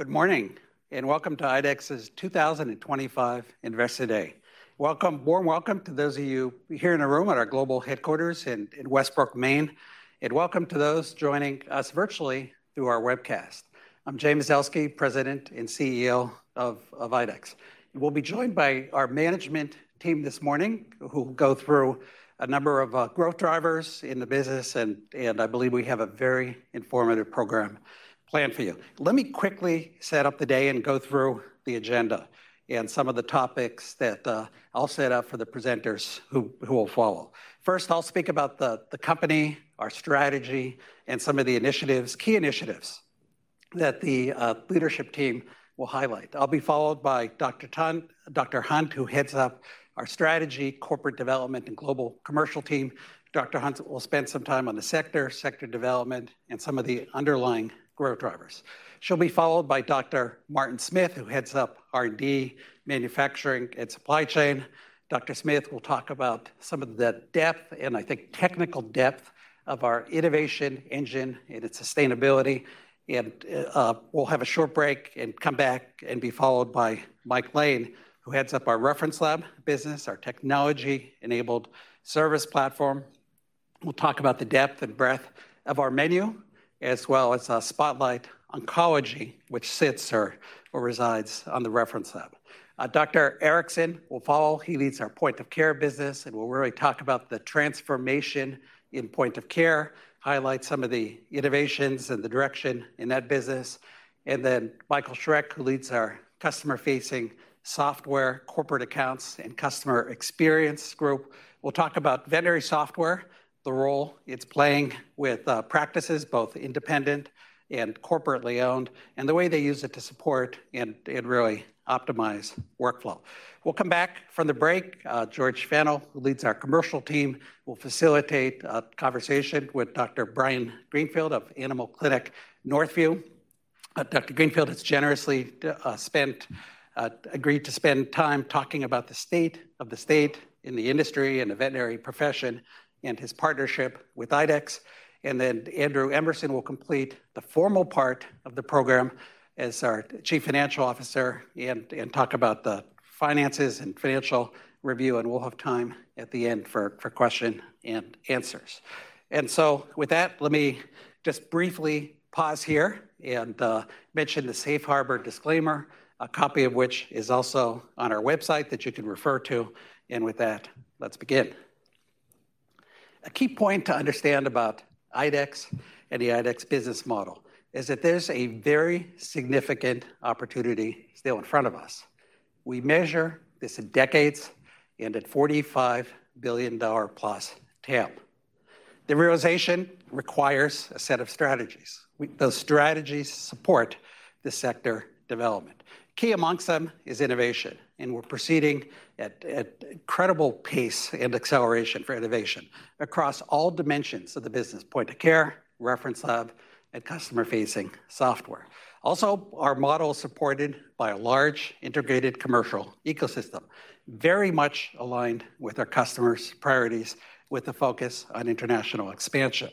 Good morning and welcome to IDEXX's 2025 Investor Day. Warm welcome to those of you here in our room at our global headquarters in Westbrook, Maine, and welcome to those joining us virtually through our webcast. I'm Jay Mazelsky, President and CEO of IDEXX Laboratories. We'll be joined by our management team this morning, who will go through a number of growth drivers in the business, and I believe we have a very informative program planned for you. Let me quickly set up the day and go through the agenda and some of the topics that I'll set up for the presenters who will follow. First, I'll speak about the company, our strategy, and some of the initiatives, key initiatives that the leadership team will highlight. I'll be followed by Dr. Tina Hunt, who heads up our Strategy, Corporate Development, and Global Commercial team. Dr. Hunt will spend some time on the sector, sector development, and some of the underlying growth drivers. She'll be followed by Dr. Martin Smith, who heads up R&D, Manufacturing, and Supply Chain. Dr. Smith will talk about some of the depth and, I think, technical depth of our innovation engine and its sustainability. We'll have a short break and come back and be followed by Mike Lane, who heads up our Reference Lab business, our technology-enabled service platform. He'll talk about the depth and breadth of our menu, as well as a spotlight oncology, which sits or resides on the Reference Lab. Dr. Michael Erickson will follow. He leads our Point-of-Care business and will really talk about the transformation in Point-of-Care, highlight some of the innovations and the direction in that business. Then Michael Schreck, who leads our customer-facing software, Corporate Accounts, and Customer Experience group, will talk about vendor software, the role it's playing with practices, both independent and corporately owned, and the way they use it to support and really optimize workflow. We'll come back from the break. George Fennell, who leads our Commercial team, will facilitate a conversation with Dr. Brian Greenfield of Animal Clinic Northview. Dr. Greenfield has generously agreed to spend time talking about the state of the state in the industry and the veterinary profession and his partnership with IDEXX. Andrew Emerson will complete the formal part of the program as our Chief Financial Officer and talk about the finances and financial review. We'll have time at the end for questions and answers. With that, let me just briefly pause here and mention the Safe Harbor disclaimer, a copy of which is also on our website that you can refer to and with that, let's begin. A key point to understand about IDEXX and the IDEXX bussiness model is that there's a very significant opportunity still in front of us. We measure this in decades and at $45 billion plus TAB. The realization requires a set of strategies. Those strategies support the sector development. Key amongst them is innovation, and we're proceeding at an incredible pace and acceleration for innovation across all dimensions of the business: point-of-care, reference lab, and customer-facing software. Also, our model is supported by a large integrated commercial ecosystem, very much aligned with our customers' priorities with the focus on international expansion.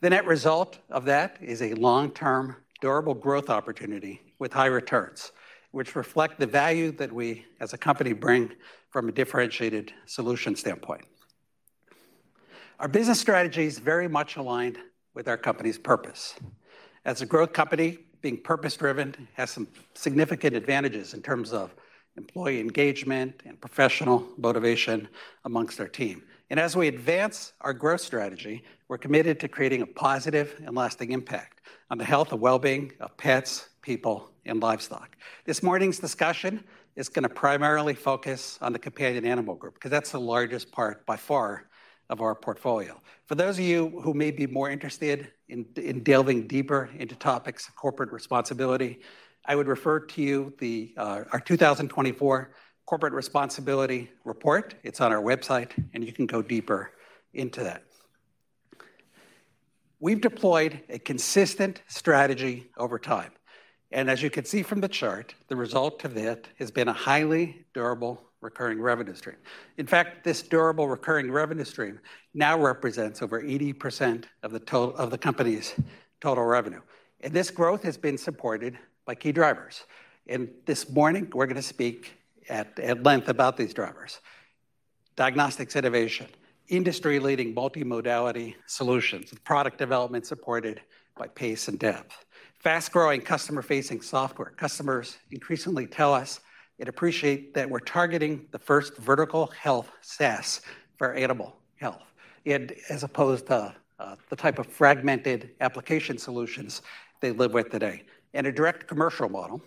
The net result of that is a long-term, durable growth opportunity with high returns, which reflect the value that we, as a company, bring from a differentiated solution standpoint. Our business strategy is very much aligned with our company's purpose. As a growth company, being purpose-driven has some significant advantages in terms of employee engagement and professional motivation amongst our team. As we advance our growth strategy, we're committed to creating a positive and lasting impact on the health and well-being of pets, people, and livestock. This morning's discussion is going to primarily focus on the Companion Animal Group because that's the largest part by far of our portfolio. For those of you who may be more interested in delving deeper into topics of corporate responsibility, I would refer you to our 2024 Corporate Responsibility Report. It's on our website, and you can go deeper into that. We've deployed a consistent strategy over time. As you can see from the chart, the result of it has been a highly durable recurring revenue stream. In fact, this durable recurring revenue stream now represents over 80% of the company's total revenue. This growth has been supported by key drivers. This morning, we're going to speak at length about these drivers: diagnostics innovation, industry-leading multimodality solutions, and product development supported by pace and depth. Fast-growing customer-facing software. Customers increasingly tell us they appreciate that we're targeting the first vertical health SaaS for animal health, as opposed to the type of fragmented application solutions they live with today. A direct commercial model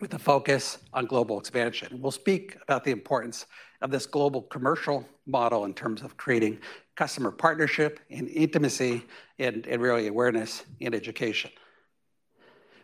with a focus on global expansion. We'll speak about the importance of this global commercial model in terms of creating customer partnership and intimacy, and really awareness and education.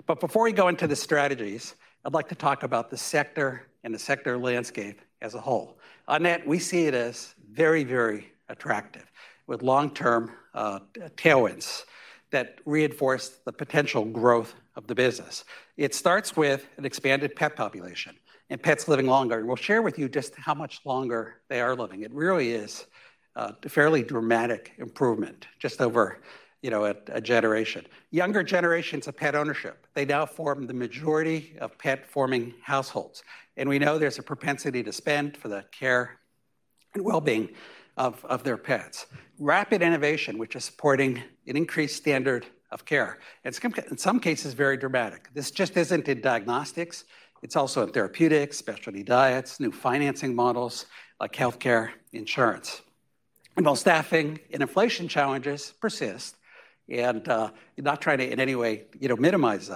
Before we go into the strategies, I'd like to talk about the sector and the sector landscape as a whole. On that, we see it as very, very attractive with long-term tailwinds that reinforce the potential growth of the business. It starts with an expanded pet population and pets living longer. We'll share with you just how much longer they are living. It really is a fairly dramatic improvement just over, you know, a generation. Younger generations of pet ownership now form the majority of pet-forming households. We know there's a propensity to spend for the care and well-being of their pets. Rapid innovation is supporting an increased standard of care, and it's in some cases very dramatic. This just isn't in diagnostics. It's also in therapeutics, specialty diets, new financing models like healthcare insurance. While staffing and inflation challenges persist, and not trying to in any way minimize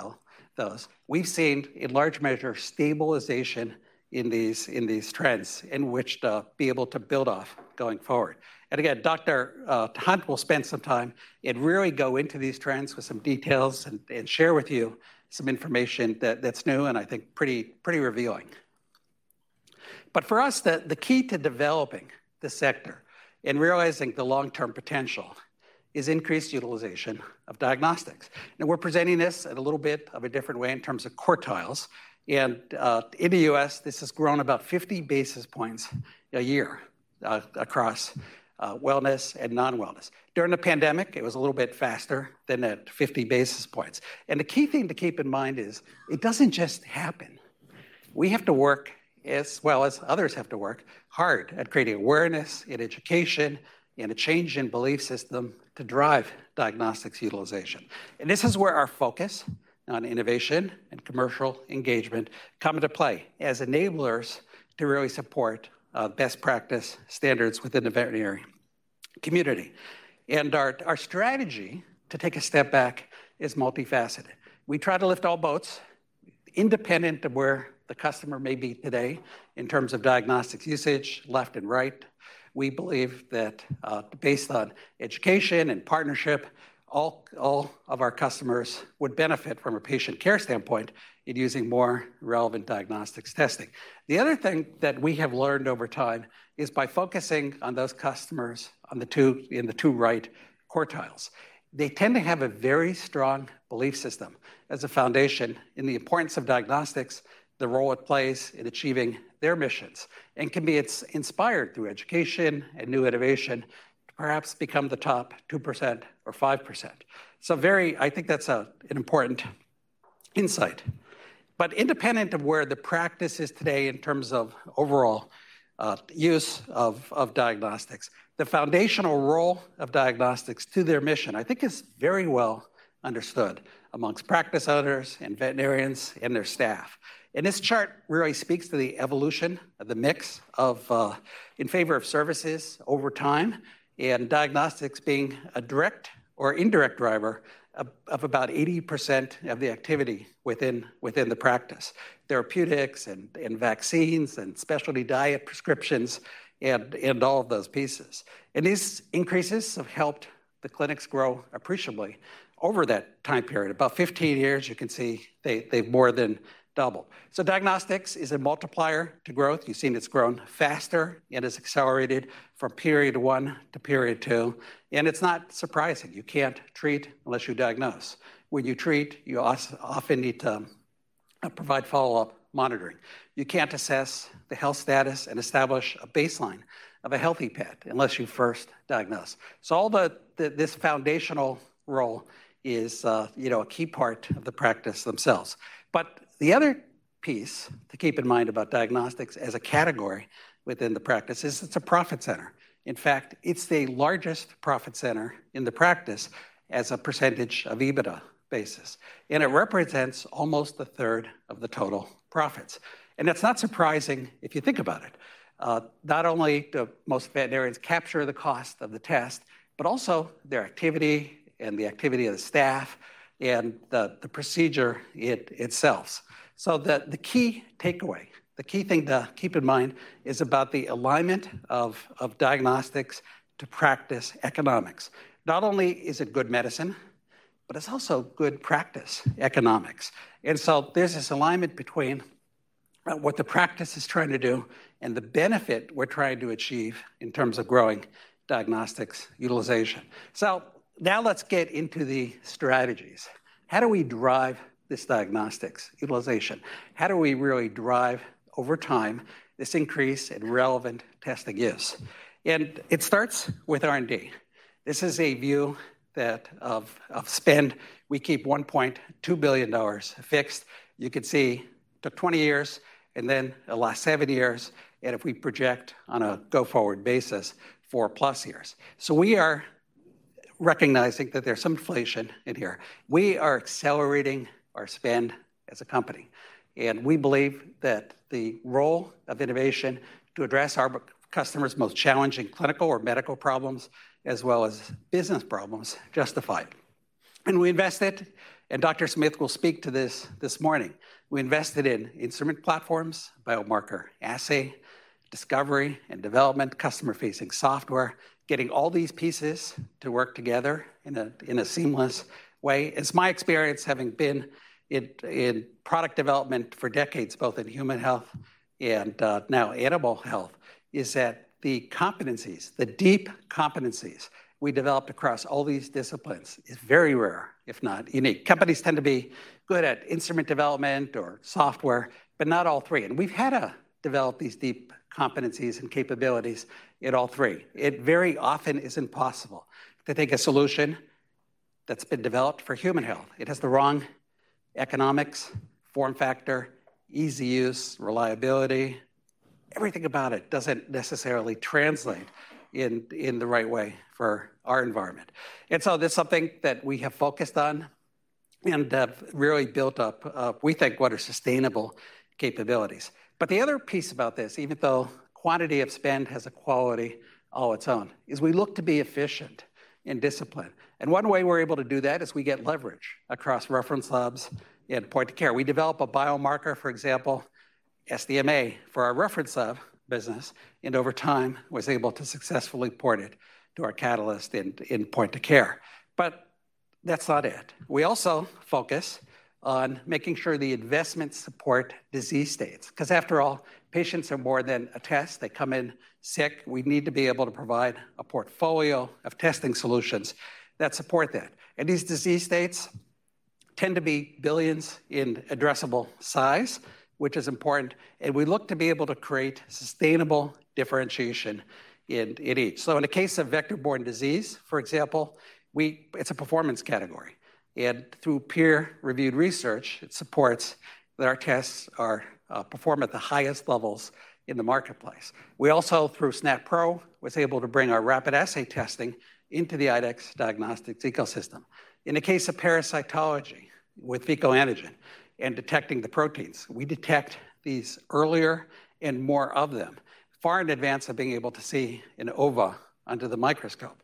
those, we've seen in large measure stabilization in these trends in which to be able to build off going forward. Dr. Hunt will spend some time and really go into these trends with some details and share with you some information that's new and I think pretty revealing. For us, the key to developing the sector and realizing the long-term potential is increased utilization of diagnostics. We're presenting this in a little bit of a different way in terms of quartiles. In the U.S., this has grown about 50 basis points a year across wellness and non-wellness. During the pandemic, it was a little bit faster than that 50 basis points. The key thing to keep in mind is it doesn't just happen. We have to work, as well as others have to work hard at creating awareness and education and a change in belief system to drive diagnostics utilization. This is where our focus on innovation and commercial engagement comes into play as enablers to really support best practice standards within the veterinary community. Our strategy, to take a step back, is multifaceted. We try to lift all boats, independent of where the customer may be today in terms of diagnostics usage, left and right. We believe that based on education and partnership, all of our customers would benefit from a patient care standpoint in using more relevant diagnostics testing. The other thing that we have learned over time is by focusing on those customers in the two right quartiles, they tend to have a very strong belief system as a foundation in the importance of diagnostics, the role it plays in achieving their missions, and can be inspired through education and new innovation, perhaps become the top 2% or 5%. I think that's an important insight. Independent of where the practice is today in terms of overall use of diagnostics, the foundational role of diagnostics to their mission, I think, is very well understood amongst practice owners and veterinarians and their staff. This chart really speaks to the evolution of the mix in favor of services over time and diagnostics being a direct or indirect driver of about 80% of the activity within the practice, therapeutics and vaccines and specialty diet prescriptions and all of those pieces. These increases have helped the clinics grow appreciably over that time period. About 15 years, you can see they've more than doubled. Diagnostics is a multiplier to growth. You've seen it's grown faster and it's accelerated from period one to period two. It's not surprising, you can't treat unless you diagnose. When you treat, you often need to provide follow-up monitoring. You can't assess the health status and establish a baseline of a healthy pet unless you first diagnose. All this foundational role is a key part of the practice themselves. The other piece to keep in mind about diagnostics as a category within the practice is it's a profit center. In fact, it's the largest profit center in the practice as a percentage of EBITDA basis. It represents almost a third of the total profits. It's not surprising if you think about it. Not only do most veterinarians capture the cost of the test, but also their activity and the activity of the staff and the procedure itself. The key takeaway, the key thing to keep in mind is about the alignment of diagnostics to practice economics. Not only is it good medicine, but it's also good practice economics. There's this alignment between what the practice is trying to do and the benefit we're trying to achieve in terms of growing diagnostics utilization. Now let's get into the strategies. How do we drive this diagnostics utilization? How do we really drive over time this increase in relevant testing use? It starts with R&D. This is a view of spend. We keep $1.2 billion fixed. You can see to 20 years and then the last seven years. If we project on a go-forward basis, 4+ years. We are recognizing that there's some inflation in here. We are accelerating our spend as a company. We believe that the role of innovation to address our customers' most challenging clinical or medical problems, as well as business problems, is justified. We invested, and Dr. Smith will speak to this this morning, we invested in instrument platforms, biomarker assay discovery and development, customer-facing software, getting all these pieces to work together in a seamless way. It's my experience, having been in product development for decades, both in human health and now animal health, that the competencies, the deep competencies we developed across all these disciplines, are very rare, if not unique. Companies tend to be good at instrument development or software, but not all three. We've had to develop these deep competencies and capabilities in all three. It very often isn't possible to take a solution that's been developed for human health. It has the wrong economics, form factor, ease of use, reliability. Everything about it doesn't necessarily translate in the right way for our environment. There is something that we have focused on and really built up. We think what are sustainable capabilities. The other piece about this, even though the quantity of spend has a quality of its own, is we look to be efficient in discipline. One way we're able to do that is we get leverage across reference labs and point-of-care. We develop a biomarker, for example, SDMA for our reference lab business, and over time, were able to successfully port it to our catalyst in point-of-care. That's not it. We also focus on making sure the investments support disease states. After all, patients are more than a test. They come in sick, we need to be able to provide a portfolio of testing solutions that support that. These disease states tend to be billions in addressable size, which is important. We look to be able to create sustainable differentiation in each. In the case of vector-borne disease, for example, it's a performance category. Through peer-reviewed research, it supports that our tests perform at the highest levels in the marketplace. We also, through SNAP Pro, were able to bring our rapid assay testing into the IDEXX diagnostics ecosystem. In the case of parasitology with fecal antigen and detecting the proteins, we detect these earlier and more of them, far in advance of being able to see an ova under the microscope.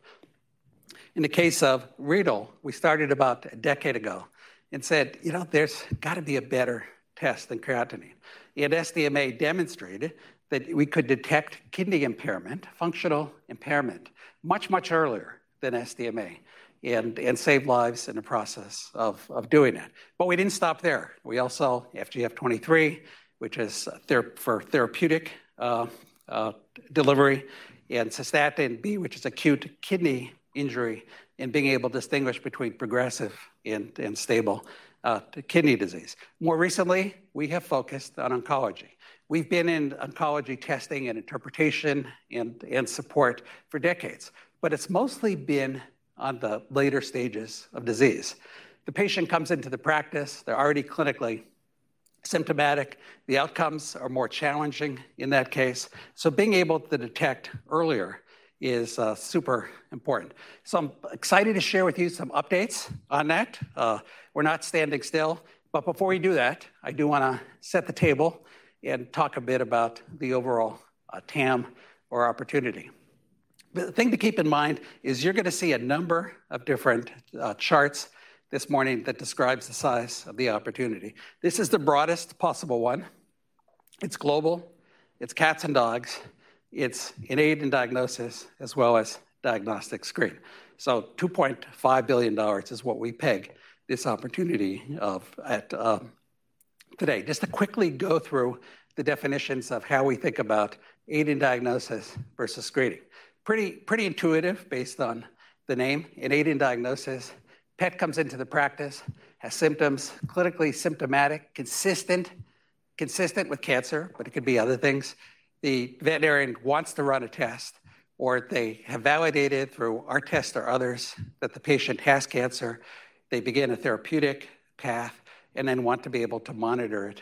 In the case of renal, we started about a decade ago and said, you know, there's got to be a better test than creatinine. SDMA demonstrated that we could detect kidney impairment, functional impairment, much, much earlier than SDMA and save lives in the process of doing that. We didn't stop there. We also have GF23, which is for therapeutic delivery, and Cystatin B, which is acute kidney injury, and being able to distinguish between progressive and stable kidney disease. More recently, we have focused on oncology. We've been in oncology testing and interpretation and support for decades. It's mostly been on the later stages of disease. The patient comes into the practice. They're already clinically symptomatic. The outcomes are more challenging in that case. Being able to detect earlier is super important. I'm excited to share with you some updates on that. We're not standing still. Before we do that, I do want to set the table and talk a bit about the overall TAM or opportunity. The thing to keep in mind is you're going to see a number of different charts this morning that describe the size of the opportunity. This is the broadest possible one. It's global. It's cats and dogs. It's in aid and diagnosis, as well as diagnostic screening. $2.5 billion is what we peg this opportunity at today. Just to quickly go through the definitions of how we think about aid and diagnosis versus screening. Pretty intuitive based on the name. In aid and diagnosis, a pet comes into the practice, has symptoms, clinically symptomatic, consistent with cancer, but it could be other things. The veterinarian wants to run a test, or they have validated through our tests or others that the patient has cancer. They begin a therapeutic path and then want to be able to monitor it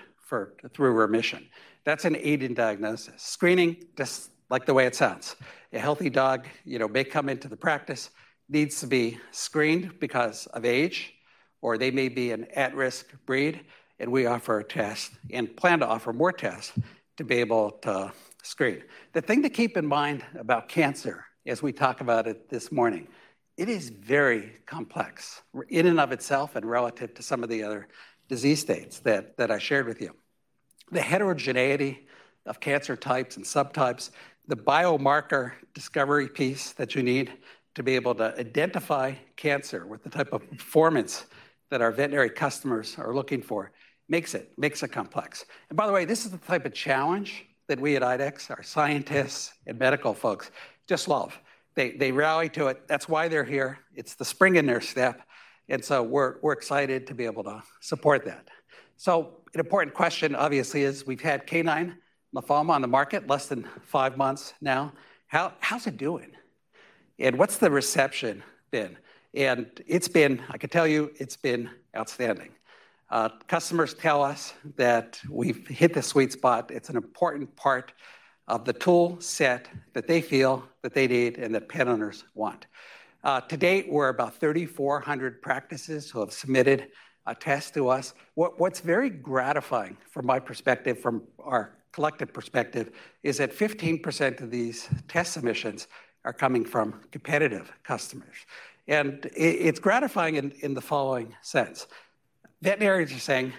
through remission. That's an aid and diagnosis. Screening, just like the way it sounds. A healthy dog may come into the practice, needs to be screened because of age, or they may be an at-risk breed and we offer a test and plan to offer more tests to be able to screen. The thing to keep in mind about cancer, as we talk about it this morning, it is very complex in and of itself and relative to some of the other disease states that I shared with you. The heterogeneity of cancer types and subtypes, the biomarker discovery piece that you need to be able to identify cancer with the type of performance that our veterinary customers are looking for makes it complex. By the way, this is the type of challenge that we at IDEXX, our scientists and medical folks just love, they rally to it, that's why they're here. It's the spring in their step. We're excited to be able to support that. An important question, obviously, is we've had canine lymphoma on the market less than five months now. How's it doing? What's the reception been? It's been, I can tell you, it's been outstanding. Customers tell us that we've hit the sweet spot. It's an important part of the tool set that they feel that they need and that pet owners want. To date, we're about 3,400 practices who have submitted a test to us. What's very gratifying from my perspective, from our collective perspective, is that 15% of these test submissions are coming from competitive customers. It's gratifying in the following sense. Veterinarians are saying,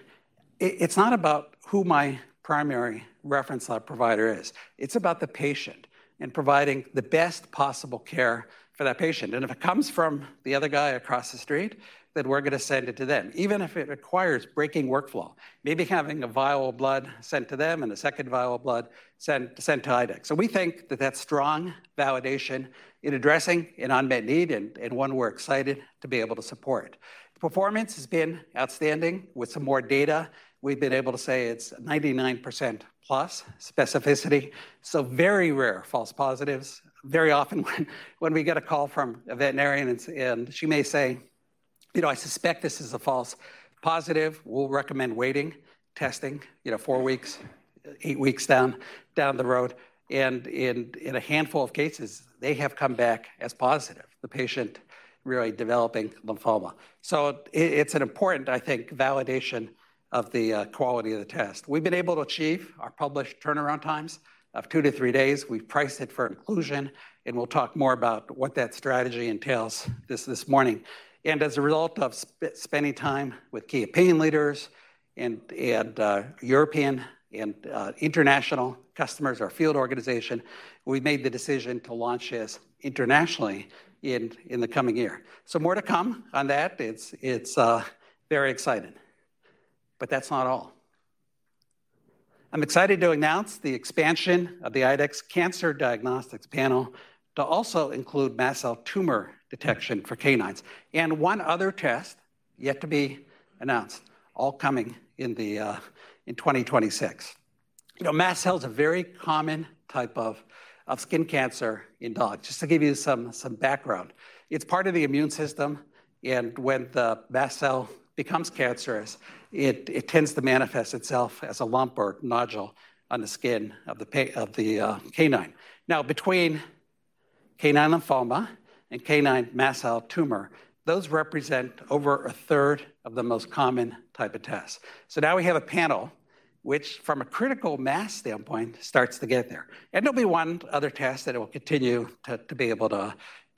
it's not about who my primary reference lab provider is, it's about the patient and providing the best possible care for that patient. If it comes from the other guy across the street, then we're going to send it to them, even if it requires breaking workflow, maybe having a viable blood sent to them and a second viable blood sent to IDEXX. We think that that's strong validation in addressing an unmet need, and one we're excited to be able to support. Performance has been outstanding. With some more data, we've been able to say it's 99% plus specificity. Very rare false positives. Very often when we get a call from a veterinarian and she may say, you know, I suspect this is a false positive, we'll recommend waiting, testing, you know, four weeks, eight weeks down the road. In a handful of cases, they have come back as positive, the patient really developing lymphoma. It's an important, I think, validation of the quality of the test. We've been able to achieve our published turnaround times of two to three days. We've priced it for inclusion, and we'll talk more about what that strategy entails this morning. As a result of spending time with key opinion leaders and European and international customers, our field organization made the decision to launch this internationally in the coming year. More to come on that. It's very exciting. That's not all. I'm excited to announce the expansion of the IDEXX Cancer Diagnostics Panel to also include mast cell tumor detection for canines, and one other test yet to be announced, all coming in 2026. You know, mast cell is a very common type of skin cancer in dogs. Just to give you some background. It's part of the immune system, and when the mast cell becomes cancerous, it tends to manifest itself as a lump or nodule on the skin of the canine. Now, between canine lymphoma and canine mast cell tumor, those represent over 1/3 of the most common type of tests. Now we have a panel which, from a critical mass standpoint, starts to get there. There'll be one other test that will continue to be able to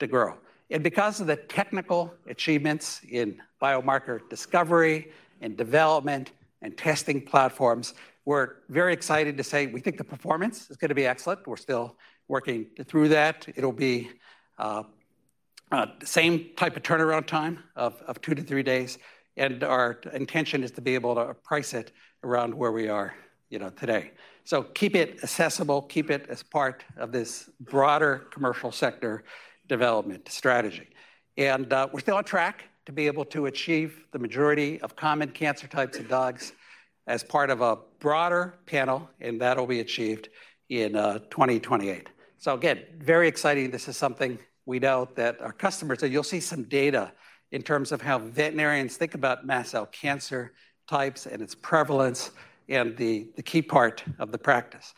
grow. Because of the technical achievements in biomarker discovery and development and testing platforms, we're very excited to say we think the performance is going to be excellent. We're still working through that. It'll be the same type of turnaround time of two to three days, and our intention is to be able to price it around where we are today. Keep it accessible. Keep it as part of this broader commercial sector development strategy. We're still on track to be able to achieve the majority of common cancer types in dogs as part of a broader panel, and that'll be achieved in 2028. Again, very exciting. This is something we know that our customers, and you'll see some data in terms of how veterinarians think about mast cell cancer types and its prevalence and the key part of the practice.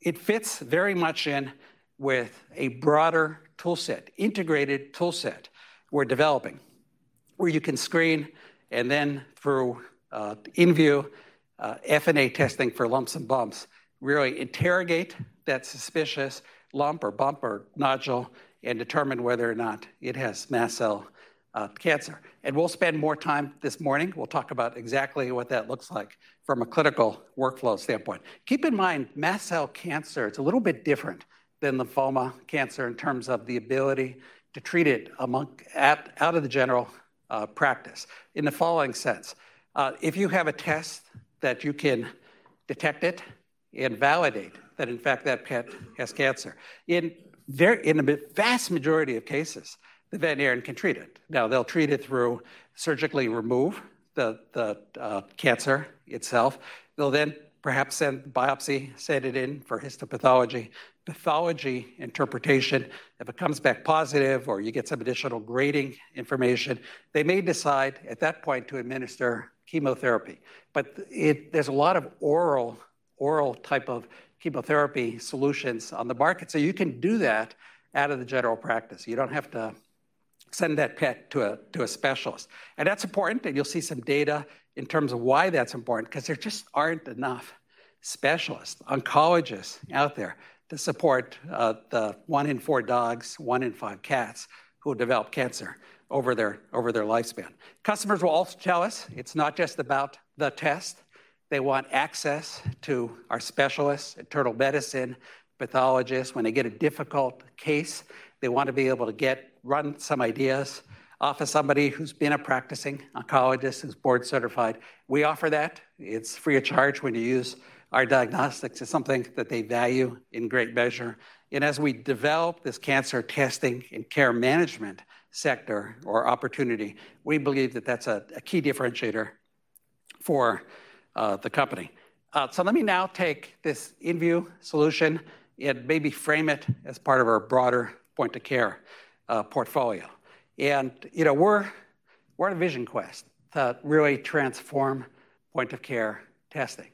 It fits very much in with a broader toolset, integrated toolset we're developing, where you can screen and then through in-view FNA testing for lumps and bumps, really interrogate that suspicious lump or bump or nodule and determine whether or not it has mast cell cancer. We'll spend more time this morning. We'll talk about exactly what that looks like from a clinical workflow standpoint. Keep in mind, mast cell cancer, it's a little bit different than lymphoma cancer in terms of the ability to treat it out of the general practice. In the following sense, if you have a test that you can detect it and validate that, in fact, that pet has cancer, in the vast majority of cases, the veterinarian can treat it. They'll treat it through surgically removing the cancer itself. They'll then perhaps send the biopsy, send it in for histopathology, pathology interpretation. If it comes back positive or you get some additional grading information, they may decide at that point to administer chemotherapy. There's a lot of oral type of chemotherapy solutions on the market. You can do that out of the general practice. You don't have to send that pet to a specialist. That's important because you'll see some data in terms of why that's important, because there just aren't enough specialists, oncologists out there to support the one in four dogs, one in five cats who develop cancer over their lifespan. Customers will also tell us it's not just about the test, they want access to our specialists, internal medicine pathologists. When they get a difficult case, they want to be able to run some ideas off of somebody who's been a practicing oncologist who's board certified. We offer that. It's free of charge when you use our diagnostics. It's something that they value in great measure. As we develop this cancer testing and care management sector or opportunity, we believe that that's a key differentiator for the company. Let me now take this in-view solution and maybe frame it as part of our broader point-of-care portfolio. We're a vision quest to really transform point-of-care testing.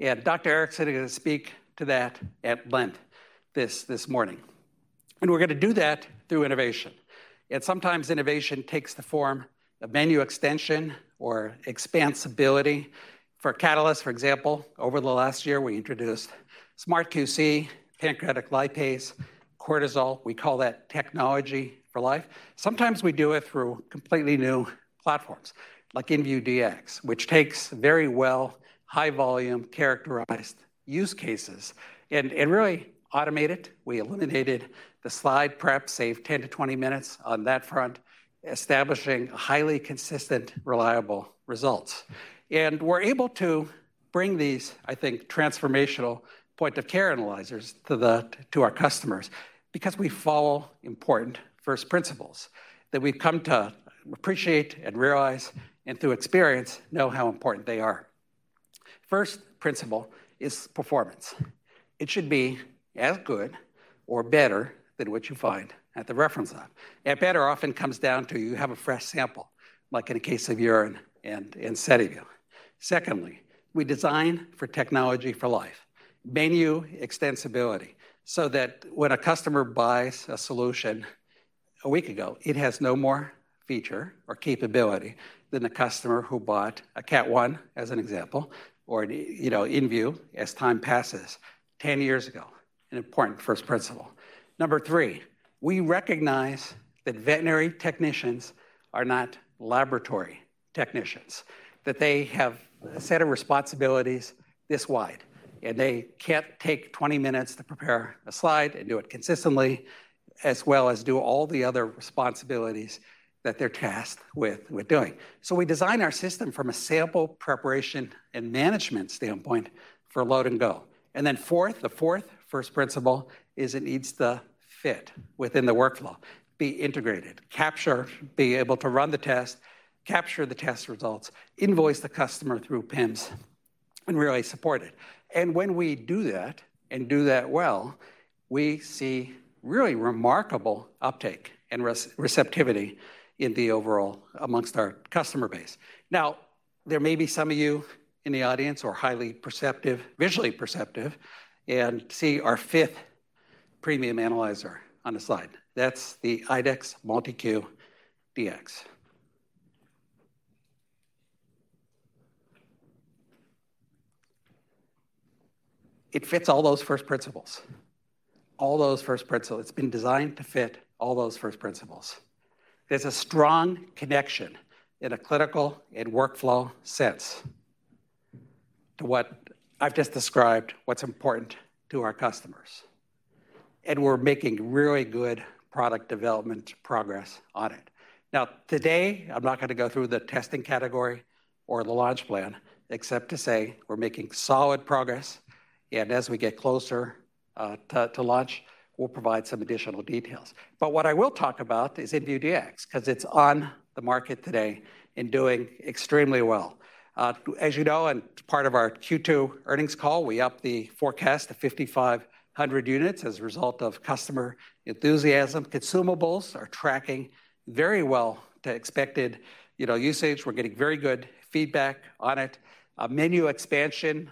Dr. Erickson is going to speak to that at length this morning. We're going to do that through innovation. Sometimes innovation takes the form of menu extension or expansibility for catalysts. For example, over the last year, we introduced SmartQC, pancreatic lipase, cortisol. We call that technology for life. Sometimes we do it through completely new platforms like inView Dx, which takes very well high-volume characterized use cases and really automates it. We eliminated the slide prep, saved 10-20 minutes on that front, establishing highly consistent, reliable results. We're able to bring these, I think, transformational point-of-care analyzers to our customers because we follow important first principles that we've come to appreciate and realize and through experience know how important they are. First principle is performance. It should be as good or better than what you find at the reference lab. Better often comes down to you have a fresh sample, like in the case of urine and in sedative. Secondly, we design for technology for life, menu extensibility, so that when a customer buys a solution a week ago, it has no more feature or capability than the customer who bought a Cat One as an example or inView Dx as time passes 10 years ago, an important first principle. Number three, we recognize that veterinary technicians are not laboratory technicians, that they have a set of responsibilities this wide, and they can't take 20 minutes to prepare a slide and do it consistently, as well as do all the other responsibilities that they're tasked with doing. We design our system from a sample preparation and management standpoint for load and go. The fourth first principle is it needs to fit within the workflow, be integrated, be able to run the test, capture the test results, invoice the customer through PINs, and really support it. When we do that and do that well, we see really remarkable uptake and receptivity in the overall amongst our customer base. There may be some of you in the audience who are highly perceptive, visually perceptive, and see our fifth premium analyzer on the slide. That's IDEXX MultiCue Dx. It fits all those first principles. All those first principles. It's been designed to fit all those first principles. There's a strong connection in a clinical and workflow sense to what I've just described, what's important to our customers. We're making really good product development progress on it. Today, I'm not going to go through the testing category or the launch plan, except to say we're making solid progress. As we get closer to launch, we'll provide some additional details. What I will talk about is inVue Dx because it's on the market today and doing extremely well. As you know, and it's part of our Q2 earnings call, we upped the forecast to 5,500 units as a result of customer enthusiasm. Consumables are tracking very well the expected usage. We're getting very good feedback on it. Menu expansion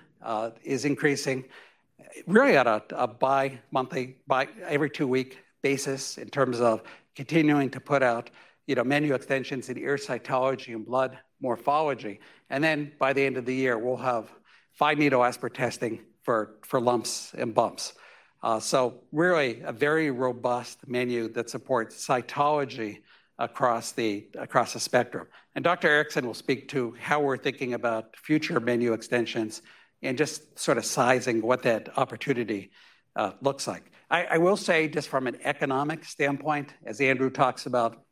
is increasing really on a bi-monthly, every two-week basis in terms of continuing to put out menu extensions in ear cytology and blood morphology. By the end of the year, we'll have fine-needle aspirate testing for lumps and bumps. Really a very robust menu that supports cytology across the spectrum. Dr. Erickson will speak to how we're thinking about future menu extensions and just sort of sizing what that opportunity looks like. I will say just from an economic standpoint, as Andrew talks about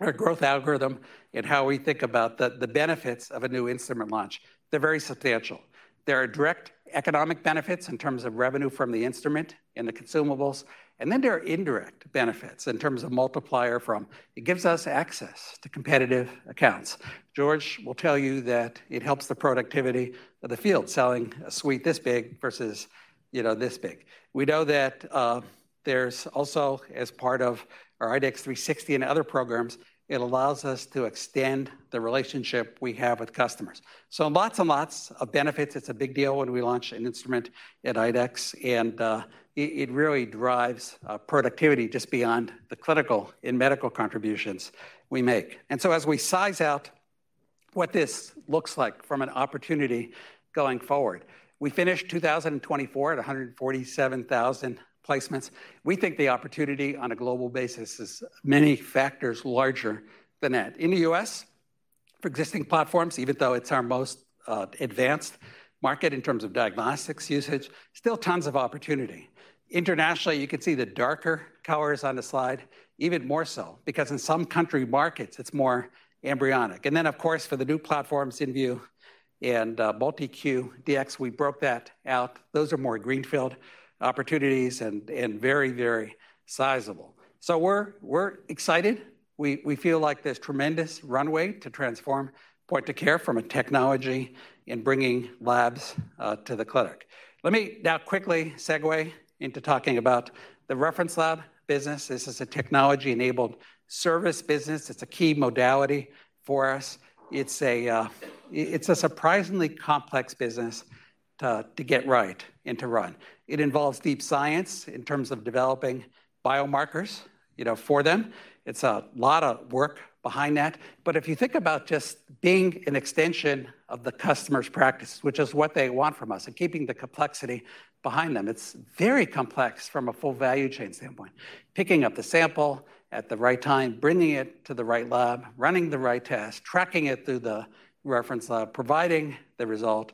our growth algorithm and how we think about the benefits of a new instrument launch, they're very substantial. There are direct economic benefits in terms of revenue from the instrument and the consumables. There are indirect benefits in terms of multiplier from it gives us access to competitive accounts. George will tell you that it helps the productivity of the field selling a suite this big versus this big. We know that there's also, as part of our IDEXX 360 and other programs, it allows us to extend the relationship we have with customers. Lots and lots of benefits. It's a big deal when we launch an instrument at IDEXX. It really drives productivity just beyond the clinical and medical contributions we make. As we size out what this looks like from an opportunity going forward, we finished 2024 at 147,000 placements. We think the opportunity on a global basis is many factors larger than that. In the U.S., for existing platforms, even though it's our most advanced market in terms of diagnostics usage, still tons of opportunity. Internationally, you can see the darker colors on the slide even more so because in some country markets, it's more embryonic. Of course, for the new platforms, inVue MultiCue Dx, we broke that out. Those are more greenfield opportunities and very, very sizable. We're excited. We feel like there's tremendous runway to transform point-of-care from a technology and bringing labs to the clinic. Let me now quickly segue into talking about the reference lab business. This is a technology-enabled service business. It's a key modality for us. It's a surprisingly complex business to get right and to run. It involves deep science in terms of developing biomarkers for them. It's a lot of work behind that. If you think about just being an extension of the customer's practice, which is what they want from us and keeping the complexity behind them, it's very complex from a full value chain standpoint. Picking up the sample at the right time, bringing it to the right lab, running the right test, tracking it through the reference lab, providing the result.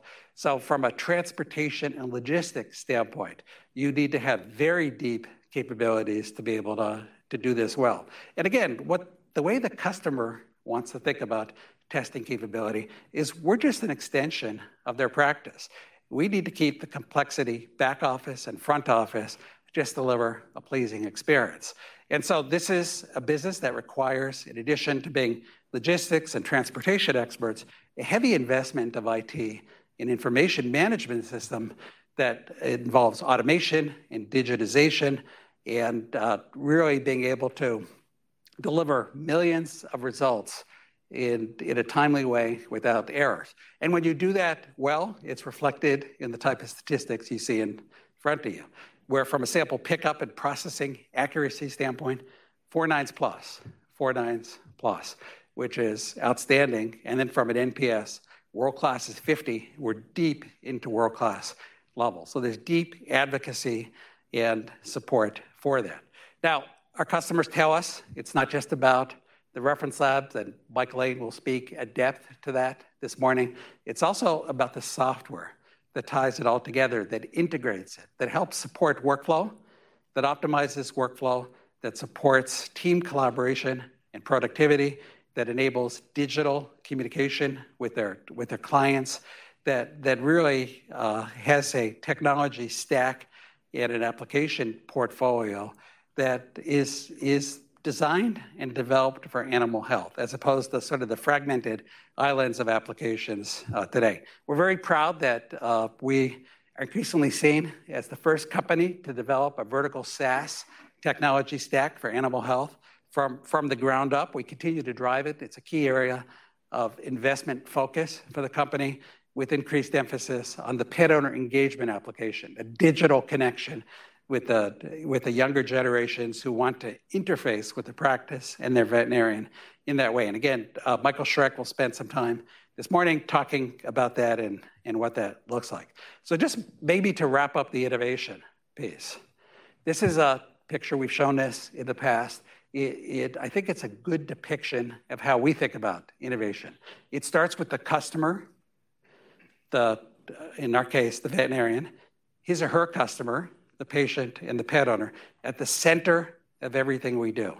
From a transportation and logistics standpoint, you need to have very deep capabilities to be able to do this well. Again, the way the customer wants to think about testing capability is we're just an extension of their practice. We need to keep the complexity back office and front office just to deliver a pleasing experience. This is a business that requires, in addition to being logistics and transportation experts, a heavy investment of IT and information management system that involves automation and digitization and really being able to deliver millions of results in a timely way without errors. When you do that well, it's reflected in the type of statistics you see in front of you, where from a sample pickup and processing accuracy standpoint, four nines plus, four nines plus, which is outstanding. From an NPS, world class is 50. We're deep into world class level. There's deep advocacy and support for that. Our customers tell us it's not just about the reference lab, and Michael and I will speak at depth to that this morning. It's also about the software that ties it all together, that integrates it, that helps support workflow, that optimizes workflow, that supports team collaboration and productivity, that enables digital communication with their clients, that really has a technology stack and an application portfolio that is designed and developed for animal health, as opposed to sort of the fragmented islands of applications today. We're very proud that we are increasingly seen as the first company to develop a vertical SaaS technology stack for animal health from the ground up. We continue to drive it. It's a key area of investment focus for the company, with increased emphasis on the pet owner engagement application, the digital connection with the younger generations who want to interface with the practice and their veterinarian in that way. Michael Schreck will spend some time this morning talking about that and what that looks like. Just maybe to wrap up the innovation piece. This is a picture we've shown this in the past. I think it's a good depiction of how we think about innovation. It starts with the customer, in our case, the veterinarian, his or her customer, the patient, and the pet owner at the center of everything we do.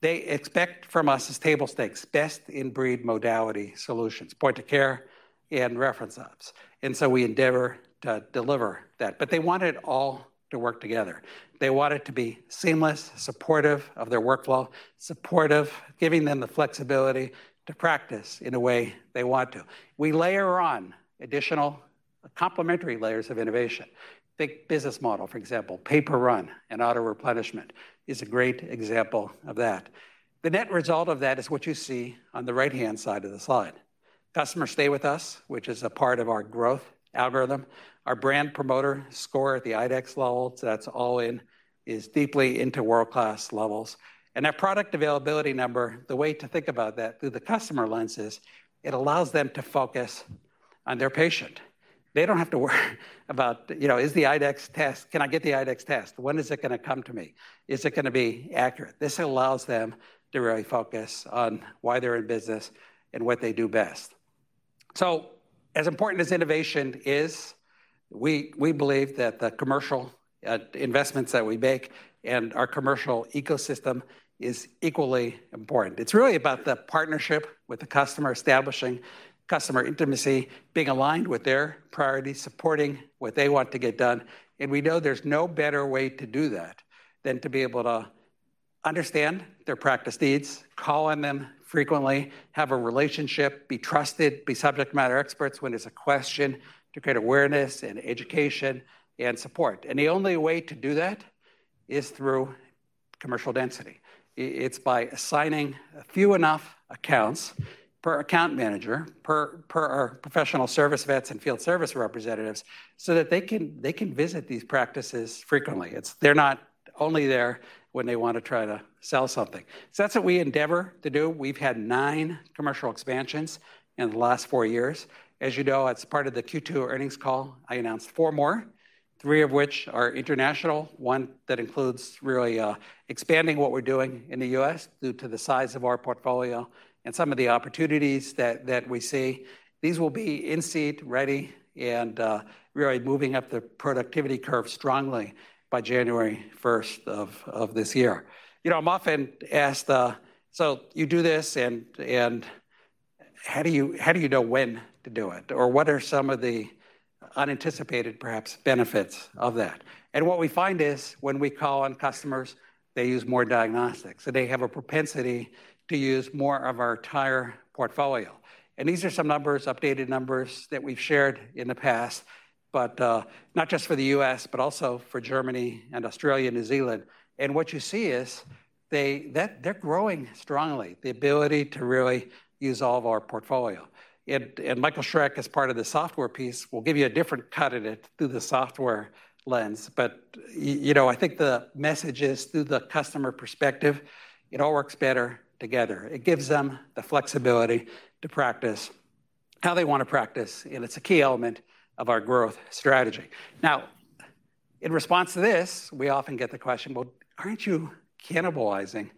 They expect from us as table stakes, best-in-breed modality solutions, point-of-care and reference labs. We endeavor to deliver that. They want it all to work together. They want it to be seamless, supportive of their workflow, supportive, giving them the flexibility to practice in a way they want to. We layer on additional complementary layers of innovation. Think business model, for example, paper run and auto-replenishment is a great example of that. The net result of that is what you see on the right-hand side of the slide. Customers stay with us, which is a part of our growth algorithm. Our brand promoter score at the IDEXX level, so that's all in, is deeply into world-class levels. Our product availability number, the way to think about that through the customer lens is it allows them to focus on their patient. They don't have to worry about, you know, is the IDEXX test, can I get the IDEXX test? When is it going to come to me? Is it going to be accurate? This allows them to really focus on why they're in business and what they do best. As important as innovation is, we believe that the commercial investments that we make and our commercial ecosystem are equally important. It's really about the partnership with the customer, establishing customer intimacy, being aligned with their priorities, supporting what they want to get done. We know there's no better way to do that than to be able to understand their practice needs, call on them frequently, have a relationship, be trusted, be subject matter experts when there's a question to create awareness and education and support. The only way to do that is through commercial density. It's by assigning a few enough accounts per account manager, per our professional service vets and field service representatives so that they can visit these practices frequently. They're not only there when they want to try to sell something. That's what we endeavor to do. We've had nine commercial expansions in the last four years. As you know, as part of the Q2 earnings call, I announced four more, three of which are international, one that includes really expanding what we're doing in the U.S. due to the size of our portfolio and some of the opportunities that we see. These will be in-seed ready and really moving up the productivity curve strongly by January 1st, of this year. I'm often asked, you do this and how do you know when to do it? Or what are some of the unanticipated, perhaps, benefits of that? What we find is when we call on customers, they use more diagnostics. They have a propensity to use more of our entire portfolio. These are some numbers, updated numbers that we've shared in the past, not just for the U.S., but also for Germany and Australia and New Zealand. What you see is they're growing strongly, the ability to really use all of our portfolio. Michael Schreck, as part of the software piece, will give you a different cut in it through the software lens. I think the message is through the customer perspective, it all works better together. It gives them the flexibility to practice how they want to practice. It's a key element of our growth strategy. In response to this, we often get the question, aren't you cannibalizing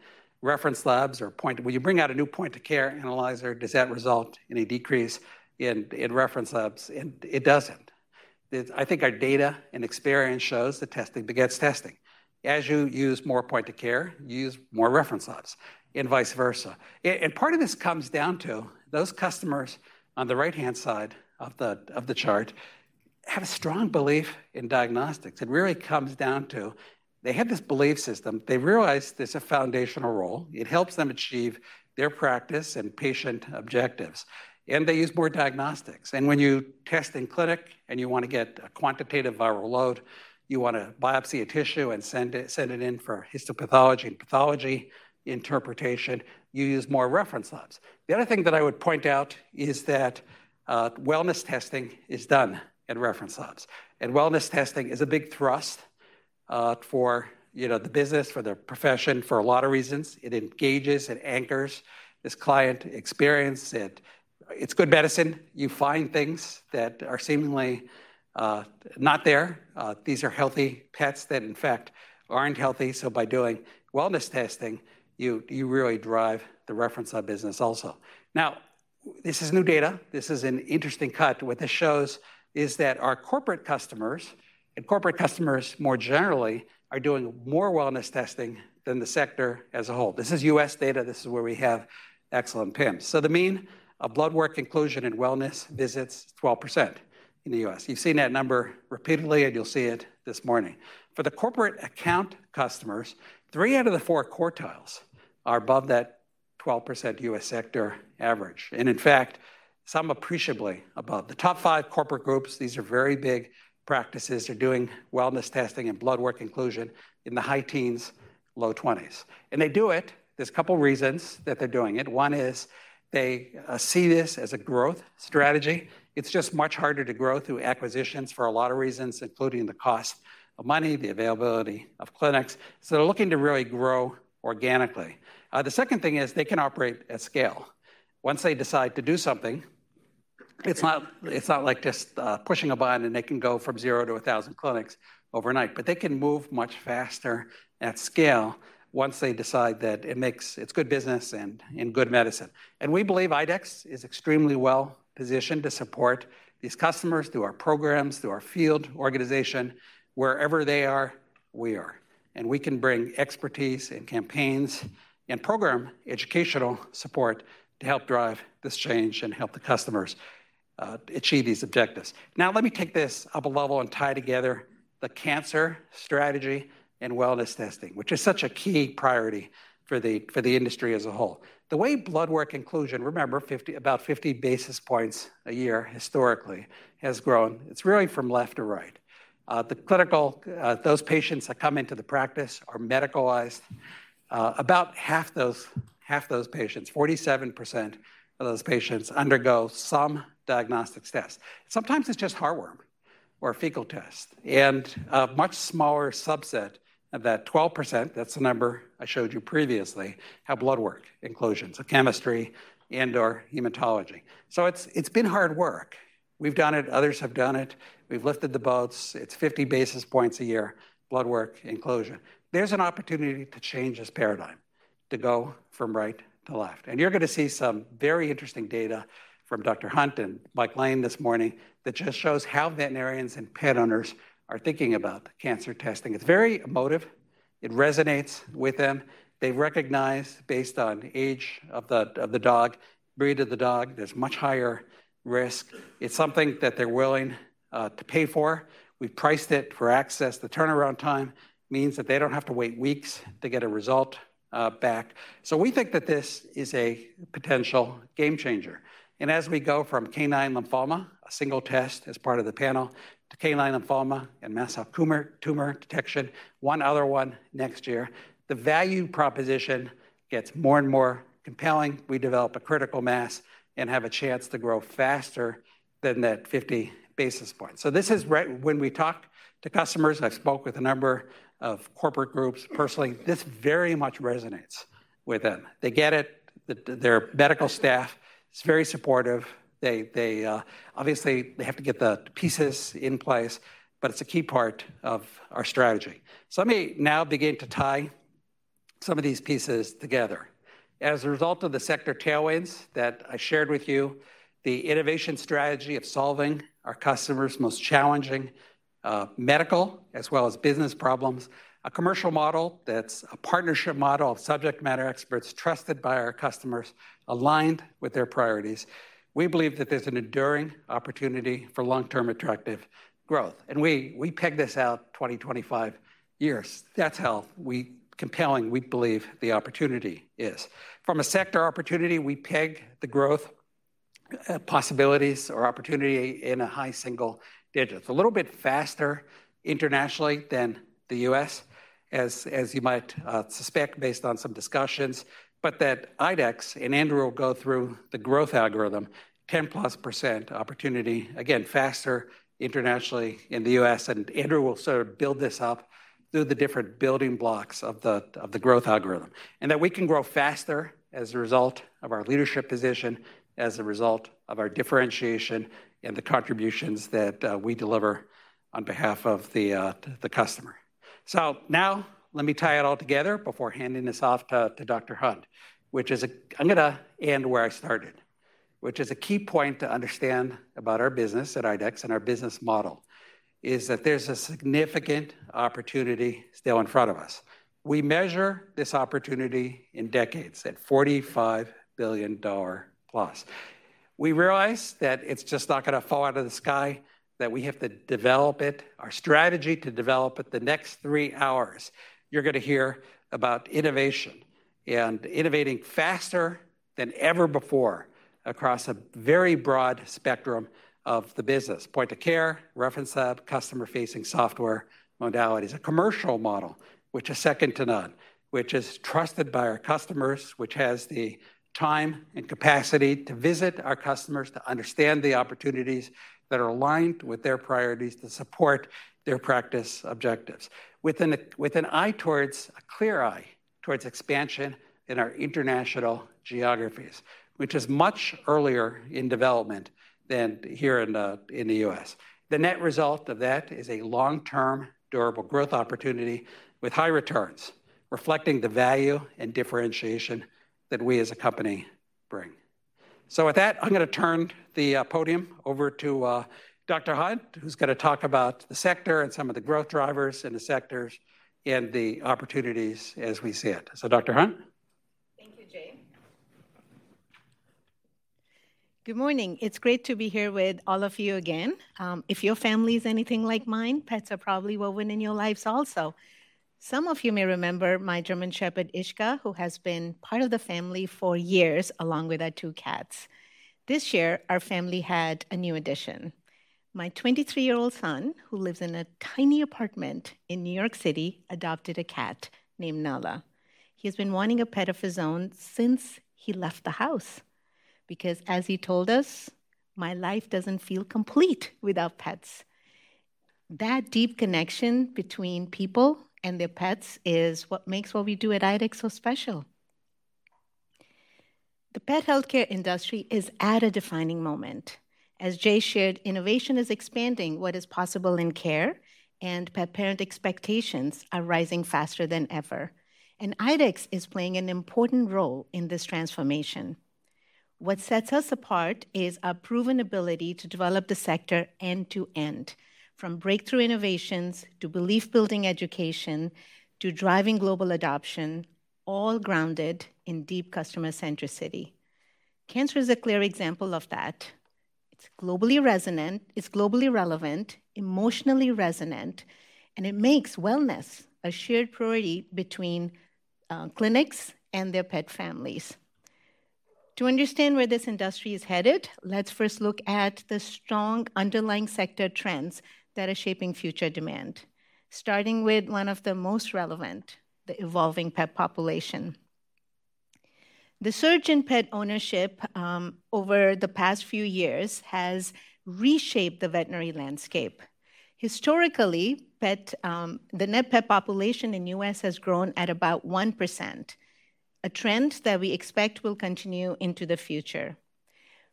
reference labs? Or will you bring out a new point-of-care analyzer? Does that result in a decrease in reference labs? It doesn't. I think our data and experience shows that testing begets testing. As you use more point-of-care, you use more reference labs and vice versa. Part of this comes down to those customers on the right-hand side of the chart having a strong belief in diagnostics. It really comes down to they have this belief system. They realize there's a foundational role. It helps them achieve their practice and patient objectives. They use more diagnostics. When you test in clinic and you want to get a quantitative viral load, you want to biopsy a tissue and send it in for histopathology and pathology interpretation, you use more reference labs. The other thing that I would point out is that wellness testing is done in reference labs. Wellness testing is a big thrust for the business, for the profession, for a lot of reasons. It engages and anchors this client experience. It's good medicine. You find things that are seemingly not there. These are healthy pets that, in fact, aren't healthy. By doing wellness testing, you really drive the reference lab business also. This is new data. This is an interesting cut. What this shows is that our corporate customers and corporate customers more generally are doing more wellness testing than the sector as a whole. This is U.S. data. This is where we have excellent PIMS. The mean of blood work inclusion in wellness visits is 12% in the U.S. You've seen that number repeatedly, and you'll see it this morning. For the corporate account customers, three out of the four quartiles are above that 12% U.S. sector average. In fact, some appreciably above. The top five corporate groups, these are very big practices. They're doing wellness testing and blood work inclusion in the high teens, low 20s. They do it. There's a couple of reasons that they're doing it. One is they see this as a growth strategy. It's just much harder to grow through acquisitions for a lot of reasons, including the cost of money and the availability of clinics. They're looking to really grow organically. The second thing is they can operate at scale. Once they decide to do something, it's not like just pushing a button, and they can go from zero to 1,000 clinics overnight. They can move much faster at scale once they decide that it's good business and good medicine. We believe IDEXX is extremely well positioned to support these customers through our programs and through our field organization, wherever they are, we are and we can bring expertise, campaigns, and program educational support to help drive this change and help the customers achieve these objectives. Now, let me take this up a level and tie together the cancer strategy and wellness testing, which is such a key priority for the industry as a whole. The way blood work inclusion, remember, about 50 basis points a year historically has grown. It's really from left to right. The clinical, those patients that come into the practice are medicalized. About half those patients, 47% of those patients, undergo some diagnostic tests. Sometimes it's just heartworm or a fecal test. A much smaller subset of that, 12%, that's the number I showed you previously, have blood work inclusions, so chemistry and/or hematology. It's been hard work. We've done it, others have done it. We've lifted the boats. It's 50 basis points a year, blood work inclusion. There's an opportunity to change this paradigm, to go from right to left. You're going to see some very interesting data from Dr. Hunt and Mike Lane this morning that just shows how veterinarians and pet owners are thinking about cancer testing. It's very emotive. It resonates with them. They recognize, based on the age of the dog and the breed of the dog, there's much higher risk. It's something that they're willing to pay for. We've priced it for access. The turnaround time means that they don't have to wait weeks to get a result back. We think that this is a potential game changer. As we go from canine lymphoma, a single test as part of the panel, the canine lymphoma and mast cell tumor detection, one other one next year, the value proposition gets more and more compelling. We develop a critical mass and have a chance to grow faster than that 50 basis point. This is when we talk to customers. I spoke with a number of corporate groups personally. This very much resonates with them. They get it. Their medical staff is very supportive. Obviously, they have to get the pieces in place, but it's a key part of our strategy. Let me now begin to tie some of these pieces together. As a result of the sector tailwinds that I shared with you, the innovation strategy of solving our customers' most challenging medical as well as business problems, a commercial model that's a partnership model of subject matter experts trusted by our customers, aligned with their priorities, we believe that there's an enduring opportunity for long-term attractive growth. We peg this out 20-25 years. That's how compelling we believe the opportunity is. From a sector opportunity, we peg the growth possibilities or opportunity in a high single digit. It's a little bit faster internationally than the U.S., as you might suspect, based on some discussions, but that IDEXX, and Andrew will go through the growth algorithm, 10%+ opportunity, again, faster internationally than the U.S. Andrew will sort of build this up through the different building blocks of the growth algorithm. We can grow faster as a result of our leadership position, as a result of our differentiation and the contributions that we deliver on behalf of the customer. Let me tie it all together before handing this off to Dr. Hunt, which is a, I'm going to end where I started, which is a key point to understand about our business at IDEXX and our business model, is that there's a significant opportunity still in front of us. We measure this opportunity in decades at $45+ billion. We realize that it's just not going to fall out of the sky, that we have to develop it, our strategy to develop it the next three hours. You're going to hear about innovation and innovating faster than ever before across a very broad spectrum of the business: point-of-care, reference lab, customer-facing software modalities, a commercial model, which is second to none, which is trusted by our customers, which has the time and capacity to visit our customers to understand the opportunities that are aligned with their priorities to support their practice objectives, with a clear eye towards expansion in our international geographies, which is much earlier in development than here in the U.S. The net result of that is a long-term durable growth opportunity with high returns, reflecting the value and differentiation that we as a company bring. I'm going to turn the podium over to Dr. Hunt, who's going to talk about the sector and some of the growth drivers in the sectors and the opportunities as we see it. So Dr. Hunt? Good morning. It's great to be here with all of you again. If your family is anything like mine, pets are probably woven in your lives also. Some of you may remember my German Shepherd, Ishka, who has been part of the family for years, along with our two cats. This year, our family had a new addition. My 23-year-old son, who lives in a tiny apartment in New York City, adopted a cat named Nala. He's been wanting a pet of his own since he left the house because, as he told us, my life doesn't feel complete without pets. That deep connection between people and their pets is what makes what we do at IDEXX so special. The pet healthcare industry is at a defining moment. As Jay shared, innovation is expanding what is possible in care, and pet parent expectations are rising faster than ever. IDEXX is playing an important role in this transformation. What sets us apart is our proven ability to develop the sector end to end, from breakthrough innovations to belief-building education to driving global adoption, all grounded in deep customer centricity. Cancer is a clear example of that. It's globally relevant, emotionally resonant, and it makes wellness a shared priority between clinics and their pet families. To understand where this industry is headed, let's first look at the strong underlying sector trends that are shaping future demand, starting with one of the most relevant, the evolving pet population. The surge in pet ownership over the past few years has reshaped the veterinary landscape. Historically, the net pet population in the U.S. has grown at about 1%, a trend that we expect will continue into the future.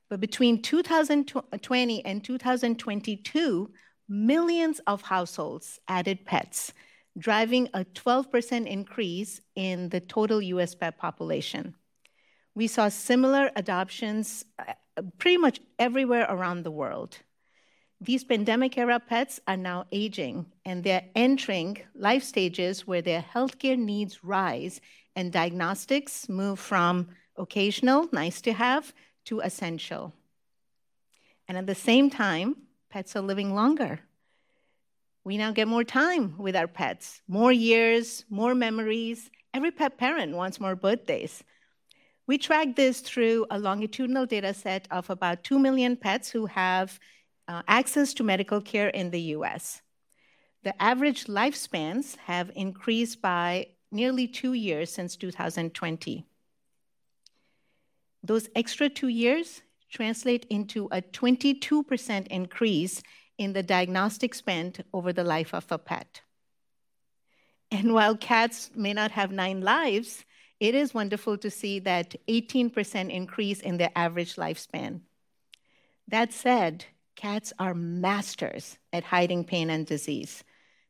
Between 2020 and 2022, millions of households added pets, driving a 12% increase in the total U.S. pet population. We saw similar adoptions pretty much everywhere around the world. These pandemic-era pets are now aging, and they're entering life stages where their healthcare needs rise and diagnostics move from occasional, nice to have, to essential. At the same time, pets are living longer. We now get more time with our pets, more years, more memories. Every pet parent wants more birthdays. We track this through a longitudinal data set of about 2 million pets who have access to medical care in the U.S. The average lifespans have increased by nearly two years since 2020. Those extra two years translate into a 22% increase in the diagnostic spend over the life of a pet. While cats may not have nine lives, it is wonderful to see that 18% increase in their average lifespan. That said, cats are masters at hiding pain and disease,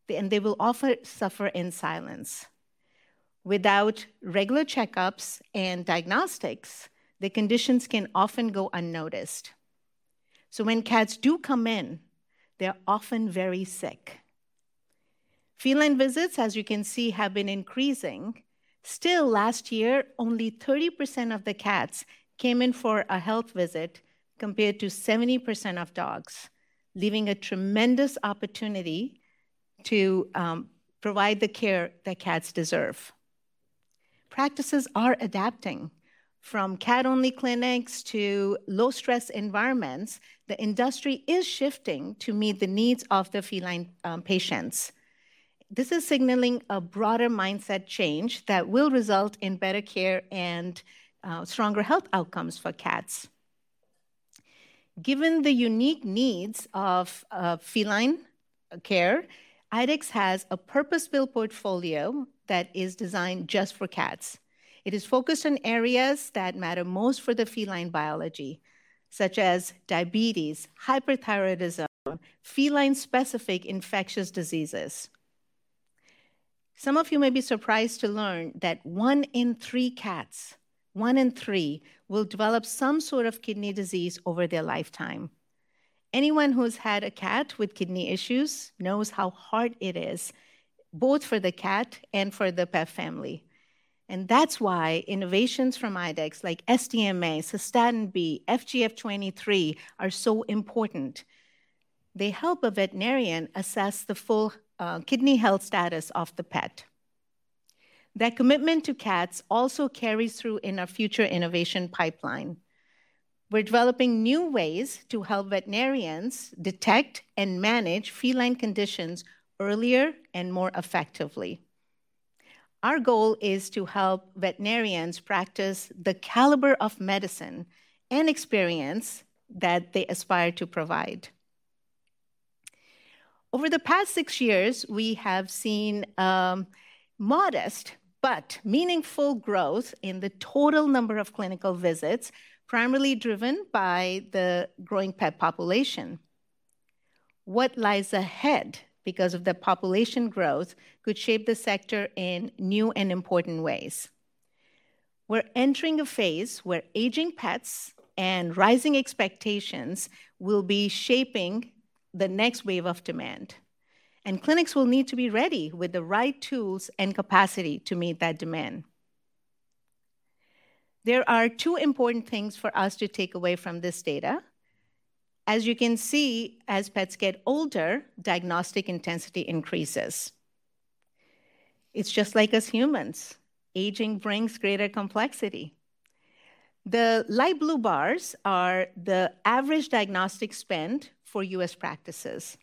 and they will often suffer in silence. Without regular checkups and diagnostics, the conditions can often go unnoticed. When cats do come in, they're often very sick. Feline visits, as you can see, have been increasing. Still, last year, only 30% of the cats came in for a health visit compared to 70% of dogs, leaving a tremendous opportunity to provide the care that cats deserve. Practices are adapting from cat-only clinics to low-stress environments. The industry is shifting to meet the needs of the feline patients. This is signaling a broader mindset change that will result in better care and stronger health outcomes for cats. Given the unique needs of feline care, IDEXX has a purpose-built portfolio that is designed just for cats. It is focused on areas that matter most for the feline biology, such as diabetes, hyperthyroidism, feline-specific infectious diseases. Some of you may be surprised to learn that one in three cats, one in three, will develop some sort of kidney disease over their lifetime. Anyone who's had a cat with kidney issues knows how hard it is, both for the cat and for the pet family. That is why innovations from IDEXX, like SDMA, Cystatin B, FGF23, are so important. They help a veterinarian assess the full kidney health status of the pet. That commitment to cats also carries through in our future innovation pipeline. We're developing new ways to help veterinarians detect and manage feline conditions earlier and more effectively. Our goal is to help veterinarians practice the caliber of medicine and experience that they aspire to provide. Over the past six years, we have seen modest but meaningful growth in the total number of clinical visits, primarily driven by the growing pet population. What lies ahead because of the population growth could shape the sector in new and important ways. We're entering a phase where aging pets and rising expectations will be shaping the next wave of demand. Clinics will need to be ready with the right tools and capacity to meet that demand. There are two important things for us to take away from this data. As you can see, as pets get older, diagnostic intensity increases. It's just like us humans. Aging brings greater complexity. The light blue bars are the average diagnostic spend for U.S. practices.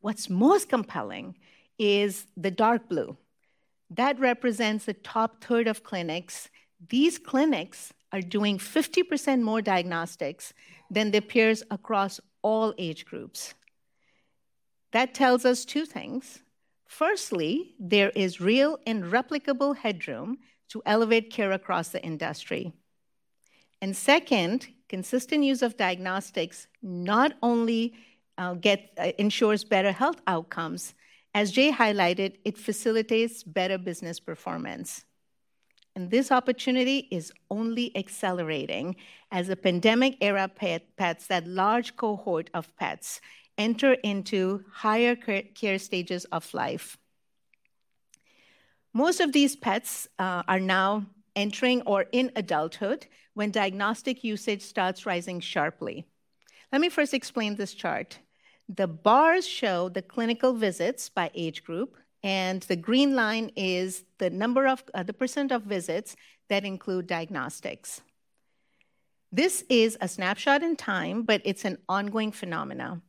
What's most compelling is the dark blue. That represents the top third of clinics. These clinics are doing 50% more diagnostics than their peers across all age groups. That tells us two things. Firstly, there is real and replicable headroom to elevate care across the industry. Second, consistent use of diagnostics not only ensures better health outcomes, as Jay highlighted, it facilitates better business performance. This opportunity is only accelerating as a pandemic-era pet, that large cohort of pets, enter into higher care stages of life. Most of these pets are now entering or in adulthood when diagnostic usage starts rising sharply. Let me first explain this chart. The bars show the clinical visits by age group, and the green line is the number of the percent of visits that include diagnostics. This is a snapshot in time, but it's an ongoing phenomenon.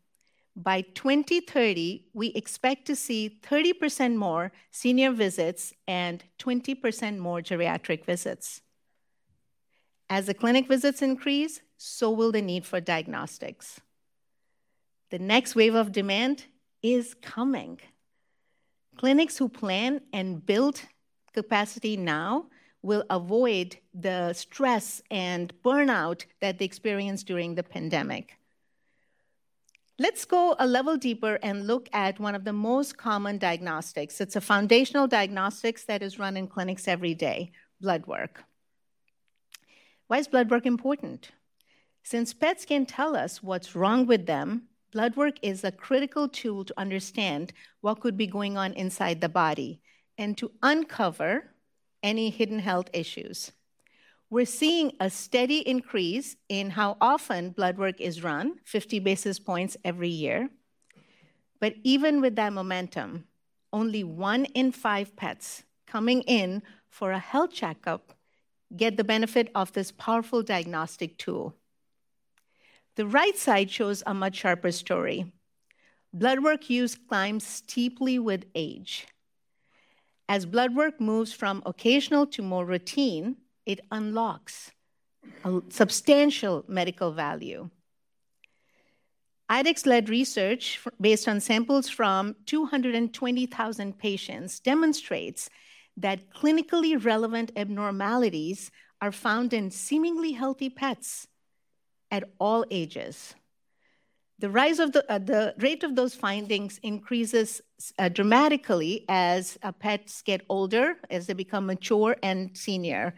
By 2030, we expect to see 30% more senior visits and 20% more geriatric visits. As the clinic visits increase, so will the need for diagnostics. The next wave of demand is coming. Clinics who plan and build capacity now will avoid the stress and burnout that they experienced during the pandemic. Let's go a level deeper and look at one of the most common diagnostics. It's a foundational diagnostics that is run in clinics every day: blood work. Why is blood work important? Since pets can't tell us what's wrong with them, blood work is a critical tool to understand what could be going on inside the body and to uncover any hidden health issues. We're seeing a steady increase in how often blood work is run, 50 basis points every year. Even with that momentum, only one in five pets coming in for a health checkup get the benefit of this powerful diagnostic tool. The right side shows a much sharper story. Blood work use climbs steeply with age. As blood work moves from occasional to more routine, it unlocks a substantial medical value. IDEXX-led research based on samples from 220,000 patients demonstrates that clinically relevant abnormalities are found in seemingly healthy pets at all ages. The rate of those findings increases dramatically as pets get older, as they become mature and senior,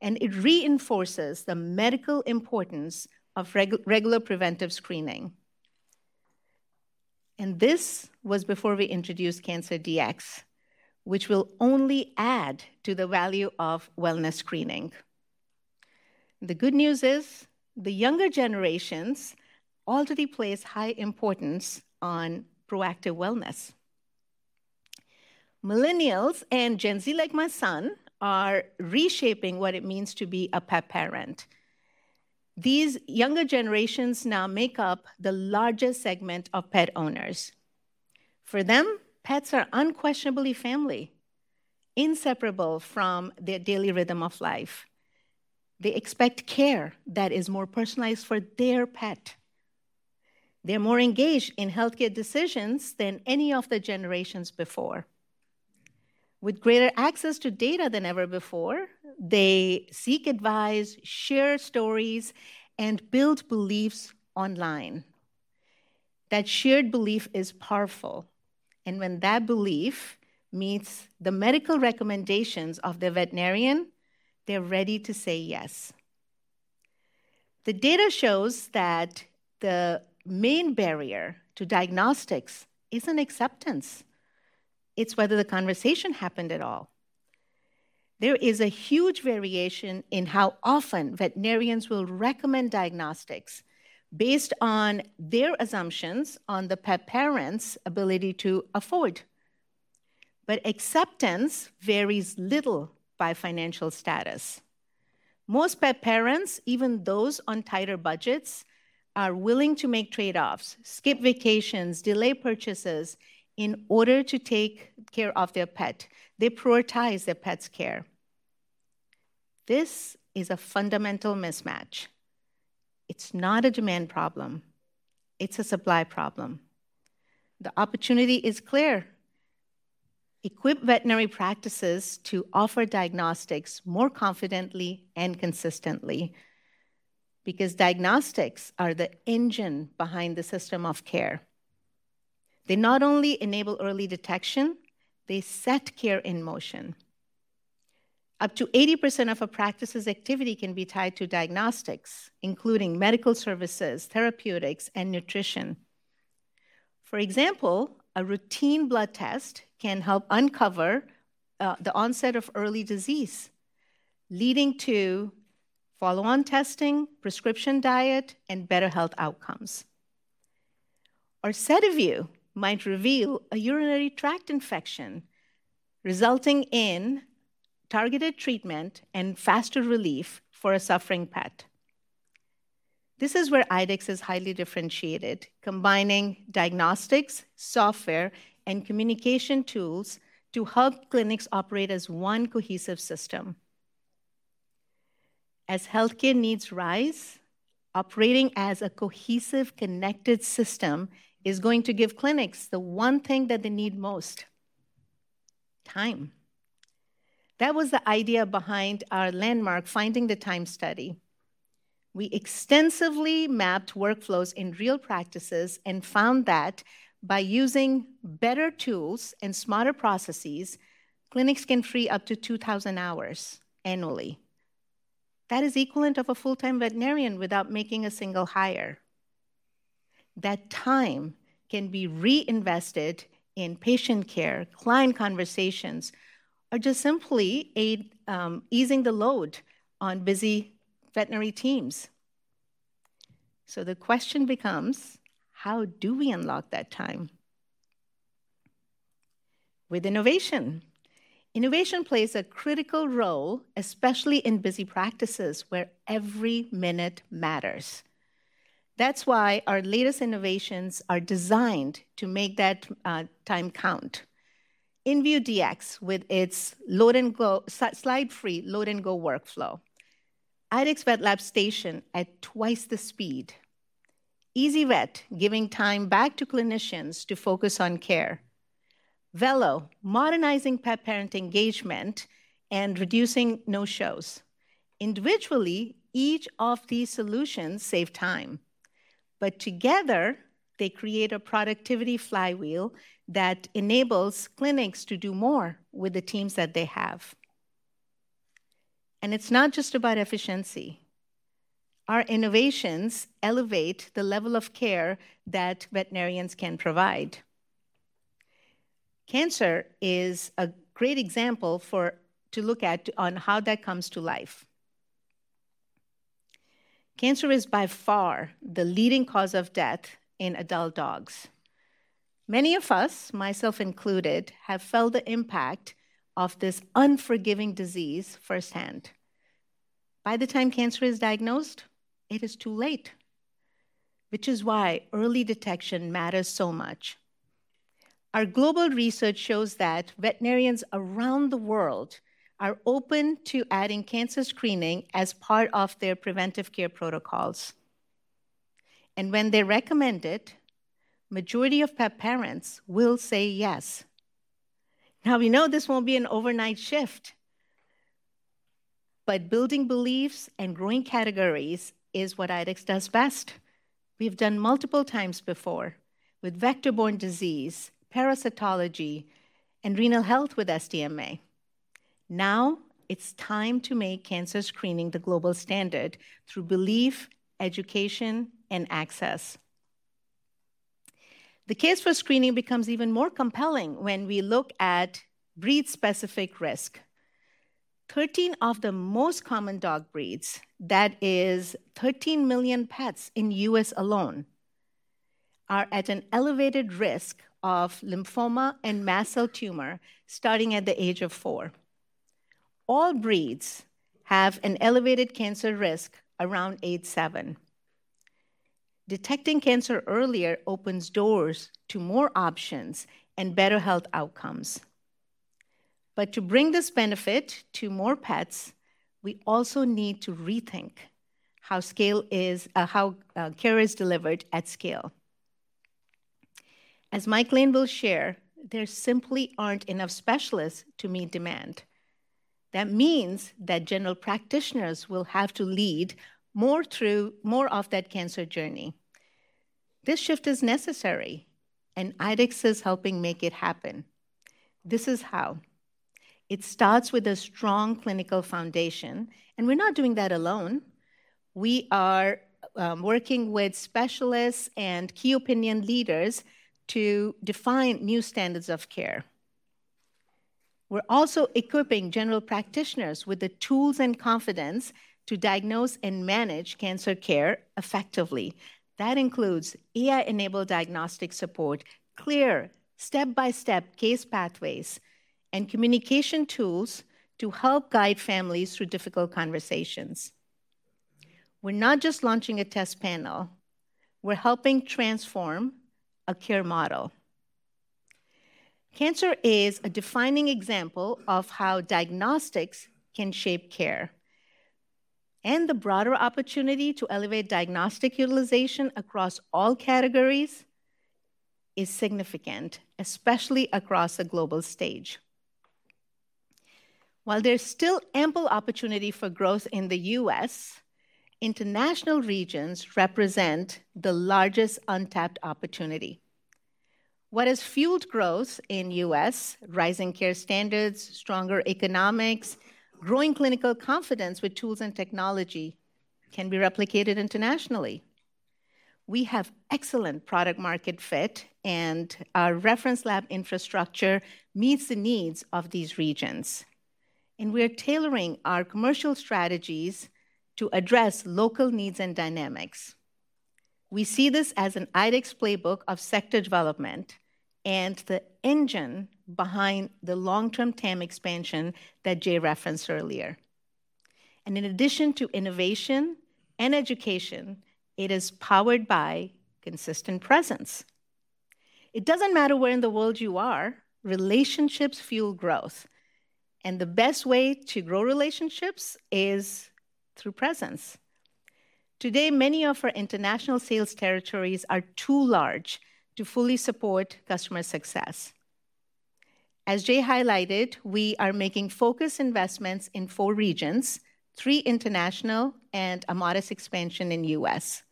and it reinforces the medical importance of regular preventive screening. This was before we introduced Cancer Dx, which will only add to the value of wellness screening. The good news is the younger generations already place high importance on proactive wellness. Millennials and Gen Z, like my son, are reshaping what it means to be a pet parent. These younger generations now make up the largest segment of pet owners. For them, pets are unquestionably family, inseparable from their daily rhythm of life. They expect care that is more personalized for their pet. They're more engaged in healthcare decisions than any of the generations before. With greater access to data than ever before, they seek advice, share stories, and build beliefs online. That shared belief is powerful and when that belief meets the medical recommendations of the veterinarian, they're ready to say yes. The data shows that the main barrier to diagnostics isn't acceptance. It's whether the conversation happened at all. There is a huge variation in how often veterinarians will recommend diagnostics based on their assumptions on the pet parent's ability to afford. Acceptance varies little by financial status. Most pet parents, even those on tighter budgets, are willing to make trade-offs, skip vacations, delay purchases in order to take care of their pet. They prioritize their pet's care. This is a fundamental mismatch. It's not a demand problem. It's a supply problem. The opportunity is clear. Equip veterinary practices to offer diagnostics more confidently and consistently because diagnostics are the engine behind the system of care. They not only enable early detection, they set care in motion. Up to 80% of a practice's activity can be tied to diagnostics, including medical services, therapeutics, and nutrition. For example, a routine blood test can help uncover the onset of early disease, leading to follow-on testing, prescription diet, and better health outcomes. A set of you might reveal a urinary tract infection, resulting in targeted treatment and faster relief for a suffering pet. This is where IDEXX is highly differentiated, combining diagnostics, software, and communication tools to help clinics operate as one cohesive system. As healthcare needs rise, operating as a cohesive, connected system is going to give clinics the one thing that they need most: time. That was the idea behind our landmark, finding the time study. We extensively mapped workflows in real practices and found that by using better tools and smarter processes, clinics can free up to 2,000 hours annually. That is the equivalent of a full-time veterinarian without making a single hire. That time can be reinvested in patient care, client conversations, or just simply easing the load on busy veterinary teams. The question becomes, how do we unlock that time? With innovation. Innovation plays a critical role, especially in busy practices where every minute matters. That's why our latest innovations are designed to make that time count. inVue Dx, with its slide-free load-and-go workflow, IDEXX Vet Lab Station at twice the speed. easyvet, giving time back to clinicians to focus on care. Vello, modernizing pet parent engagement and reducing no-shows. Individually, each of these solutions saves time, but together, they create a productivity flywheel that enables clinics to do more with the teams that they have. It's not just about efficiency. Our innovations elevate the level of care that veterinarians can provide. Cancer is a great example to look at on how that comes to life. Cancer is by far the leading cause of death in adult dogs. Many of us, myself included, have felt the impact of this unforgiving disease firsthand. By the time cancer is diagnosed, it is too late, which is why early detection matters so much. Our global research shows that veterinarians around the world are open to adding cancer screening as part of their preventive care protocols. When they recommend it, the majority of pet parents will say yes. We know this won't be an overnight shift, but building beliefs and growing categories is what IDEXX does best. We've done it multiple times before with vector-borne disease, parasitology, and renal health with SDMA. Now, it's time to make cancer screening the global standard through belief, education, and access. The case for screening becomes even more compelling when we look at breed-specific risk. 13 of the most common dog breeds, that is 13 million pets in the U.S. alone, are at an elevated risk of lymphoma and mast cell tumor starting at the age of four. All breeds have an elevated cancer risk around age seven. Detecting cancer earlier opens doors to more options and better health outcomes. To bring this benefit to more pets, we also need to rethink how care is delivered at scale. As Mike Lane will share, there simply aren't enough specialists to meet demand. That means that general practitioners will have to lead more through more of that cancer journey. This shift is necessary, and IDEXX is helping make it happen. This is how. It starts with a strong clinical foundation, and we're not doing that alone. We are working with specialists and key opinion leaders to define new standards of care. We're also equipping general practitioners with the tools and confidence to diagnose and manage cancer care effectively. That includes AI-enabled diagnostic support, clear step-by-step case pathways, and communication tools to help guide families through difficult conversations. We're not just launching a test panel. We're helping transform a care model. Cancer is a defining example of how diagnostics can shape care. The broader opportunity to elevate diagnostic utilization across all categories is significant, especially across a global stage. While there's still ample opportunity for growth in the U.S., international regions represent the largest untapped opportunity. What has fueled growth in the U.S., rising care standards, stronger economics, and growing clinical confidence with tools and technology can be replicated internationally. We have excellent product-market fit, and our reference lab infrastructure meets the needs of these regions. We are tailoring our commercial strategies to address local needs and dynamics. We see this as an IDEXX playbook of sector development and the engine behind the long-term TAM expansion that Jay referenced earlier. In addition to innovation and education, it is powered by consistent presence. It doesn't matter where in the world you are, relationships fuel growth. The best way to grow relationships is through presence. Today, many of our international sales territories are too large to fully support customer success. As Jay highlighted, we are making focused investments in four regions: three international and a modest expansion in the U.S.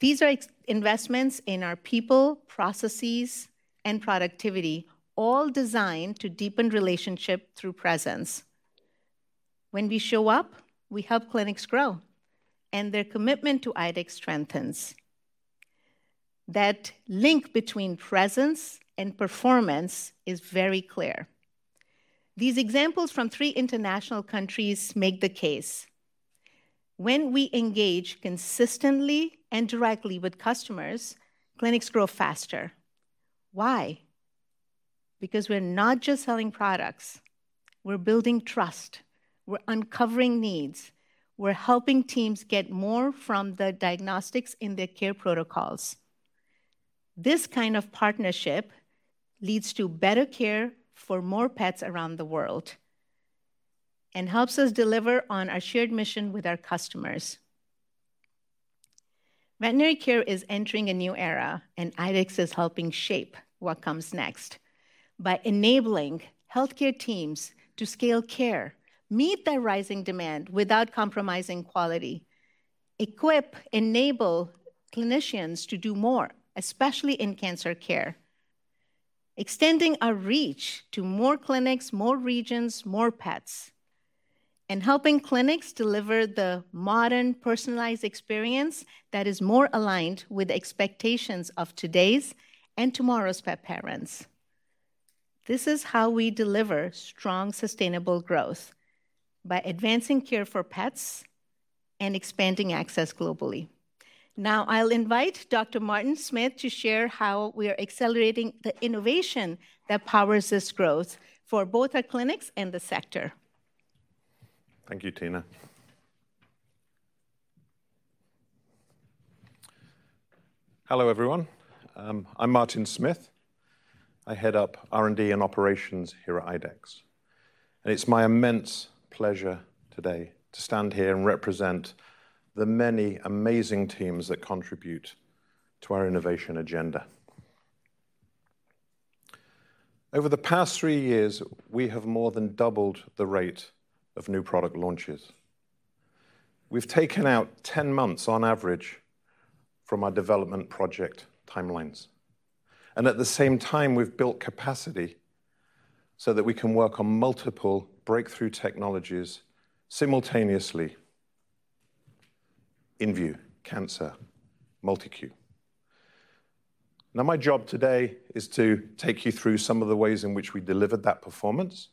These are investments in our people, processes, and productivity. Designed to deepen relationship through presence. When we show up, we help clinics grow, and their commitment to IDEXX strengthens. That link between presence and performance is very clear. These examples from three international countries make the case. When we engage consistently and directly with customers, clinics grow faster. Why? Because we're not just selling products. We're building trust. We're uncovering needs. We're helping teams get more from the diagnostics in their care protocols. This kind of partnership leads to better care for more pets around the world and helps us deliver on our shared mission with our customers. Veterinary care is entering a new era, and IDEXX is helping shape what comes next by enabling healthcare teams to scale care, meet the rising demand without compromising quality, equip, enable clinicians to do more, especially in cancer care, extending our reach to more clinics, more regions, more pets, and helping clinics deliver the modern, personalized experience that is more aligned with the expectations of today's and tomorrow's pet parents. This is how we deliver strong, sustainable growth by advancing care for pets and expanding access globally. Now, I'll invite Dr. Martin Smith to share how we are accelerating the innovation that powers this growth for both our clinics and the sector. Thank you, Tina. Hello, everyone. I'm Martin Smith. I head up R&D and Operations here at IDEXX, and it's my immense pleasure today to stand here and represent the many amazing teams that contribute to our innovation agenda. Over the past three years, we have more than doubled the rate of new product launches. We've taken out 10 months on average from our development project timelines. At the same time, we've built capacity so that we can work on multiple breakthrough technologies simultaneously in view: cancer, molecule. My job today is to take you through some of the ways in which we delivered that performance,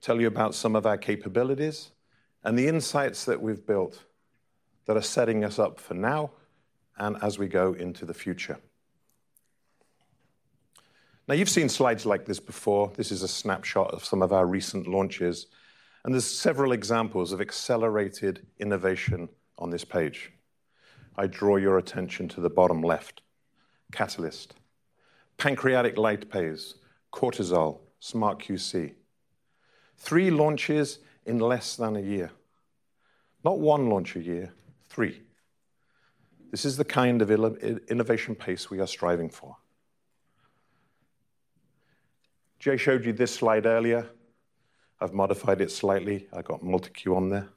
tell you about some of our capabilities, and the insights that we've built that are setting us up for now and as we go into the future. You've seen slides like this before. This is a snapshot of some of our recent launches, and there are several examples of accelerated innovation on this page. I draw your attention to the bottom left: Catalyst, pancreatic light phase, cortisol, SmartQC. Three launches in less than a year. Not one launch a year, three. This is the kind of innovation pace we are striving for. Jay showed you this slide earlier. I've modified it slightly. I got molecule on there.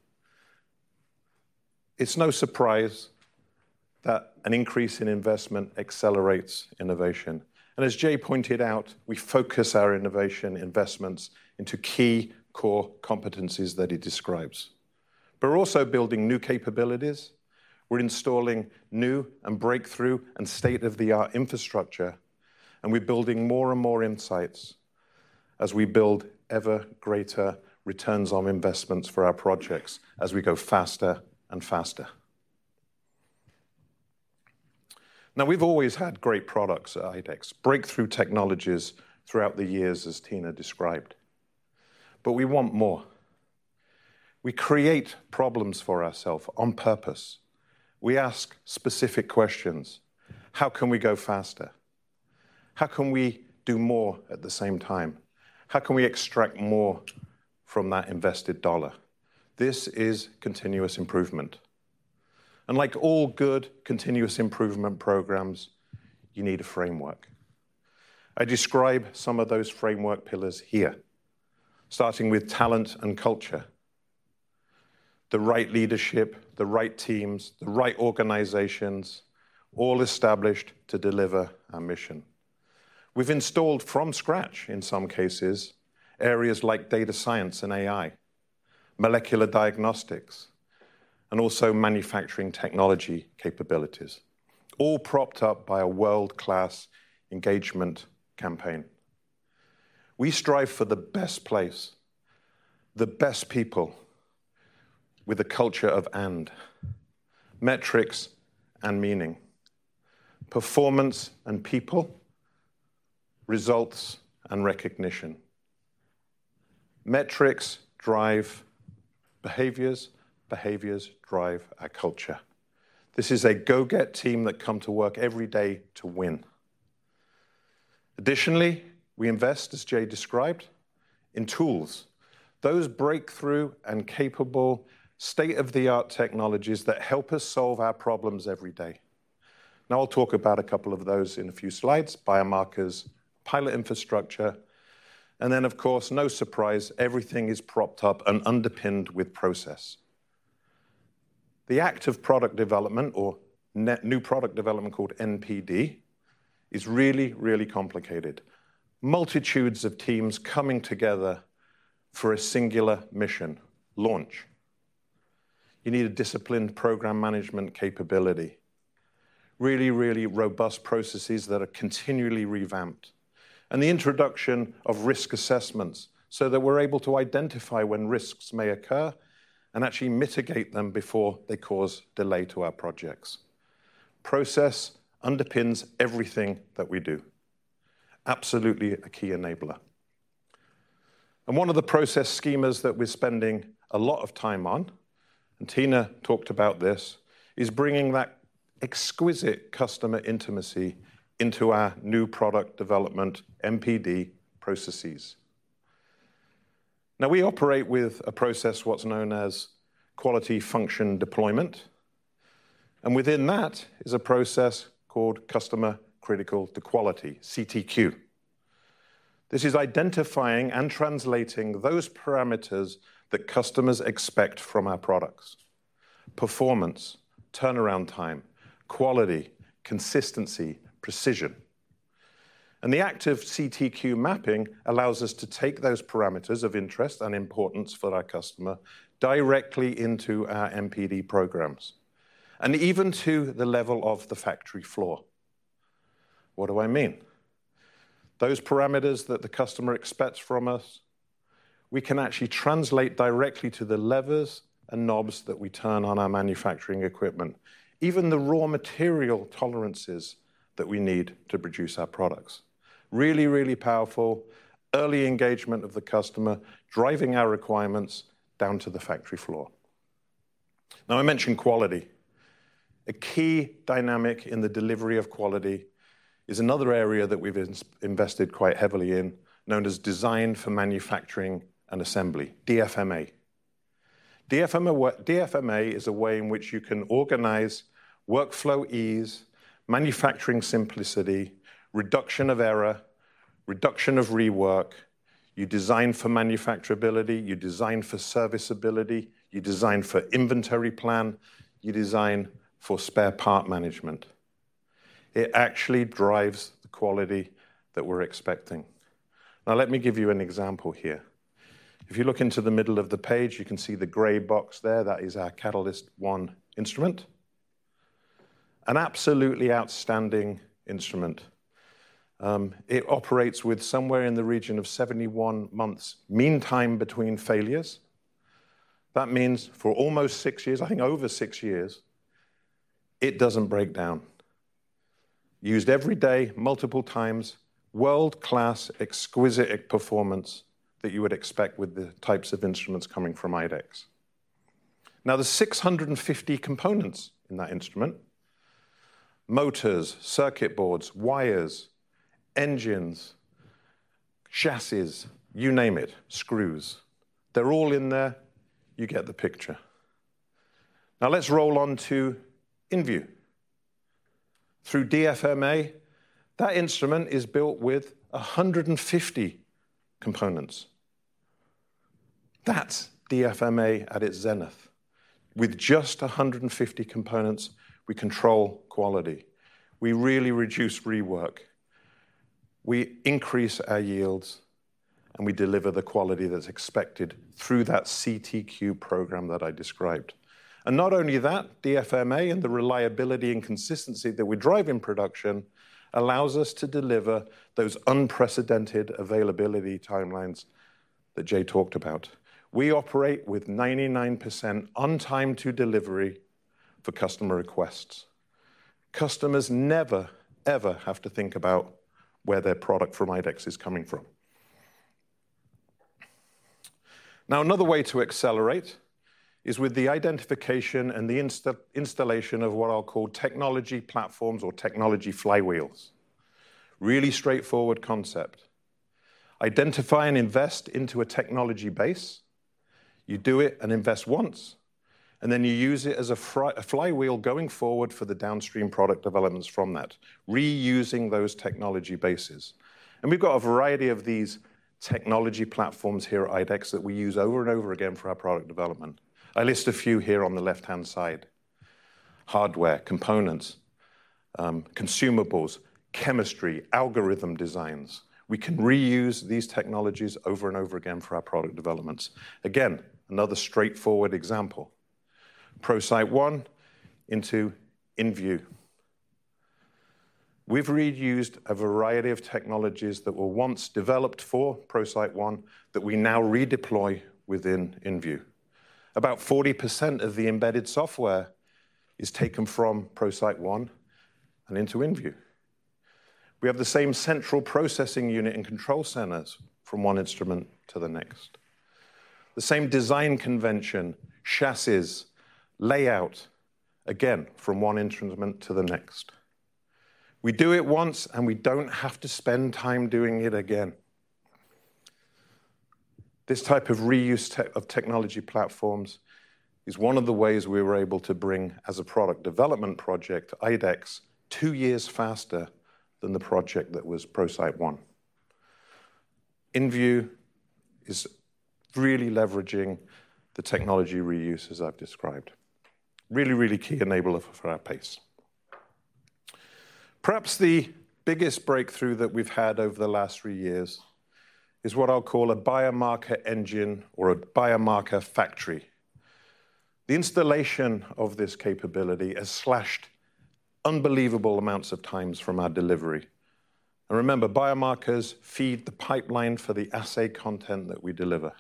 It's no surprise that an increase in investment accelerates innovation. As Jay pointed out, we focus our innovation investments into key core competencies that he describes. We're also building new capabilities. We're installing new and breakthrough and state-of-the-art infrastructure, and we're building more and more insights as we build ever greater returns on investments for our projects as we go faster and faster. We've always had great products at IDEXX breakthrough technologies throughout the years, as Tina described. We want more. We create problems for ourselves on purpose. We ask specific questions. How can we go faster? How can we do more at the same time? How can we extract more from that invested dollar? This is continuous improvement. Like all good continuous improvement programs, you need a framework. I describe some of those framework pillars here, starting with talent and culture. The right leadership, the right teams, the right organizations, all established to deliver our mission. We've installed from scratch, in some cases, areas like data science and AI, molecular diagnostics, and also manufacturing technology capabilities, all propped up by a world-class engagement campaign. We strive for the best place, the best people, with a culture of and metrics and meaning. Performance and people. Results and recognition. Metrics drive behaviors. Behaviors drive our culture. This is a go-get team that comes to work every day to win. Additionally, we invest, as Jay described, in tools, those breakthrough and capable state-of-the-art technologies that help us solve our problems every day. I'll talk about a couple of those in a few slides: biomarkers, pilot infrastructure, and then, of course, no surprise, everything is propped up and underpinned with process. The act of product development, or New Product Development called NPD, is really, really complicated. Multitudes of teams coming together for a singular mission: launch. You need a disciplined program management capability, really, really robust processes that are continually revamped, and the introduction of risk assessments so that we're able to identify when risks may occur and actually mitigate them before they cause delay to our projects. Process underpins everything that we do. Absolutely a key enabler. One of the process schemas that we're spending a lot of time on, and Tina talked about this, is bringing that exquisite customer intimacy into our New Product Development, NPD, processes. We operate with a process, what's known as Quality Function Deployment. Within that is a process called Customer-critical To Quality, CTQ. This is identifying and translating those parameters that customers expect from our products: performance, turnaround time, quality, consistency, precision. The active CTQ mapping allows us to take those parameters of interest and importance for our customer directly into our NPD programs and even to the level of the factory floor. What do I mean? Those parameters that the customer expects from us, we can actually translate directly to the levers and knobs that we turn on our manufacturing equipment, even the raw material tolerances that we need to produce our products. Really, really powerful early engagement of the customer, driving our requirements down to the factory floor. I mentioned quality. A key dynamic in the delivery of quality is another area that we've invested quite heavily in, known as Design For Manufacturing and Assembly, DFMA. DFMA is a way in which you can organize workflow ease, manufacturing simplicity, reduction of error, reduction of rework. You design for manufacturability, you design for serviceability, you design for inventory plan, you design for spare part management. It actually drives the quality that we're expecting. Now, let me give you an example here. If you look into the middle of the page, you can see the gray box there. That is our Catalyst One instrument. An absolutely outstanding instrument. It operates with somewhere in the region of 71 months mean time between failures. That means for almost six years, I think over six years, it doesn't break down. Used every day, multiple times, world-class, exquisite performance that you would expect with the types of instruments coming from IDEXX. Now, the 650 components in that instrument: motors, circuit boards, wires, engines, chassis, you name it, screws, they're all in there. You get the picture. Now, let's roll on to inVue. Through DFMA, that instrument is built with 150 components. That's DFMA at its zenith. With just 150 components, we control quality. We really reduce rework. We increase our yields, and we deliver the quality that's expected through that CTQ program that I described. Not only that, DFMA and the reliability and consistency that we drive in production allow us to deliver those unprecedented availability timelines that Jay talked about. We operate with 99% on-time to delivery for customer requests. Customers never, ever have to think about where their product from IDEXX is coming from. Another way to accelerate is with the identification and the installation of what I'll call technology platforms or technology flywheels. Really straightforward concept. Identify and invest into a technology base. You do it and invest once, and then you use it as a flywheel going forward for the downstream product developments from that, reusing those technology bases. We've got a variety of these technology platforms here at IDEXX that we use over and over again for our product development. I list a few here on the left-hand side: hardware, components, consumables, chemistry, algorithm designs. We can reuse these technologies over and over again for our product developments. Again, another straightforward example. ProCyte One into inVue. We've reused a variety of technologies that were once developed for ProCyte One that we now redeploy within inVue. About 40% of the embedded software is taken from ProCyte One and into inVue. We have the same central processing unit and control centers from one instrument to the next. The same design convention, chassis, layout, again, from one instrument to the next. We do it once, and we don't have to spend time doing it again. This type of reuse of technology platforms is one of the ways we were able to bring, as a product development project, IDEXX, two years faster than the project that was ProCyte One. inVue is really leveraging the technology reuse as I've described. Really, really key enabler for our pace. Perhaps the biggest breakthrough that we've had over the last three years is what I'll call a biomarker engine or a biomarker factory. The installation of this capability has slashed unbelievable amounts of time from our delivery. Remember, biomarkers feed the pipeline for the assay content that we deliver.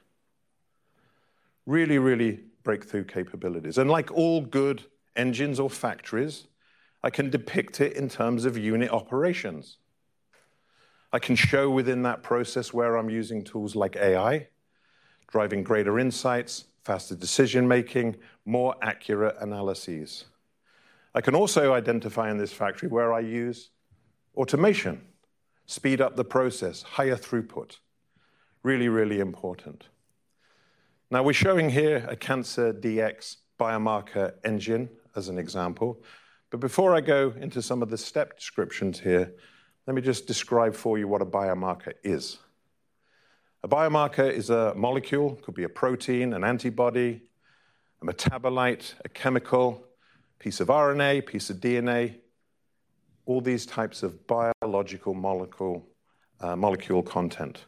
Really, really breakthrough capabilities. Like all good engines or factories, I can depict it in terms of unit operations. I can show within that process where I'm using tools like AI, driving greater insights, faster decision-making, more accurate analyses. I can also identify in this factory where I use automation, speed up the process, higher throughput. Really, really important. Now, we're showing here a Cancer Dx biomarker engine as an example. Before I go into some of the step descriptions here, let me just describe for you what a biomarker is. A biomarker is a molecule, could be a protein, an antibody, a metabolite, a chemical, a piece of RNA, a piece of DNA, all these types of biological molecule content.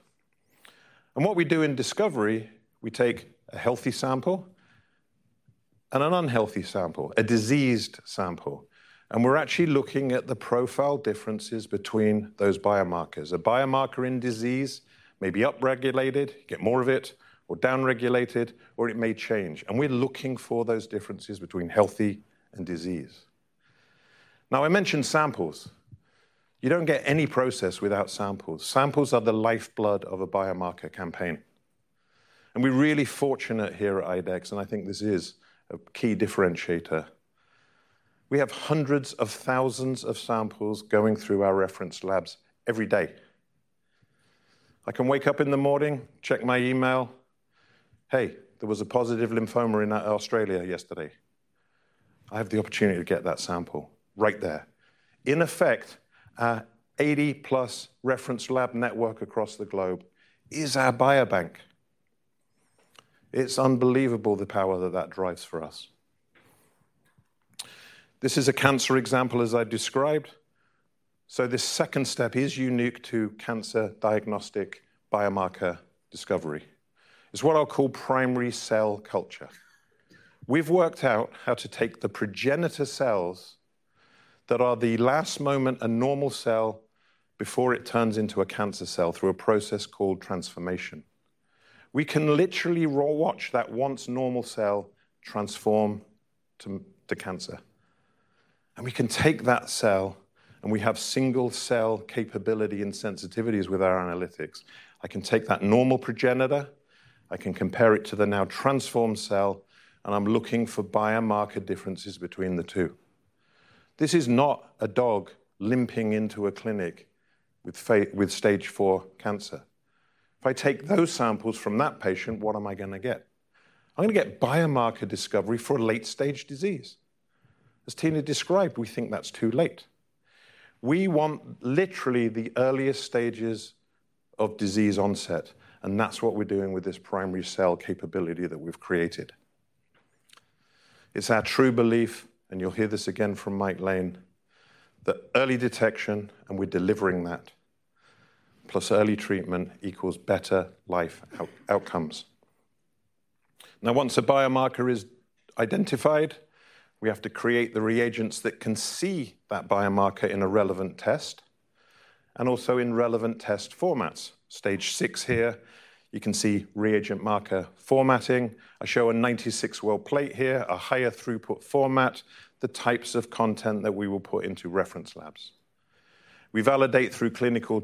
What we do in discovery, we take a healthy sample and an unhealthy sample, a diseased sample. We're actually looking at the profile differences between those biomarkers. A biomarker in disease may be up-regulated, get more of it, or down-regulated, or it may change. We're looking for those differences between healthy and disease. I mentioned samples. You don't get any process without samples. Samples are the lifeblood of a biomarker campaign. We're really fortunate here at IDEXX, and I think this is a key differentiator. We have hundreds of thousands of samples going through our reference labs every day. I can wake up in the morning, check my email, "Hey, there was a positive lymphoma in Australia yesterday. I have the opportunity to get that sample right there." In effect, our 80+ reference lab network across the globe is our biobank. It's unbelievable the power that that drives for us. This is a cancer example, as I described. This second step is unique to cancer diagnostic biomarker discovery. It's what I'll call primary cell culture. We've worked out how to take the progenitor cells that are the last moment a normal cell before it turns into a cancer cell through a process called transformation. We can literally watch that once normal cell transform to cancer. We can take that cell, and we have single-cell capability and sensitivities with our analytics. I can take that normal progenitor, I can compare it to the now transformed cell, and I'm looking for biomarker differences between the two. This is not a dog limping into a clinic with stage four cancer. If I take those samples from that patient, what am I going to get? I'm going to get biomarker discovery for a late-stage disease. As Tina described, we think that's too late. We want literally the earliest stages of disease onset, and that's what we're doing with this primary cell capability that we've created. It's our true belief, and you'll hear this again from Mike Lane, that early detection, and we're delivering that, plus early treatment equals better life outcomes. Once a biomarker is identified, we have to create the reagents that can see that biomarker in a relevant test and also in relevant test formats. Stage six here, you can see reagent marker formatting. I show a 96-well plate here, a higher throughput format, the types of content that we will put into reference labs. We validate through clinical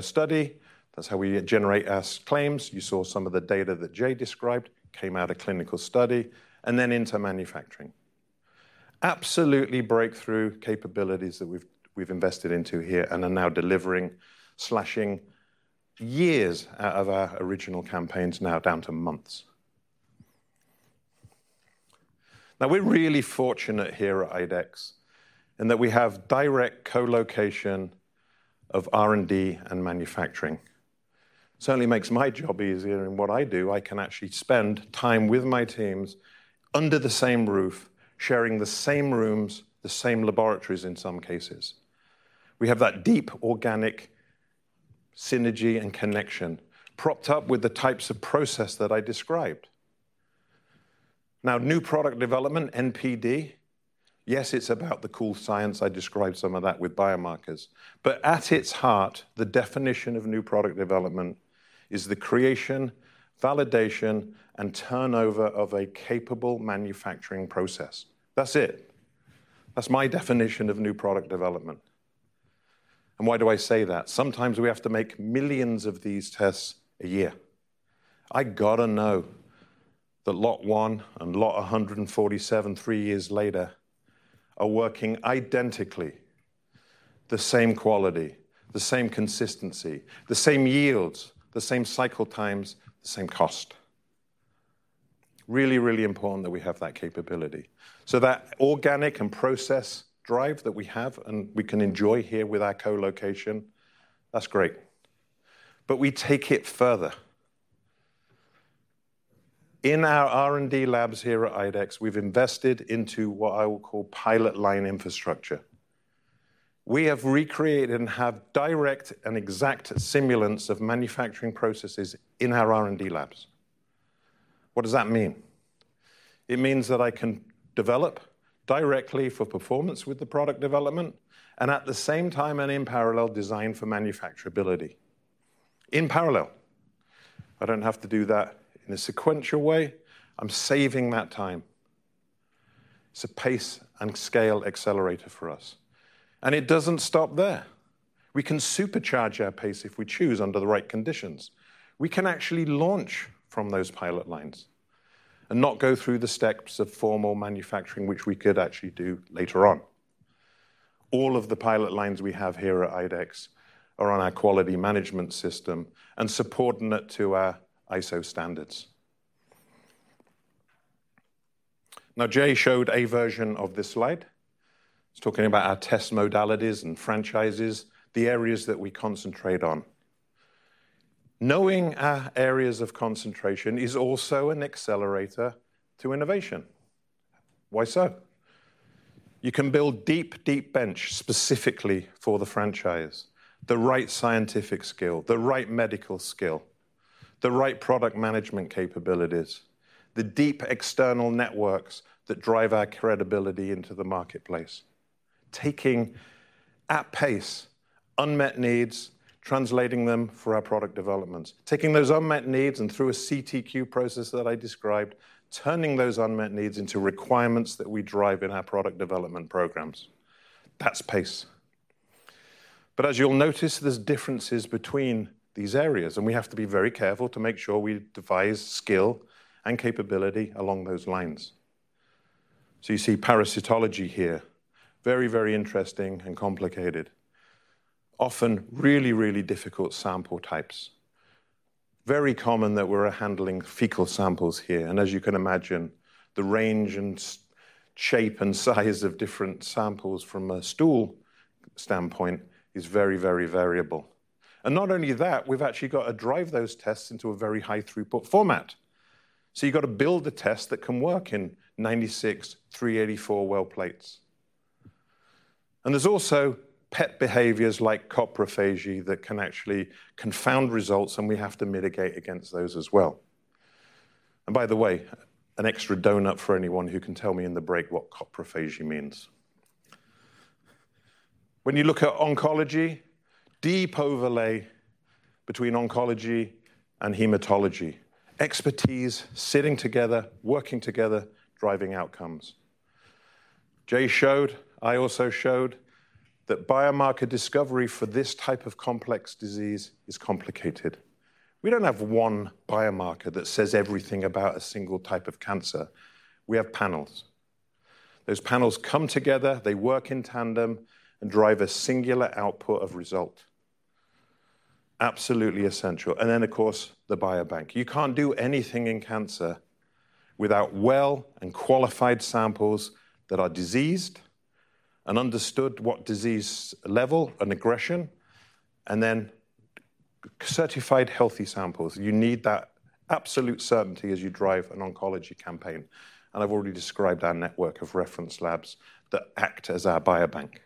study. That's how we generate our claims. You saw some of the data that Jay described came out of clinical study and then into manufacturing. Absolutely breakthrough capabilities that we've invested into here and are now delivering, slashing years out of our original campaigns now down to months. We're really fortunate here at IDEXX in that we have direct co-location of R&D and manufacturing. It certainly makes my job easier in what I do, I can actually spend time with my teams under the same roof, sharing the same rooms, the same laboratories in some cases. We have that deep organic synergy and connection propped up with the types of process that I described. New Product Development, NPD, yes, it's about the cool science I described, some of that with biomarkers. At its heart, the definition of New Product Development is the creation, validation, and turnover of a capable manufacturing process. That's it. That's my definition of new product development. Why do I say that? Sometimes we have to make millions of these tests a year. I got to know that Lot 1 and Lot 147, three years later, are working identically, the same quality, the same consistency, the same yields, the same cycle times, the same cost. Really, really important that we have that capability. That organic and process drive that we have and we can enjoy here with our co-location, that's great, but we take it further. In our R&D labs here at IDEXX, we've invested into what I will call pilot line infrastructure. We have recreated and have direct and exact simulants of manufacturing processes in our R&D labs. What does that mean? It means that I can develop directly for performance with the product development and at the same time and in parallel design for manufacturability. In parallel. I don't have to do that in a sequential way. I'm saving that time. It's a pace and scale accelerator for us. It doesn't stop there. We can supercharge our pace if we choose under the right conditions. We can actually launch from those pilot lines and not go through the steps of formal manufacturing, which we could actually do later on. All of the pilot lines we have here at IDEXX are on our quality management system and subordinate to our ISO standards. Now, Jay showed a version of this slide. It's talking about our test modalities and franchises, the areas that we concentrate on. Knowing our areas of concentration is also an accelerator to innovation. Why so? You can build deep, deep bench specifically for the franchise, the right scientific skill, the right medical skill, the right product management capabilities, the deep external networks that drive our credibility into the marketplace. Taking at pace unmet needs, translating them for our product developments, taking those unmet needs and through a CTQ process that I described, turning those unmet needs into requirements that we drive in our product development programs. That's pace. As you'll notice, there's differences between these areas, and we have to be very careful to make sure we devise skill and capability along those lines. You see parasitology here, very, very interesting and complicated. Often really, really difficult sample types. Very common that we're handling fecal samples here. As you can imagine, the range and shape and size of different samples from a stool standpoint is very, very variable. Not only that, we've actually got to drive those tests into a very high throughput format. You've got to build a test that can work in 96, 384 well plates. There are also pet behaviors like coprophagy that can actually confound results, and we have to mitigate against those as well. By the way, an extra donut for anyone who can tell me in the break what coprophagy means. When you look at oncology, deep overlay between oncology and hematology. Expertise sitting together, working together, driving outcomes. Jay showed, I also showed that biomarker discovery for this type of complex disease is complicated. We don't have one biomarker that says everything about a single type of cancer. We have panels. Those panels come together, they work in tandem, and drive a singular output of result. Absolutely essential. Of course, the biobank. You can't do anything in cancer without well and qualified samples that are diseased and understood at what disease level and aggression, and then certified healthy samples. You need that absolute certainty as you drive an oncology campaign and I've already described our network of reference labs that act as our biobank.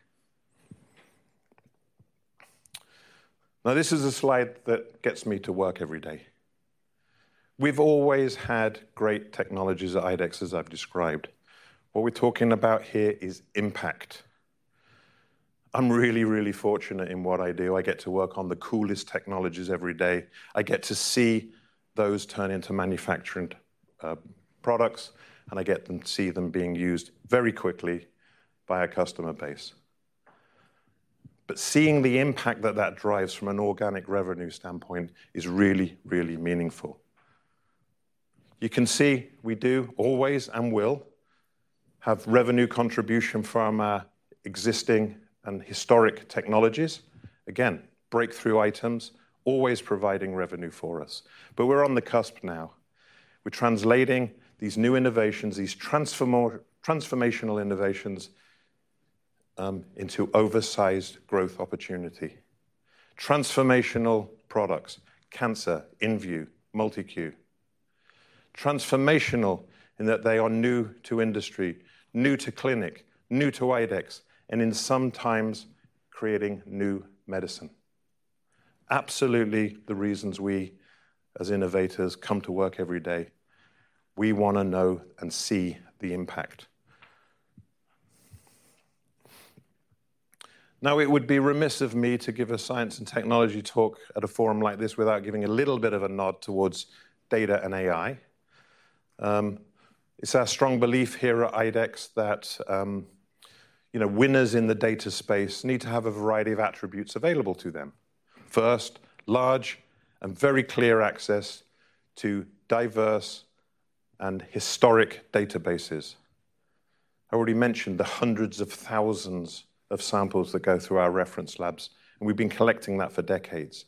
This is a slide that gets me to work every day. We've always had great technologies at IDEXX, as I've described. What we're talking about here is impact. I'm really, really fortunate in what I do. I get to work on the coolest technologies every day. I get to see those turn into manufacturing products, and I get to see them being used very quickly by our customer base. Seeing the impact that that drives from an organic revenue standpoint is really, really meaningful. You can see we do always and will have revenue contribution from our existing and historic technologies. Breakthrough items always providing revenue for us. We're on the cusp now. We're translating these new innovations, these transformational innovations into oversized growth opportunity. Transformational products: cancer, inVue, MultiCue. Transformational in that they are new to industry, new to clinic, new to IDEXX, and in some cases creating new medicine. Absolutely the reasons we, as innovators, come to work every day. We want to know and see the impact. It would be remiss of me to give a science and technology talk at a forum like this without giving a little bit of a nod towards data and AI. It's our strong belief here at IDEXX that winners in the data space need to have a variety of attributes available to them. First, large and very clear access to diverse and historic databases. I already mentioned the hundreds of thousands of samples that go through our reference labs, and we've been collecting that for decades.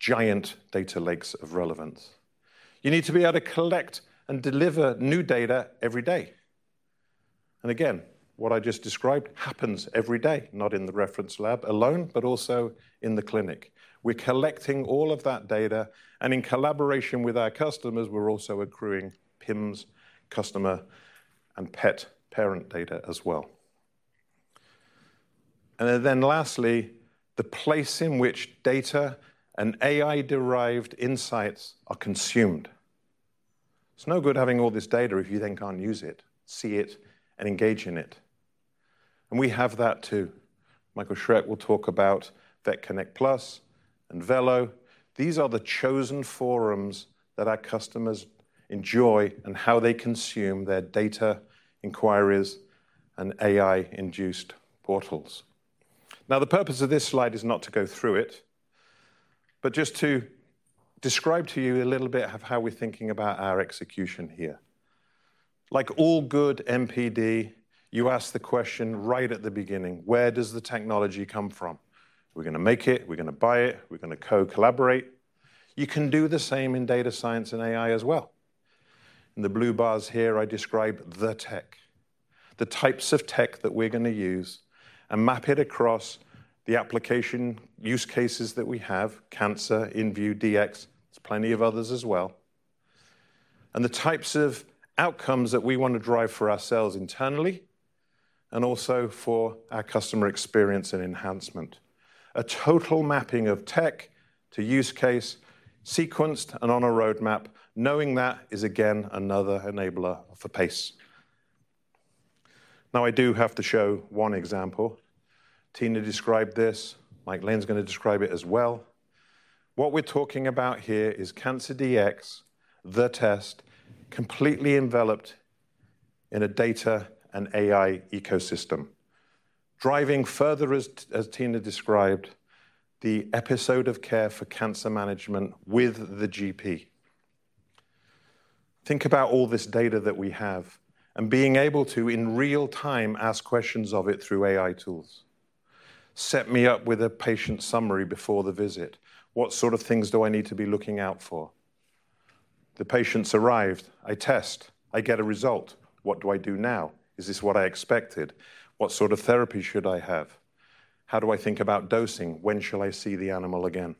Giant data lakes of relevance. You need to be able to collect and deliver new data every day. Again, what I just described happens every day, not in the reference lab alone, but also in the clinic. We're collecting all of that data, and in collaboration with our customers, we're also accruing PIMS, customer and pet parent data as well. Lastly, the place in which data and AI-derived insights are consumed. It's no good having all this data if you then can't use it, see it, and engage in it. We have that too. Michael Schreck will talk about VetConnect PLUS and Vello. These are the chosen forums that our customers enjoy and how they consume their data inquiries and AI-induced portals. Now, the purpose of this slide is not to go through it, but just to describe to you a little bit of how we're thinking about our execution here. Like all good NPD, you ask the question right at the beginning, where does the technology come from? We're going to make it, we're going to buy it, we're going to co-collaborate. You can do the same in data science and AI as well. In the blue bars here, I describe the tech, the types of tech that we're going to use, and map it across the application use cases that we have: Cancer, inVue Dx. There's plenty of others as well. The types of outcomes that we want to drive for ourselves internally and also for our customer experience and enhancement. A total mapping of tech to use case, sequenced and on a roadmap, knowing that is again another enabler for pace. I do have to show one example. Tina described this, Mike Lane's going to describe it as well. What we're talking about here is Cancer Dx, the test completely enveloped in a data and AI ecosystem, driving further, as Tina described, the episode of care for cancer management with the GP. Think about all this data that we have and being able to, in real time, ask questions of it through AI tools. Set me up with a patient summary before the visit. What sort of things do I need to be looking out for? The patient's arrived. I test. I get a result. What do I do now? Is this what I expected? What sort of therapy should I have? How do I think about dosing? When shall I see the animal again?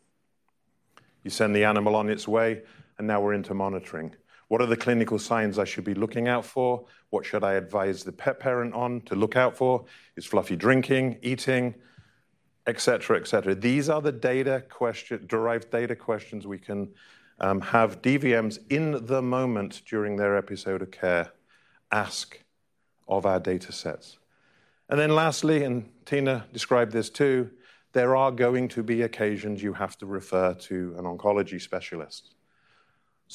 You send the animal on its way, and now we're into monitoring. What are the clinical signs I should be looking out for? What should I advise the pet parent on to look out for? Is Fluffy drinking, eating, et cetera, et cetera. These are the data questions, derived data questions we can have DVMs in the moment during their episode of care ask of our data sets. Lastly, and Tina described this too, there are going to be occasions you have to refer to an oncology specialist.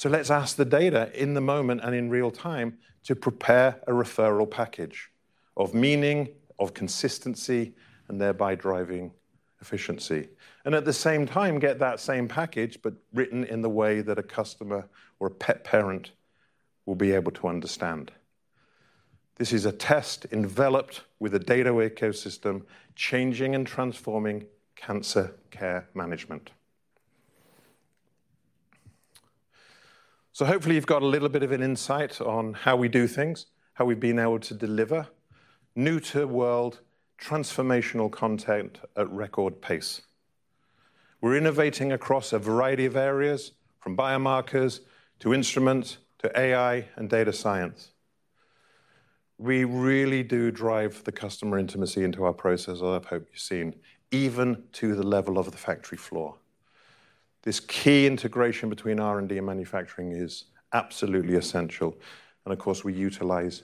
Let's ask the data in the moment and in real time to prepare a referral package of meaning, of consistency, and thereby driving efficiency. At the same time, get that same package, but written in the way that a customer or a pet parent will be able to understand. This is a test enveloped with a data ecosystem changing and transforming cancer care management. Hopefully, you've got a little bit of an insight on how we do things, how we've been able to deliver new-to-world transformational content at record pace. We're innovating across a variety of areas, from biomarkers to instruments to AI and data science. We really do drive the customer intimacy into our process, as I've hoped you've seen, even to the level of the factory floor. This key integration between R&D and manufacturing is absolutely essential. Of course, we utilize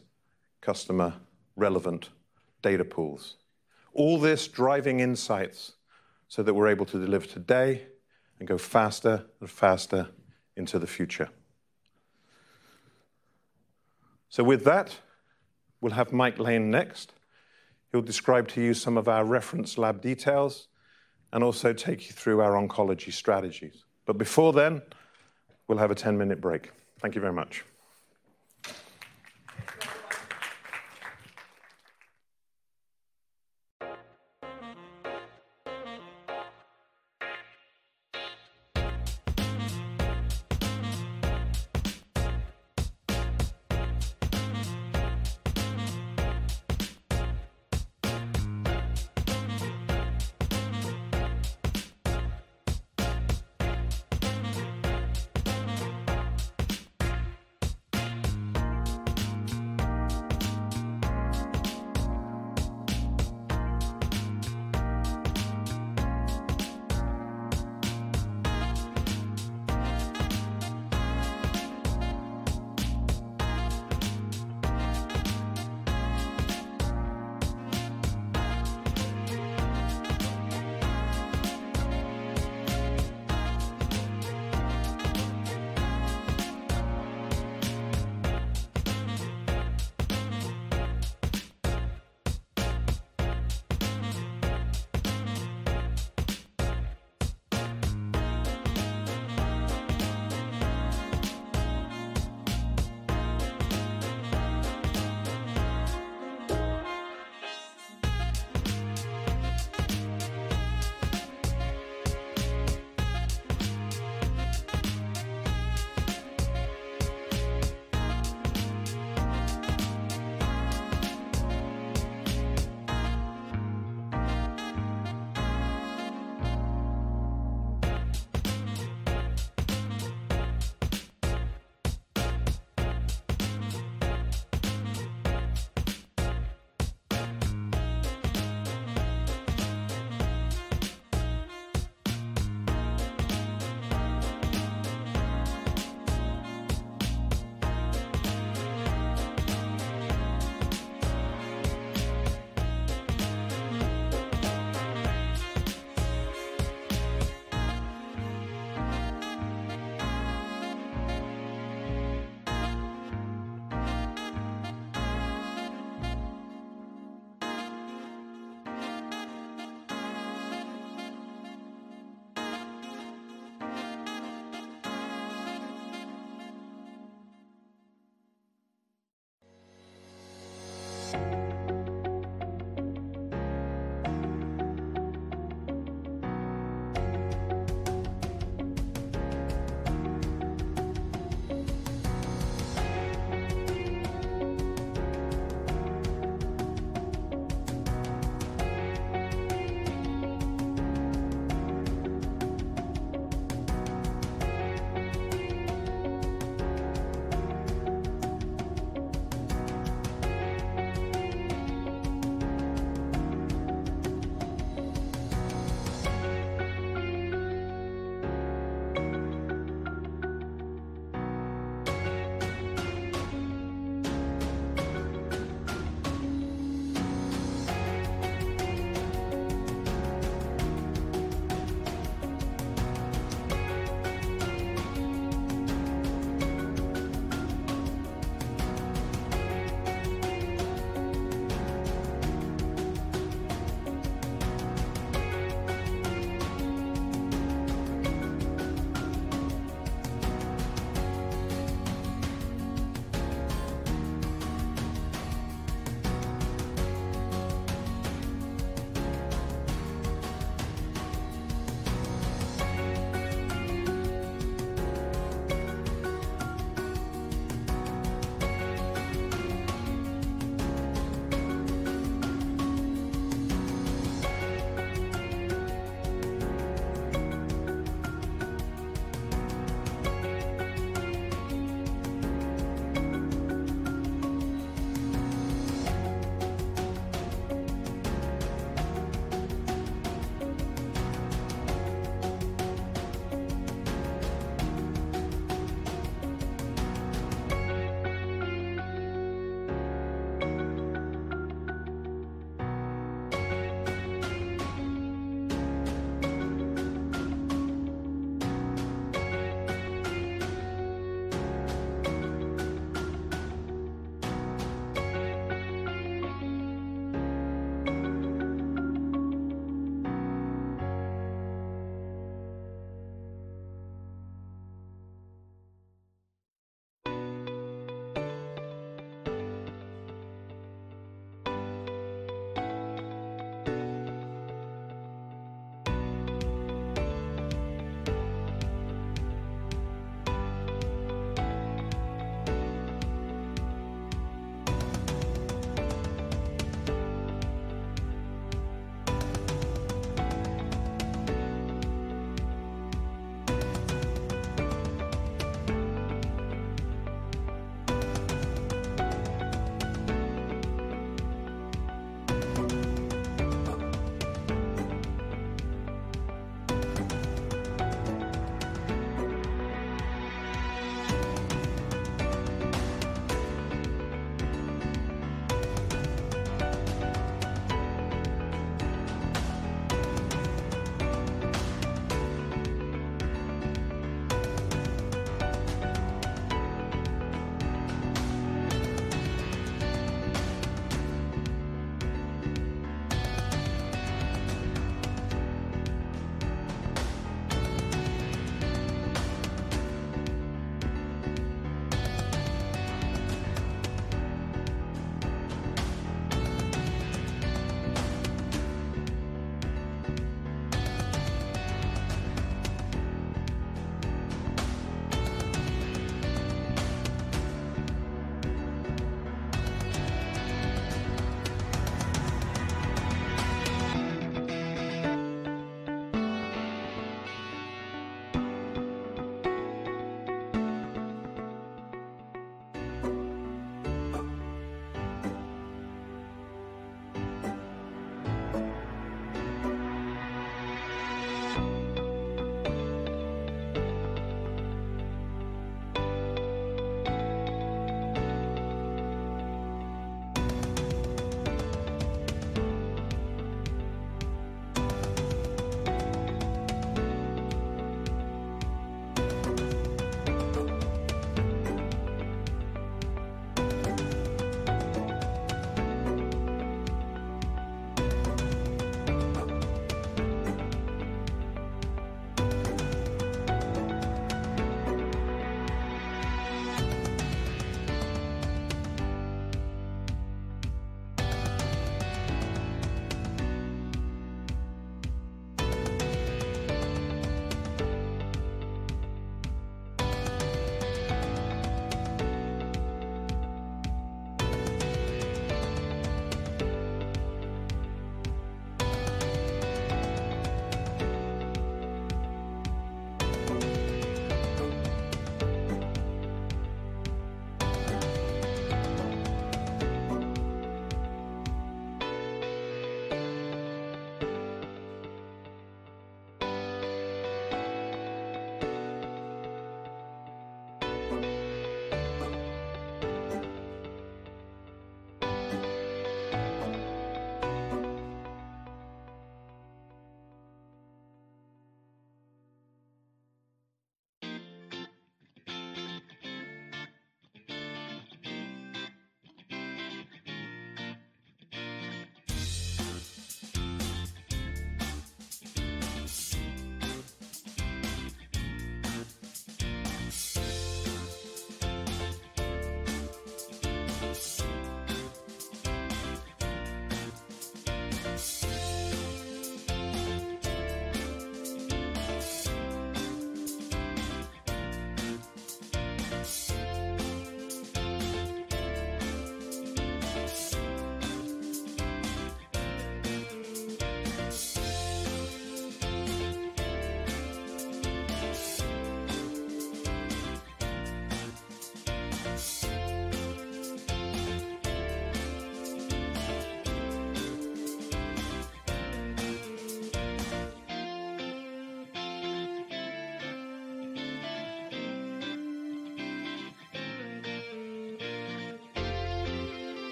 customer-relevant data pools. All this driving insights so that we're able to deliver today and go faster and faster into the future. With that, we'll have Mike Lane next. He'll describe to you some of our reference lab details and also take you through our oncology strategies. Before then, we'll have a 10-minute break. Thank you very much.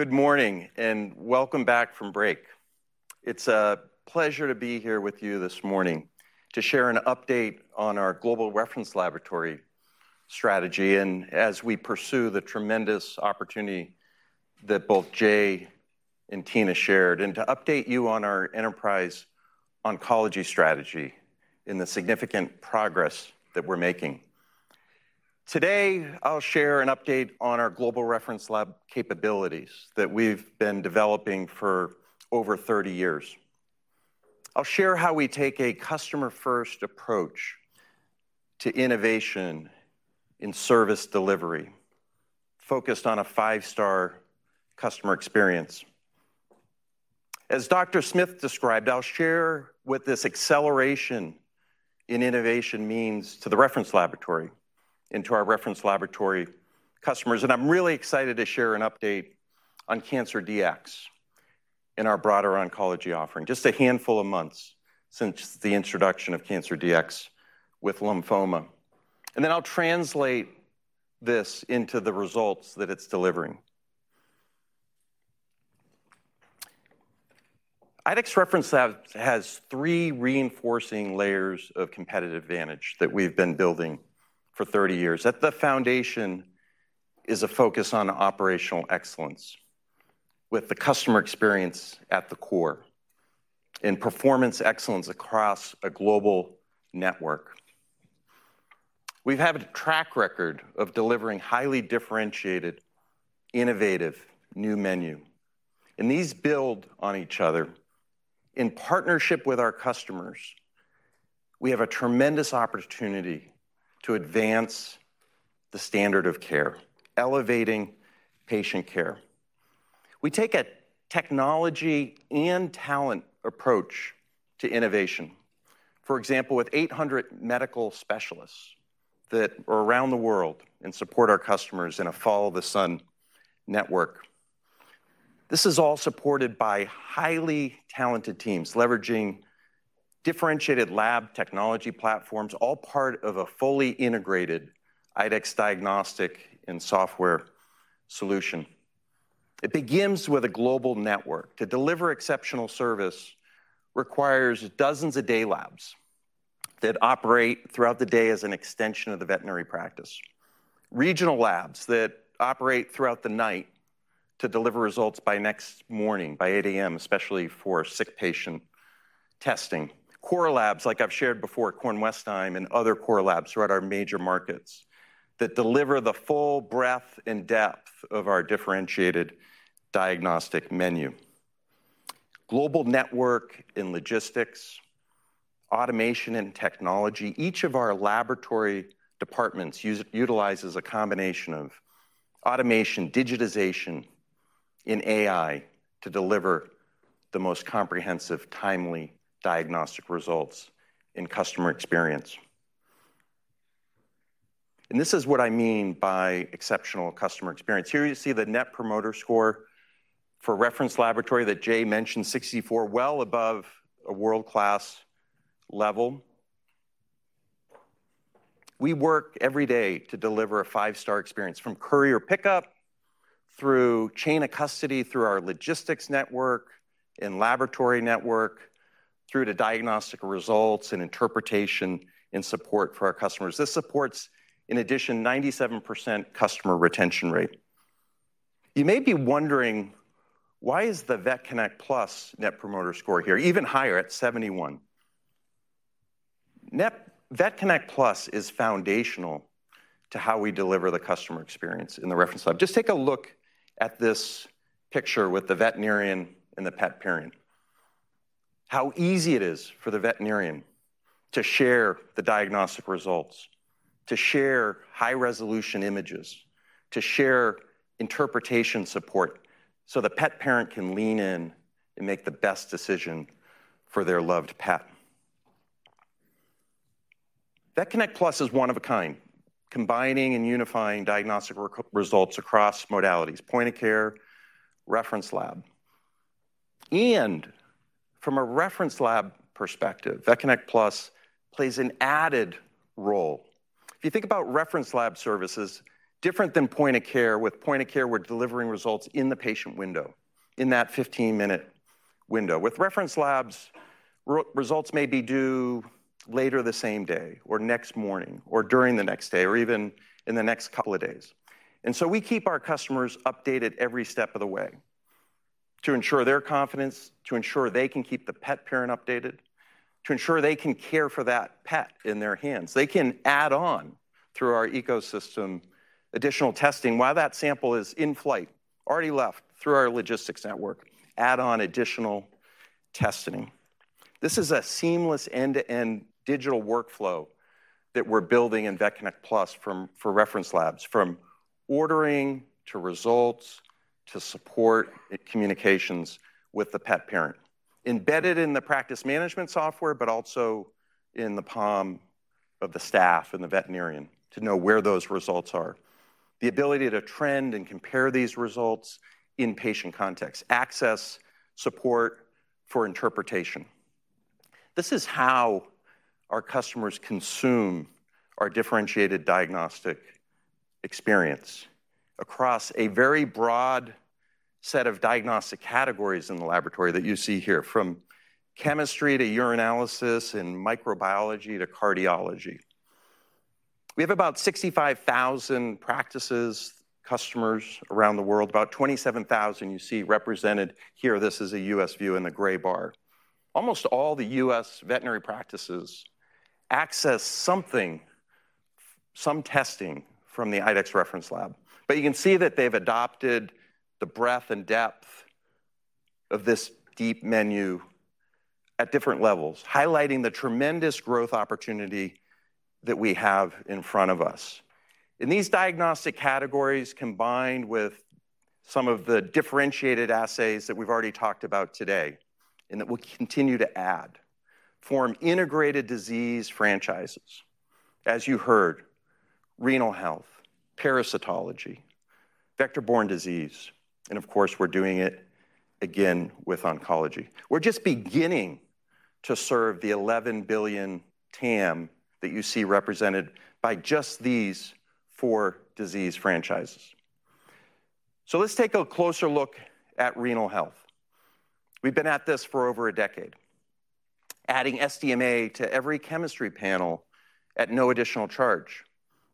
Good morning and welcome back from break. It's a pleasure to be here with you this morning to share an update on our global reference laboratory strategy, as we pursue the tremendous opportunity that both Jay and Tina shared, and to update you on our enterprise oncology strategy and the significant progress that we're making. Today, I'll share an update on our global reference lab capabilities that we've been developing for over 30 years. I'll share how we take a customer-first approach to innovation in service delivery, focused on a five-star customer experience. As Dr. Smith described, I'll share what this acceleration in innovation means to the reference laboratory and to our reference laboratory customers. I am really excited to share an update on Cancer Dx and our broader oncology offering. Just a handful of months since the introduction of Cancer Dx with lymphoma, and I will translate this into the results that it's delivering. IDEXX Reference Lab has three reinforcing layers of competitive advantage that we've been building for 30 years. At the foundation is a focus on operational excellence with the customer experience at the core and performance excellence across a global network. We've had a track record of delivering highly differentiated, innovative new menu, and these build on each other. In partnership with our customers, we have a tremendous opportunity to advance the standard of care, elevating patient care. We take a technology and talent approach to innovation. For example, with 800 medical specialists that are around the world and support our customers in a Follow-the-Sun network. This is all supported by highly talented teams leveraging differentiated lab technology platforms, all part of a fully integrated IDEXX diagnostic and software solution. It begins with a global network. To deliver exceptional service requires dozens of day labs that operate throughout the day as an extension of the veterinary practice. Regional labs operate throughout the night to deliver results by next morning, by 8:00 A.M., especially for sick patient testing. Core labs, like I've shared before, Corn Westheim and other core labs throughout our major markets deliver the full breadth and depth of our differentiated diagnostic menu. Global network in logistics, automation, and technology. Each of our laboratory departments utilizes a combination of automation, digitization, and AI to deliver the most comprehensive, timely diagnostic results in customer experience. This is what I mean by exceptional customer experience. Here you see the Net Promoter Score for Reference Laboratory that Jay mentioned, 64, well above a world-class level. We work every day to deliver a five-star experience from courier pickup through chain of custody, through our logistics network and laboratory network, through to diagnostic results and interpretation and support for our customers. This supports, in addition, a 97% customer retention rate. You may be wondering, why is the VetConnect PLUS Net Promoter Score here even higher at 71? VetConnect PLUS is foundational to how we deliver the customer experience in the reference lab. Just take a look at this picture with the veterinarian and the pet parent. How easy it is for the veterinarian to share the diagnostic results, to share high-resolution images, to share interpretation support so the pet parent can lean in and make the best decision for their loved pet. VetConnect PLUS is one of a kind, combining and unifying diagnostic results across modalities, point of care, reference lab. From a reference lab perspective, VetConnect PLUS plays an added role. If you think about reference lab services, different than point of care, with point of care, we're delivering results in the patient window, in that 15-minute window. With reference labs, results may be due later the same day, or next morning, or during the next day, or even in the next couple of days. We keep our customers updated every step of the way to ensure their confidence, to ensure they can keep the pet parent updated, to ensure they can care for that pet in their hands. They can add on through our ecosystem additional testing while that sample is in flight, already left through our logistics network, add on additional testing. This is a seamless end-to-end digital workflow that we're building in VetConnect PLUS for reference labs, from ordering to results to support and communications with the pet parent. Embedded in the practice management software, but also in the palm of the staff and the veterinarian to know where those results are. The ability to trend and compare these results in patient context, access support for interpretation. This is how our customers consume our differentiated diagnostic experience across a very broad set of diagnostic categories in the laboratory that you see here, from chemistry to urinalysis and microbiology to cardiology. We have about 65,000 practices customers around the world, about 27,000 you see represented here. This is a U.S. view in the gray bar. Almost all the U.S. veterinary practices access something, some testing from the IDEXX Reference Lab. You can see that they've adopted the breadth and depth of this deep menu at different levels, highlighting the tremendous growth opportunity that we have in front of us. These diagnostic categories, combined with some of the differentiated assays that we've already talked about today and that we'll continue to add, form integrated disease franchises. As you heard, renal health, parasitology, vector-borne disease, and of course, we're doing it again with oncology. We're just beginning to serve the $11 billion TAM that you see represented by just these four disease franchises. Let's take a closer look at renal health. We've been at this for over a decade, adding SDMA to every chemistry panel at no additional charge.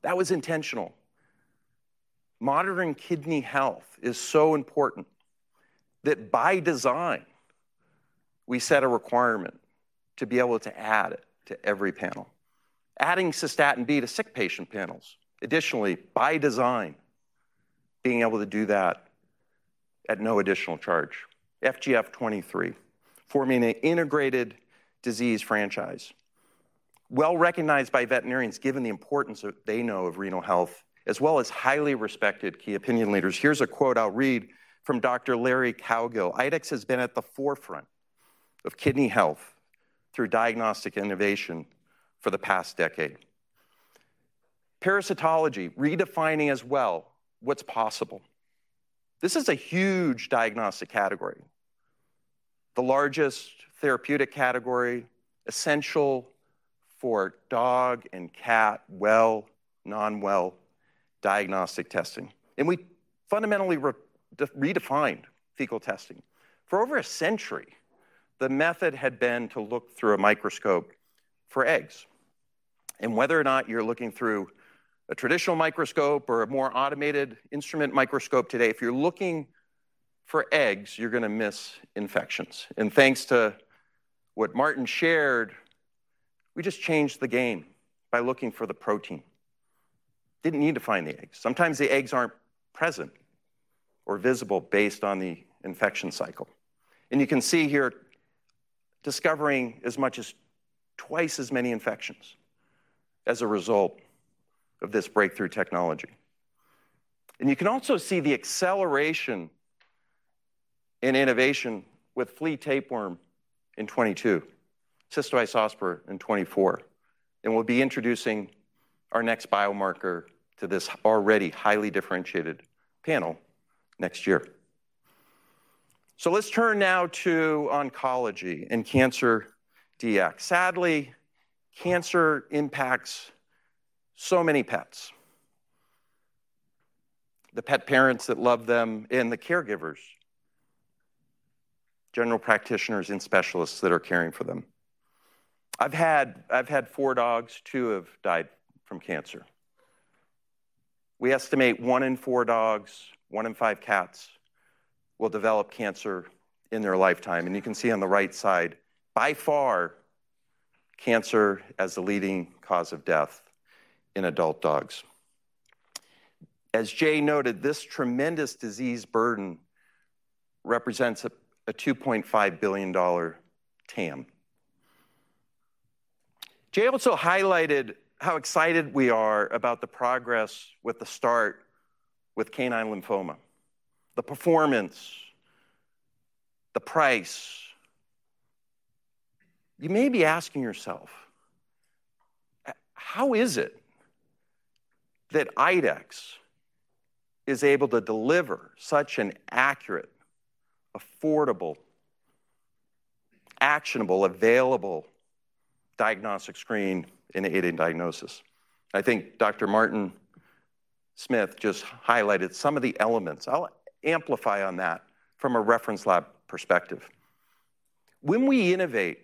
That was intentional. Monitoring kidney health is so important that by design, we set a requirement to be able to add it to every panel. Adding Cystatin B to sick patient panels, additionally, by design, being able to do that at no additional charge. FGF-23, forming an integrated disease franchise, well recognized by veterinarians given the importance that they know of renal health, as well as highly respected key opinion leaders. Here's a quote I'll read from Dr. Larry Cowgill. IDEXX has been at the forefront of kidney health through diagnostic innovation for the past decade. Parasitology, redefining as well, what's possible. This is a huge diagnostic category, the largest therapeutic category, essential for dog and cat, well, non-well diagnostic testing. We fundamentally redefined fecal testing. For over a century, the method had been to look through a microscope for eggs. Whether or not you're looking through a traditional microscope or a more automated instrument microscope today, if you're looking for eggs, you're going to miss infections. Thanks to what Martin shared, we just changed the game by looking for the protein. Didn't need to find the eggs. Sometimes the eggs aren't present or visible based on the infection cycle. You can see here discovering as much as twice as many infections as a result of this breakthrough technology. You can also see the acceleration in innovation with flea tapeworm in 2022, cystoid osper in 2024, and we'll be introducing our next biomarker to this already highly differentiated panel next year. Let's turn now to oncology and Cancer Dx. Sadly, cancer impacts so many pets. The pet parents that love them, and the caregivers, general practitioners, and specialists that are caring for them. I've had four dogs; two have died from cancer. We estimate one in four dogs, one in five cats will develop cancer in their lifetime. You can see on the right side, by far, cancer as the leading cause of death in adult dogs. As Jay noted, this tremendous disease burden represents a $2.5 billion TAM. Jay also highlighted how excited we are about the progress with the start with canine lymphoma, the performance, the price. You may be asking yourself, how is it that IDEXX is able to deliver such an accurate, affordable, actionable, available diagnostic screen in aiding diagnosis? I think Dr. Martin Smith just highlighted some of the elements. I'll amplify on that from a reference lab perspective. When we innovate,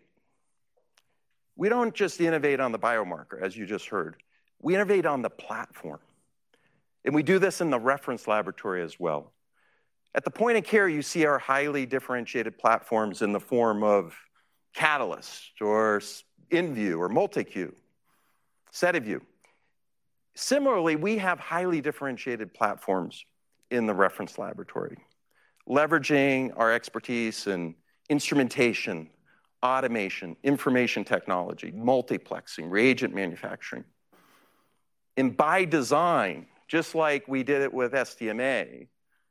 we don't just innovate on the biomarker, as you just heard. We innovate on the platform. We do this in the reference laboratory as well. At the point of care, you see our highly differentiated platforms in the form of Catalyst or inVue MultiCue Dx, SetAview. Similarly, we have highly differentiated platforms in the reference laboratory, leveraging our expertise in instrumentation, automation, information technology, multiplexing, reagent manufacturing. By design, just like we did it with SDMA,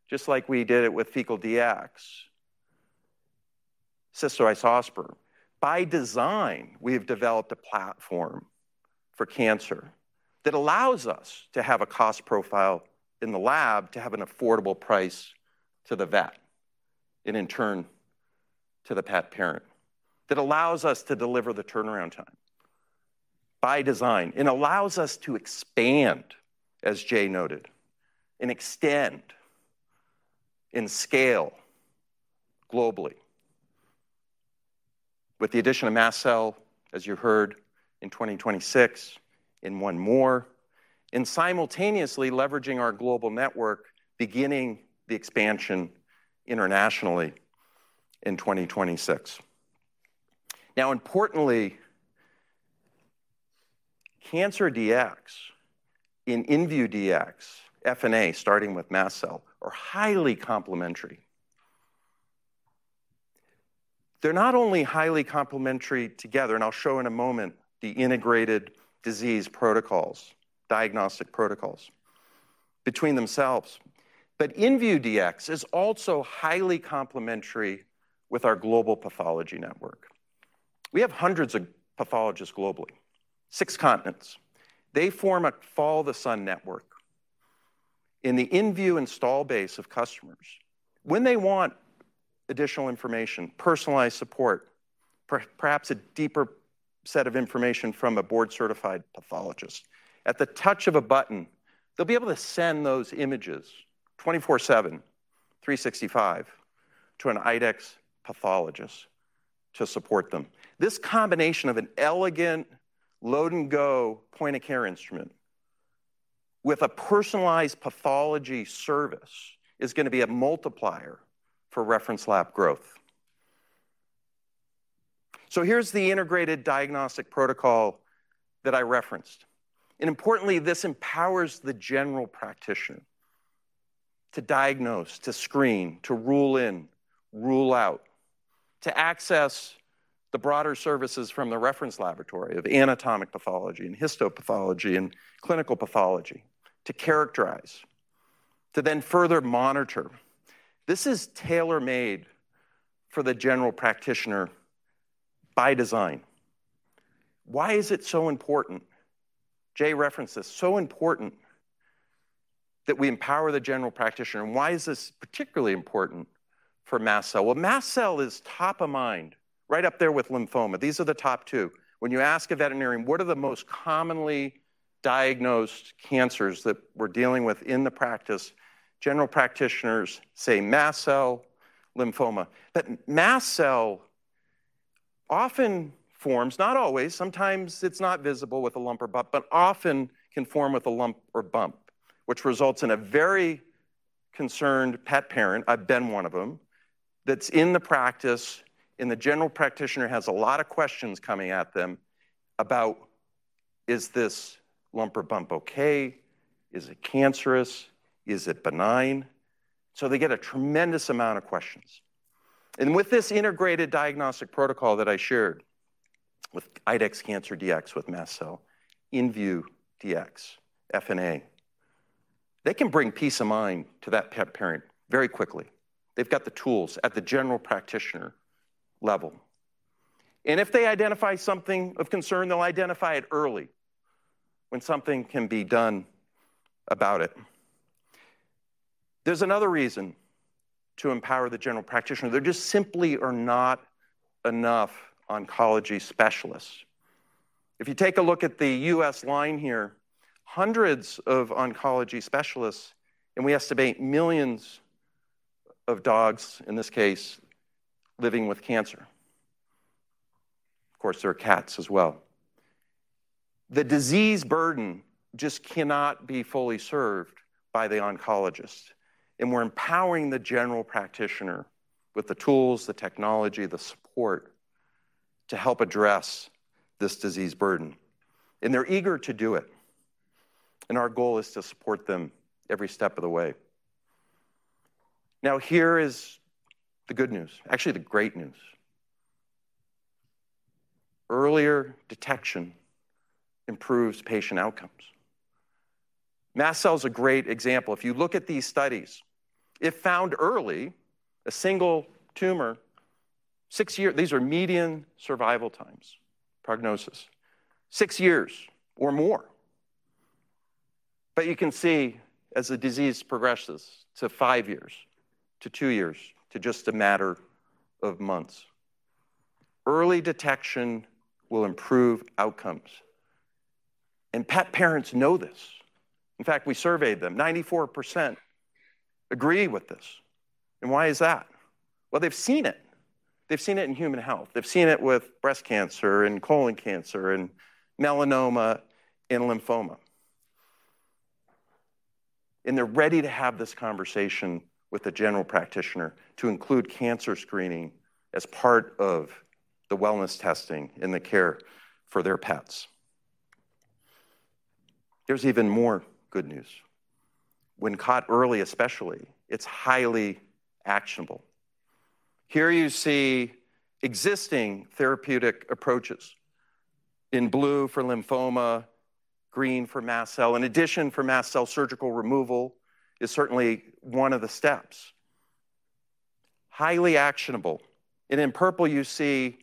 just like we did it with Fecal Dx, cystoid osper, by design, we've developed a platform for cancer that allows us to have a cost profile in the lab to have an affordable price to the vet and in turn to the pet parent, that allows us to deliver the turnaround time. By design, it allows us to expand, as Jay noted, and extend and scale globally. With the addition of MassCell, as you heard, in 2026, in one more, and simultaneously leveraging our global network, beginning the expansion internationally in 2026. Importantly, Cancer Dx and inVue Dx, FNA, starting with mast cell, are highly complementary. They're not only highly complementary together, and I'll show in a moment the integrated disease protocols, diagnostic protocols between themselves, but inVue Dx is also highly complementary with our global pathology network. We have hundreds of pathologists globally, six continents. They form a follow-the-sun network in the inVue Dx install base of customers. When they want additional information, personalized support, perhaps a deeper set of information from a board-certified pathologist, at the touch of a button, they'll be able to send those images 24/7, 365 to an IDEXX pathologist to support them. This combination of an elegant load-and-go point-of-care instrument with a personalized pathology service is going to be a multiplier for reference lab growth. Here's the integrated diagnostic protocol that I referenced. Importantly, this empowers the general practitioner to diagnose, to screen, to rule in, rule out, to access the broader services from the reference laboratory of anatomic pathology and histopathology and clinical pathology to characterize, to then further monitor. This is tailor-made for the general practitioner by design. Why is it so important? Jay referenced this. It is so important that we empower the general practitioner. Why is this particularly important for mast cell? Mast cell is top of mind, right up there with lymphoma. These are the top two. When you ask a veterinarian, what are the most commonly diagnosed cancers that we're dealing with in the practice, general practitioners say mast cell, lymphoma. Mast cell often forms, not always, sometimes it's not visible with a lump or bump, but often can form with a lump or bump, which results in a very concerned pet parent, I've been one of them, that's in the practice, and the general practitioner has a lot of questions coming at them about, is this lump or bump okay? Is it cancerous? Is it benign? They get a tremendous amount of questions. With this integrated diagnostic protocol that I shared with IDEXX Cancer Dx, with mast cell, inVue Dx, FNA, they can bring peace of mind to that pet parent very quickly. They've got the tools at the general practitioner level. If they identify something of concern, they'll identify it early when something can be done about it. There's another reason to empower the general practitioner. There just simply are not enough oncology specialists. If you take a look at the U.S. line here, hundreds of oncology specialists, and we estimate millions of dogs, in this case, living with cancer. Of course, there are cats as well. The disease burden just cannot be fully served by the oncologists. We are empowering the general practitioner with the tools, the technology, the support to help address this disease burden. They are eager to do it. Our goal is to support them every step of the way. Here is the good news, actually the great news. Earlier detection improves patient outcomes. Mast cell is a great example. If you look at these studies, if found early, a single tumor, six years, these are median survival times, prognosis, six years or more. You can see as the disease progresses to five years, to two years, to just a matter of months. Early detection will improve outcomes. Pet parents know this. In fact, we surveyed them. 94% agree with this. Why is that? They have seen it. They have seen it in human health. They have seen it with breast cancer, colon cancer, melanoma, and lymphoma. They are ready to have this conversation with the general practitioner to include cancer screening as part of the wellness testing and the care for their pets. There is even more good news. When caught early, especially, it is highly actionable. Here you see existing therapeutic approaches: in blue for lymphoma, green for mast cell. In addition, for mast cell, surgical removal is certainly one of the steps. Highly actionable. In purple, you see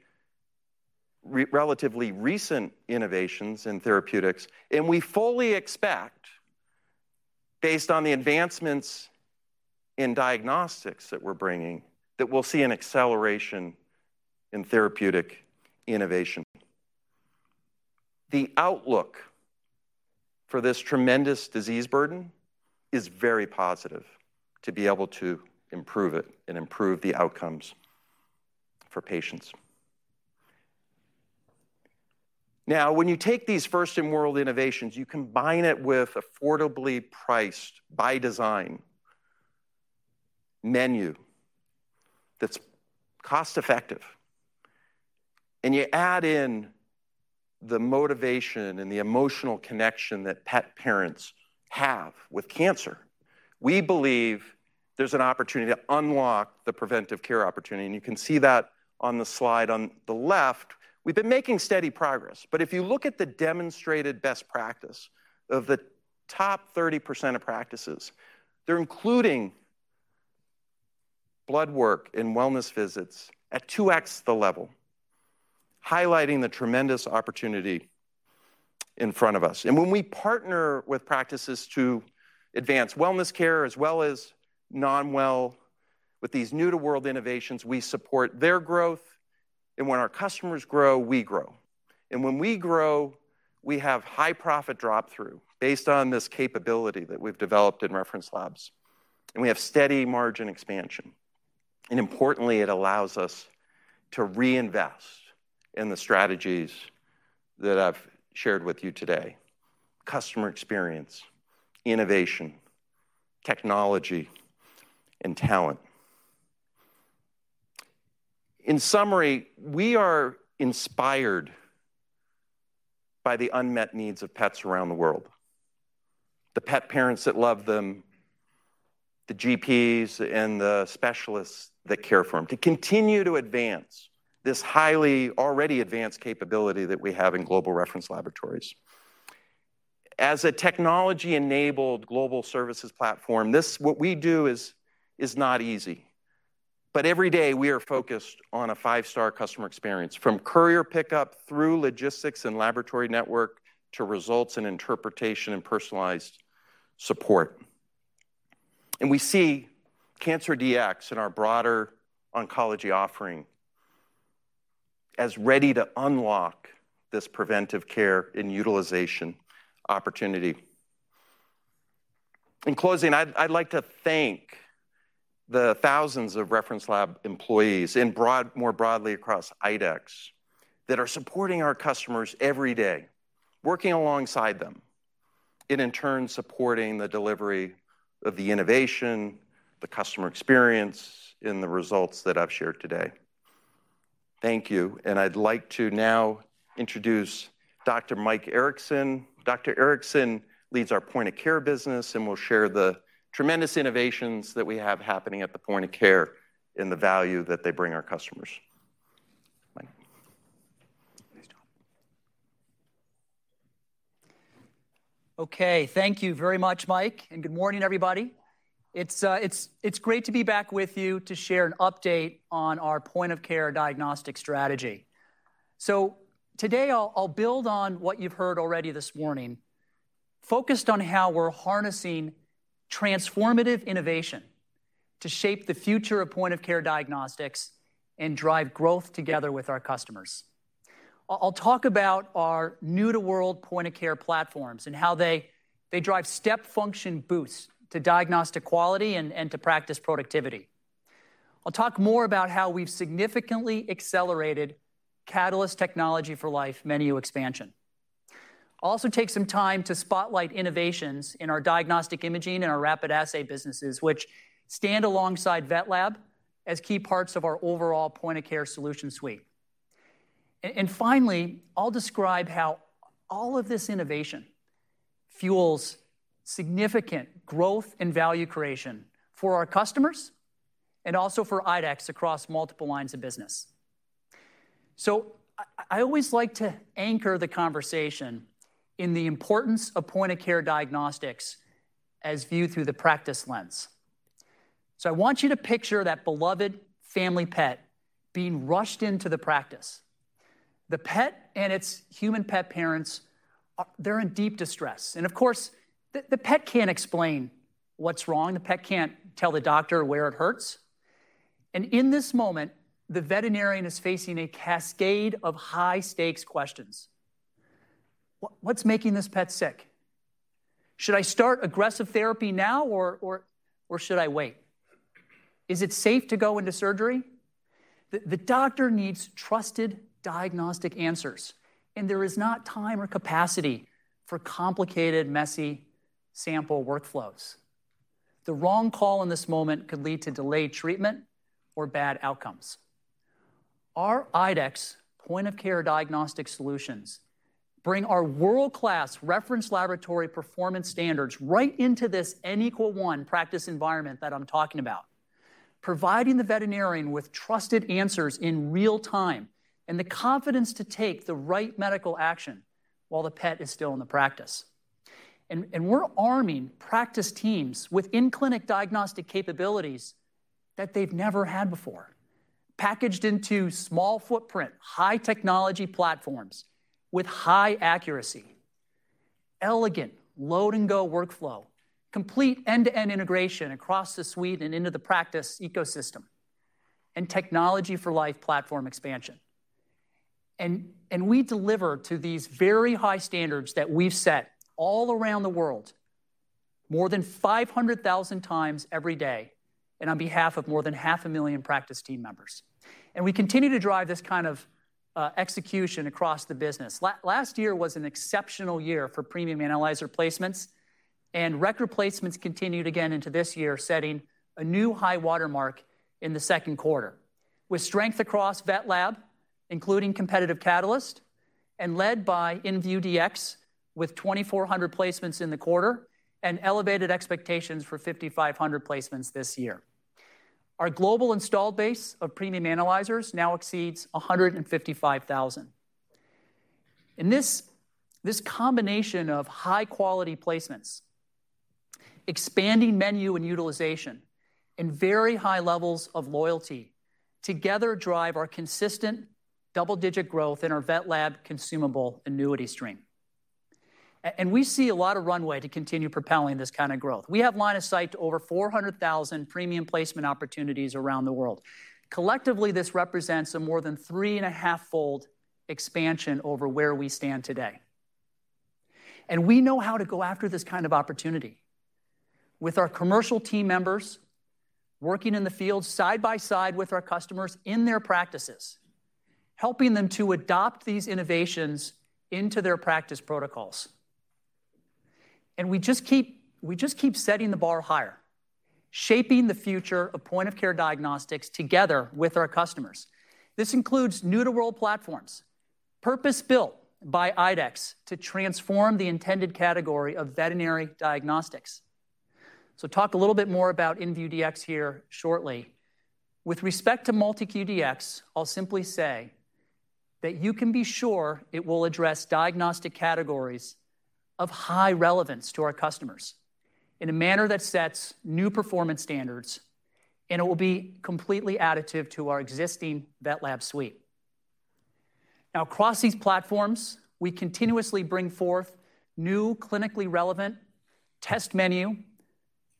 relatively recent innovations in therapeutics. We fully expect, based on the advancements in diagnostics that we are bringing, that we will see an acceleration in therapeutic innovation. The outlook for this tremendous disease burden is very positive to be able to improve it and improve the outcomes for patients. When you take these first-in-world innovations, you combine it with affordably priced, by design, menu that is cost-effective. You add in the motivation and the emotional connection that pet parents have with cancer, we believe there is an opportunity to unlock the preventive care opportunity. You can see that on the slide on the left. We have been making steady progress. If you look at the demonstrated best practice of the top 30% of practices, they are including blood work and wellness visits at 2x the level, highlighting the tremendous opportunity in front of us. When we partner with practices to advance wellness care, as well as non-well, with these new-to-world innovations, we support their growth. When our customers grow, we grow. When we grow, we have high profit drop-through based on this capability that we have developed in reference labs. We have steady margin expansion. Importantly, it allows us to reinvest in the strategies that I have shared with you today: customer experience, innovation, technology, and talent. In summary, we are inspired by the unmet needs of pets around the world, the pet parents that love them, the GPs, and the specialists that care for them, to continue to advance this highly already advanced capability that we have in global reference laboratories. As a technology-enabled global services platform, what we do is not easy. Every day, we are focused on a five-star customer experience, from courier pickup through logistics and laboratory network to results and interpretation and personalized support. We see Cancer Dx in our broader oncology offering as ready to unlock this preventive care and utilization opportunity. In closing, I'd like to thank the thousands of reference lab employees and more broadly across IDEXX that are supporting our customers every day, working alongside them, and in turn, supporting the delivery of the innovation, the customer experience, and the results that I've shared today. Thank you. I'd like to now introduce Dr. Michael Erickson. Dr. Erickson leads our point-of-care business and will share the tremendous innovations that we have happening at the point of care and the value that they bring our customers. Okay. Thank you very much, Mike, and good morning, everybody. It's great to be back with you to share an update on our point-of-care diagnostic strategy. Today, I'll build on what you've heard already this morning, focused on how we're harnessing transformative innovation to shape the future of point-of-care diagnostics and drive growth together with our customers. I'll talk about our new-to-world point-of-care platforms and how they drive step function boosts to diagnostic quality and to practice productivity. I'll talk more about how we've significantly accelerated Catalyst Technology for Life menu expansion. I'll also take some time to spotlight innovations in our diagnostic imaging and our rapid assay businesses, which stand alongside VetLab as key parts of our overall point-of-care solution suite. Finally, I'll describe how all of this innovation fuels significant growth and value creation for our customers and also for IDEXX across multiple lines of business. I always like to anchor the conversation in the importance of point-of-care diagnostics as viewed through the practice lens. I want you to picture that beloved family pet being rushed into the practice. The pet and its human pet parents, they're in deep distress. Of course, the pet can't explain what's wrong. The pet can't tell the doctor where it hurts. In this moment, the veterinarian is facing a cascade of high-stakes questions. What's making this pet sick? Should I start aggressive therapy now or should I wait? Is it safe to go into surgery? The doctor needs trusted diagnostic answers, and there is not time or capacity for complicated, messy sample workflows. The wrong call in this moment could lead to delayed treatment or bad outcomes. Our IDEXX point-of-care diagnostic solutions bring our world-class reference laboratory performance standards right into this and equal one practice environment that I'm talking about, providing the veterinarian with trusted answers in real time and the confidence to take the right medical action while the pet is still in the practice. We're arming practice teams with in-clinic diagnostic capabilities that they've never had before, packaged into small footprint, high-technology platforms with high accuracy, elegant load-and-go workflow, complete end-to-end integration across the suite and into the practice ecosystem, and Technology for Life platform expansion. We deliver to these very high standards that we set all around the world, more than 500,000 times every day, and on behalf of more than half a million practice team members, we continue to drive this kind of execution across the business. Last year was an exceptional year for premium analyzer placements, and record placements continued again into this year, setting a new high watermark in the second quarter. With strength across VetLab, including competitive catalyst, and led by inVue Dx, with 2,400 placements in the quarter and elevated expectations for 5,500 placements this year. Our global installed base of premium analyzers now exceeds 155,000. This combination of high-quality placements, expanding menu and utilization, and very high levels of loyalty together drive our consistent double-digit growth in our VetLab consumable annuity stream. We see a lot of runway to continue propelling this kind of growth. We have line of sight to over 400,000 premium placement opportunities around the world. Collectively, this represents a more than three and a half fold expansion over where we stand today. We know how to go after this kind of opportunity with our commercial team members working in the field side by side with our customers in their practices, helping them to adopt these innovations into their practice protocols. We just keep setting the bar higher, shaping the future of point-of-care diagnostics together with our customers. This includes new-to-world platforms purpose-built by IDEXX to transform the intended category of veterinary diagnostics. I will talk a little bit more about inVue Dx here shortly. With to MultiCue Dx, I will simply say that you can be sure it will address diagnostic categories of high relevance to our customers in a manner that sets new performance standards, and it will be completely additive to our existing VetLab suite. Across these platforms, we continuously bring forth new clinically relevant test menu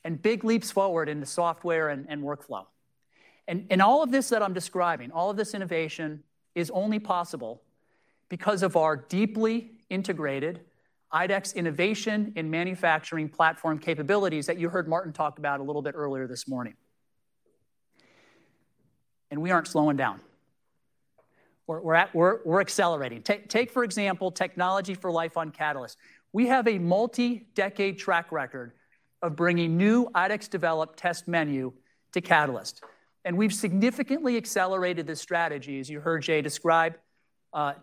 and big leaps forward in the software and workflow. All of this that I am describing, all of this innovation is only possible because of our deeply integrated IDEXX Innovation in Manufacturing platform capabilities that you heard Martin talk about a little bit earlier this morning. We are not slowing down. We are accelerating. Take, for example, Technology for Life on Catalyst. We have a multi-decade track record of bringing new IDEXX-developed test menu to Catalyst. We have significantly accelerated this strategy, as you heard Jay describe,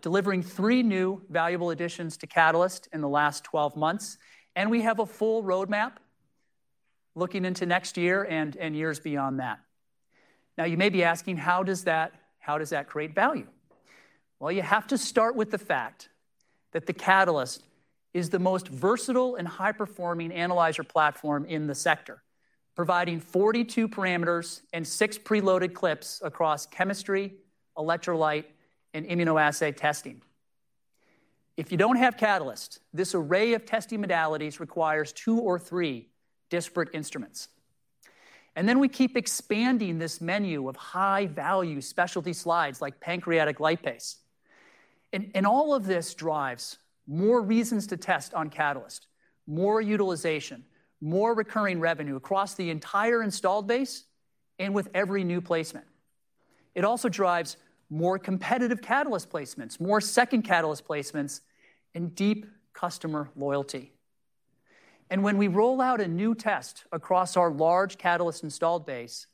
delivering three new valuable additions to Catalyst in the last 12 months and we have a full roadmap looking into next year and years beyond that. You may be asking, how does that create value? You have to start with the fact that Catalyst is the most versatile and high-performing analyzer platform in the sector, providing 42 parameters and six preloaded clips across chemistry, electrolyte, and immunoassay testing. If you don't have Catalyst, this array of testing modalities requires two or three disparate instruments. We keep expanding this menu of high-value specialty slides like pancreatic lipase. All of this drives more reasons to test on Catalyst, more utilization, more recurring revenue across the entire installed base, and with every new placement. It also drives more competitive Catalyst placements, more second Catalyst placements, and deep customer loyalty. When we roll out a new test across our large Catalyst installed base,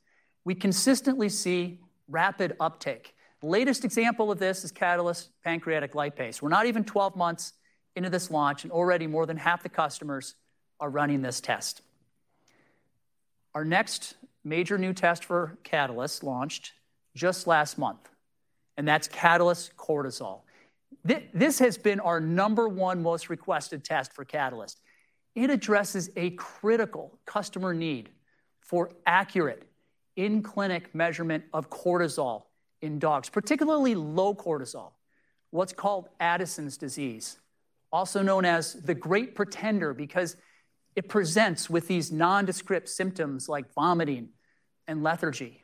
we consistently see rapid uptake. The latest example of this is Catalyst pancreatic lipase. We're not even 12 months into this launch, and already more than half the customers are running this test. Our next major new test for Catalyst launched just last month, and that's Catalyst cortisol. This has been our number one most requested test for Catalyst. It addresses a critical customer need for accurate in-clinic measurement of cortisol in dogs, particularly low cortisol, what's called Addison's disease, also known as the great pretender because it presents with these nondescript symptoms like vomiting and lethargy.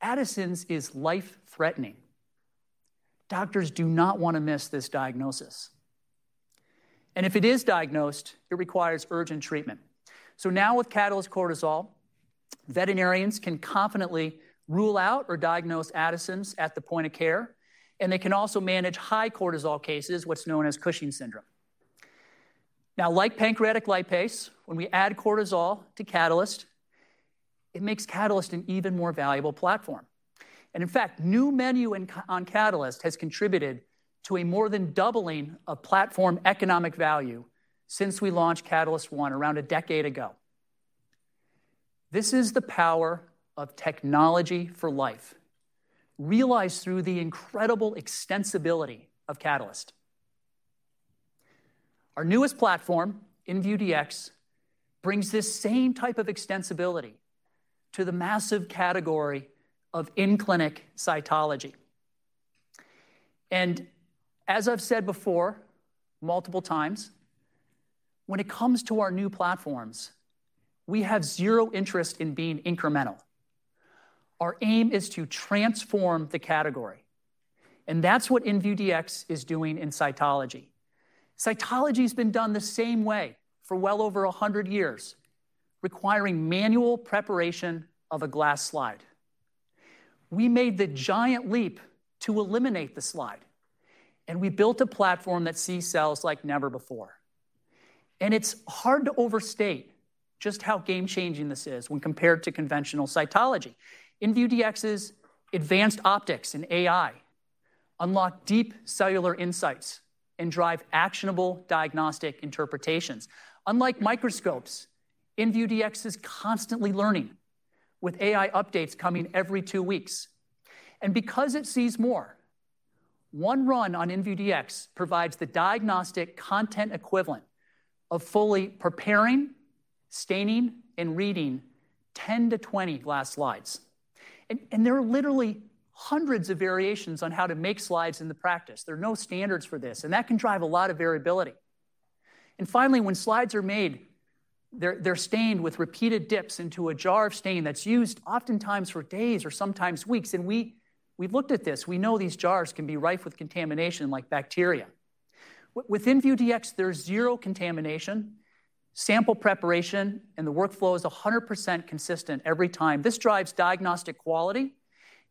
Addison's is life-threatening. Doctors do not want to miss this diagnosis. If it is diagnosed, it requires urgent treatment. Now, with Catalyst cortisol, veterinarians can confidently rule out or diagnose Addison's at the point of care, and they can also manage high cortisol cases, what's known as Cushing's syndrome. Like pancreatic lipase, when we add cortisol to Catalyst, it makes Catalyst an even more valuable platform. In fact, new menu on Catalyst has contributed to a more than doubling of platform economic value since we launched Catalyst One around a decade ago. This is the power of technology for life, realized through the incredible extensibility of Catalyst. Our newest platform, inVue Dx, brings this same type of extensibility to the massive category of in-clinic cytology. As I've said before multiple times, when it comes to our new platforms, we have zero interest in being incremental. Our aim is to transform the category. That's what inVue Dx is doing in cytology. Cytology has been done the same way for well over 100 years, requiring manual preparation of a glass slide. We made the giant leap to eliminate the slide, and we built a platform that sees cells like never before. It is hard to overstate just how game-changing this is when compared to conventional cytology. inVue Dx's advanced optics and AI unlock deep cellular insights and drive actionable diagnostic interpretations. Unlike microscopes, inVue Dx is constantly learning with AI updates coming every two weeks. Because it sees more, one run on inVue Dx provides the diagnostic content equivalent of fully preparing, staining, and reading 10-20 glass slides. There are literally hundreds of variations on how to make slides in the practice. There are no standards for this, and that can drive a lot of variability. Finally, when slides are made, they're stained with repeated dips into a jar of stain that's used oftentimes for days or sometimes weeks. We've looked at this. We know these jars can be rife with contamination like bacteria. With inVue Dx, there's zero contamination. Sample preparation and the workflow is 100% consistent every time. This drives diagnostic quality,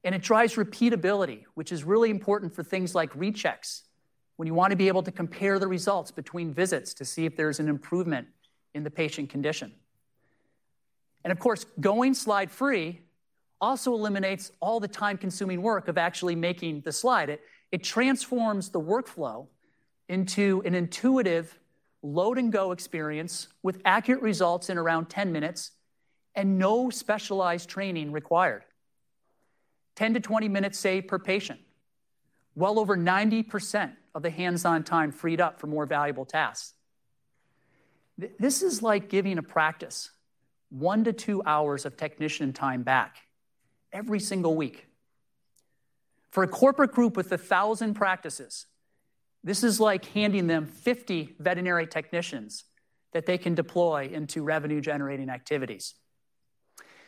and it drives repeatability, which is really important for things like rechecks when you want to be able to compare the results between visits to see if there's an improvement in the patient condition. Going slide-free also eliminates all the time-consuming work of actually making the slide. It transforms the workflow into an intuitive load-and-go experience with accurate results in around 10 minutes and no specialized training required. 10-20 minutes saved per patient, well over 90% of the hands-on time freed up for more valuable tasks. This is like giving a practice one to two hours of technician time back every single week. For a corporate group with 1,000 practices, this is like handing them 50 veterinary technicians that they can deploy into revenue-generating activities.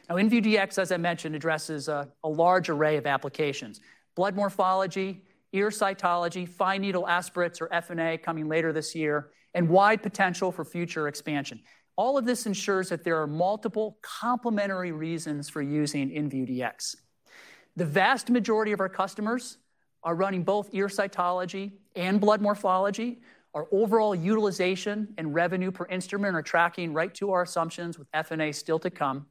inVue Dx, as I mentioned, addresses a large array of applications: blood morphology, ear cytology, fine needle aspirates or FNA coming later this year, and wide potential for future expansion. All of this ensures that there are multiple complementary reasons for using inVue Dx. The vast majority of our customers are running both ear cytology and blood morphology, our overall utilization and revenue per instrument are tracking right to our assumptions with FNA still to come.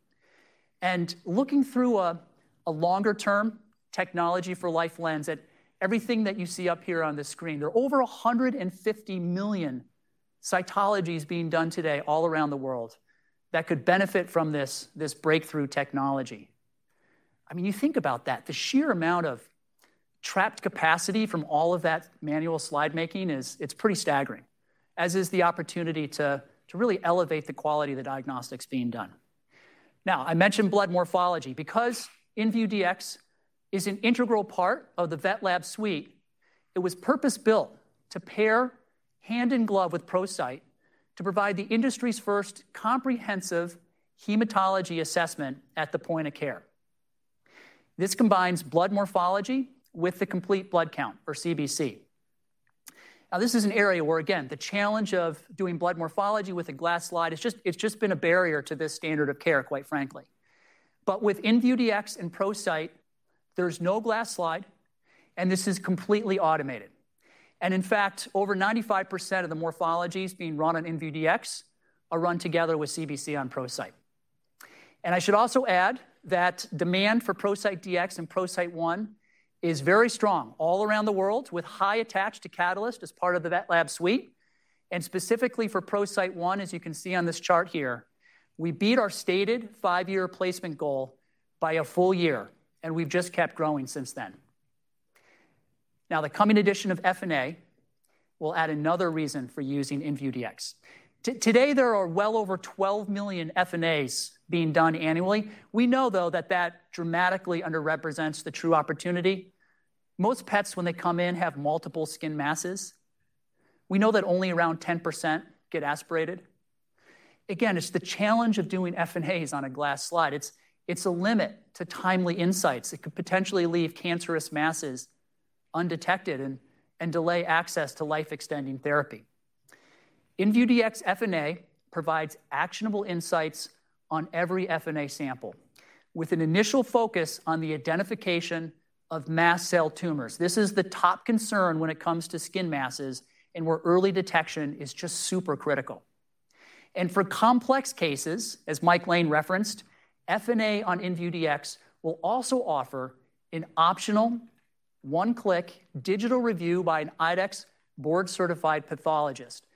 Looking through a longer-term technology for life lens at everything that you see up here on the screen, there are over 150 million cytologies being done today all around the world that could benefit from this breakthrough technology. You think about that. The sheer amount of trapped capacity from all of that manual slide making is pretty staggering, as is the opportunity to really elevate the quality of the diagnostics being done. I mentioned blood morphology. Because inVue Dx is an integral part of the VetLab suite, it was purpose-built to pair hand-in-glove with ProCyte to provide the industry's first comprehensive hematology assessment at the point of care. This combines blood morphology with the complete blood count or CBC. This is an area where, again, the challenge of doing blood morphology with a glass slide has just been a barrier to this standard of care, quite frankly. With inVue Dx and ProCyte, there's no glass slide, and this is completely automated. In fact, over 95% of the morphologies being run on inVue Dx are run together with CBC on ProCyte. I should also add that demand for ProCyte Dx and ProCyte One is very strong all around the world, with high attached to Catalyst as part of the VetLab suite. Specifically for ProCyte One, as you can see on this chart here, we beat our stated five-year placement goal by a full year, and we've just kept growing since then. The coming addition of FNA will add another reason for using inVue Dx. Today, there are well over 12 million FNAs being done annually. We know, though, that that dramatically underrepresents the true opportunity. Most pets, when they come in, have multiple skin masses. We know that only around 10% get aspirated. Again, it's the challenge of doing FNAs on a glass slide. It's a limit to timely insights. It could potentially leave cancerous masses undetected and delay access to life-extending therapy. inVue Dx FNA provides actionable insights on every FNA sample, with an initial focus on the identification of mast cell tumors. This is the top concern when it comes to skin masses and where early detection is just super critical. For complex cases, as Mike Lane referenced, FNA on inVue Dx will also offer an optional one-click digital review by an IDEXX board-certified pathologist,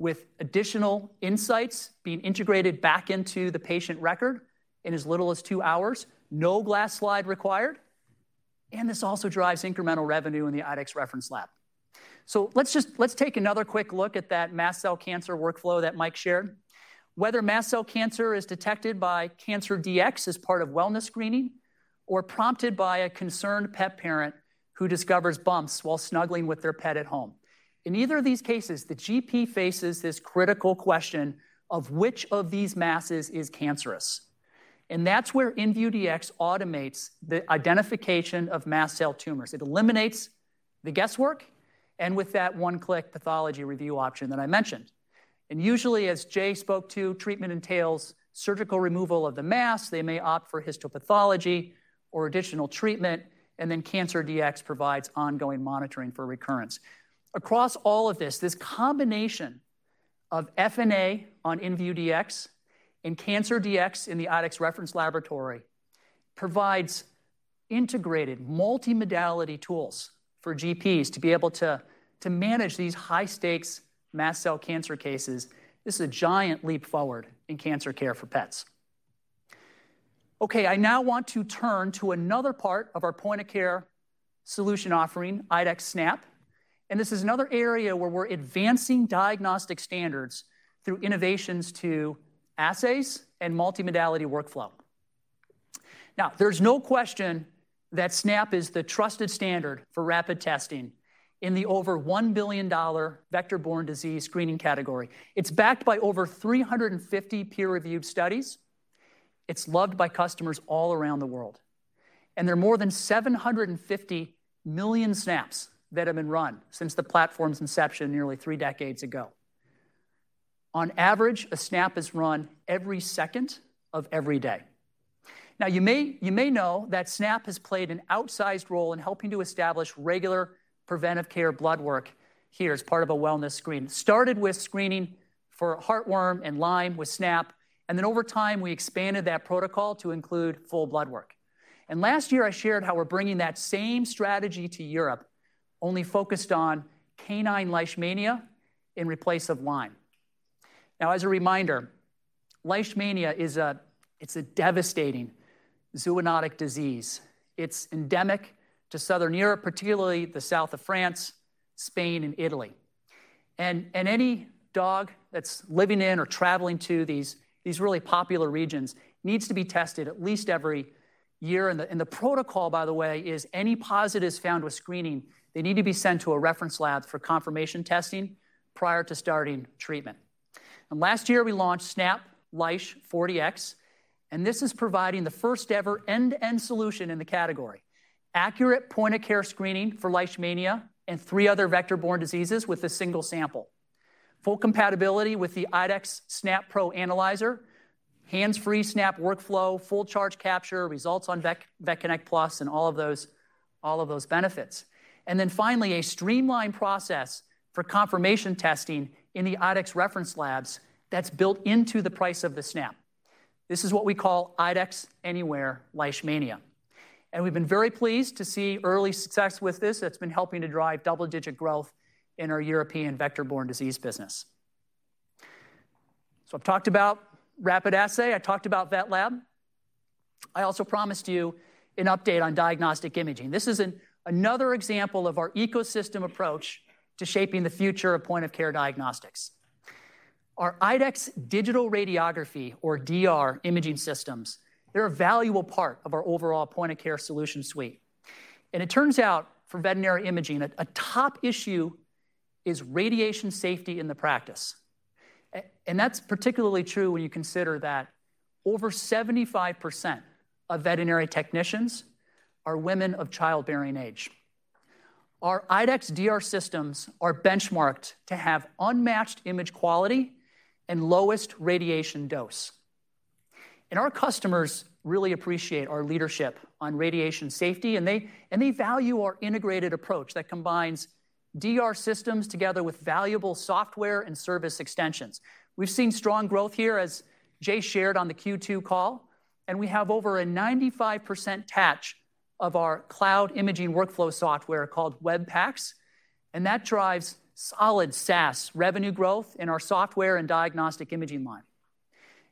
with additional insights being integrated back into the patient record in as little as two hours, no glass slide required, and it also drives incremental revenue in the IDEXX Reference Lab. Let's take another quick look at that mast cell cancer workflow that Mike shared. Whether mast cell cancer is detected by Cancer Dx as part of wellness screening or prompted by a concerned pet parent who discovers bumps while snuggling with their pet at home, in either of these cases, the GP faces this critical question of which of these masses is cancerous and that's where inVue Dx automates the identification of mast cell tumors. It eliminates the guesswork with that one-click pathology review option that I mentioned. Usually, as Jay spoke to, treatment entails surgical removal of the mass. They may opt for histopathology or additional treatment, and then Cancer Dx provides ongoing monitoring for recurrence. Across all of this, this combination of FNA on inVue Dx and Cancer Dx in the IDEXX Reference Laboratory provides integrated multimodality tools for GPs to be able to manage these high-stakes mast cell cancer cases. This is a giant leap forward in cancer care for pets. I now want to turn to another part of our point-of-care solution offering, IDEXX SNAP. This is another area where we're advancing diagnostic standards through innovations to assays and multimodality workflow. There's no question that SNAP is the trusted standard for rapid testing in the over $1 billion vector-borne disease screening category. It's backed by over 350 peer-reviewed studies. It's loved by customers all around the world. There are more than 750 million SNAPs that have been run since the platform's inception nearly three decades ago. On average, a SNAP is run every second of every day. You may know that SNAP has played an outsized role in helping to establish regular preventive care bloodwork here as part of a wellness screen. It started with screening for heartworm and Lyme with SNAP, and over time, we expanded that protocol to include full bloodwork. Last year, I shared how we're bringing that same strategy to Europe, only focused on canine leishmania in place of Lyme. As a reminder, leishmania is a devastating zoonotic disease. It's endemic to Southern Europe, particularly the south of France, Spain, and Italy. Any dog that's living in or traveling to these really popular regions needs to be tested at least every year. The protocol, by the way, is any positives found with screening need to be sent to a reference lab for confirmation testing prior to starting treatment. Last year, we launched SNAP Leish 4Dx. This is providing the first-ever end-to-end solution in the category: accurate point-of-care screening for leishmania and three other vector-borne diseases with a single sample, full compatibility with the IDEXX SNAP Pro analyzer, hands-free SNAP workflow, full charge capture, results on VetConnect PLUS, and all of those benefits. Finally, a streamlined process for confirmation testing in the IDEXX Reference Labs is built into the price of the SNAP. This is what we call IDEXX Anywhere Leishmania. We've been very pleased to see early success with this. It's been helping to drive double-digit growth in our European vector-borne disease business. I've talked about rapid assay. I talked about VetLab. I also promised you an update on diagnostic imaging. This is another example of our ecosystem approach to shaping the future of point-of-care diagnostics. Our IDEXX Digital Radiography, or DR, imaging systems are a valuable part of our overall point-of-care solution suite. It turns out for veterinary imaging that a top issue is radiation safety in the practice. That's particularly true when you consider that over 75% of veterinary technicians are women of childbearing age. Our IDEXX DR systems are benchmarked to have unmatched image quality and lowest radiation dose. Our customers really appreciate our leadership on radiation safety, and they value our integrated approach that combines DR systems together with valuable software and service extensions. We've seen strong growth here, as Jay shared on the Q2 call. We have over a 95% attach of our cloud imaging workflow software called Web PACs, and that drives solid SaaS revenue growth in our software and diagnostic imaging line.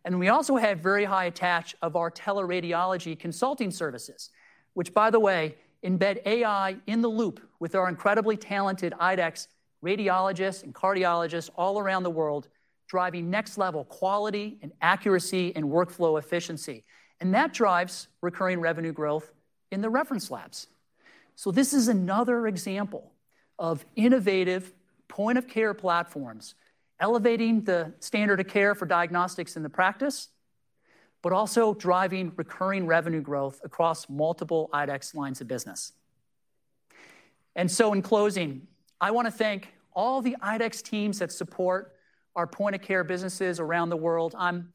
We also have very high attach of our tele-radiology consulting services, which, by the way, embed AI in the loop with our incredibly talented IDEXX radiologists and cardiologists all around the world, driving next-level quality and accuracy and workflow efficiency. That drives recurring revenue growth in the reference labs. This is another example of innovative point-of-care platforms elevating the standard of care for diagnostics in the practice, but also driving recurring revenue growth across multiple IDEXX lines of business. In closing, I want to thank all the IDEXX teams that support our point-of-care businesses around the world. I'm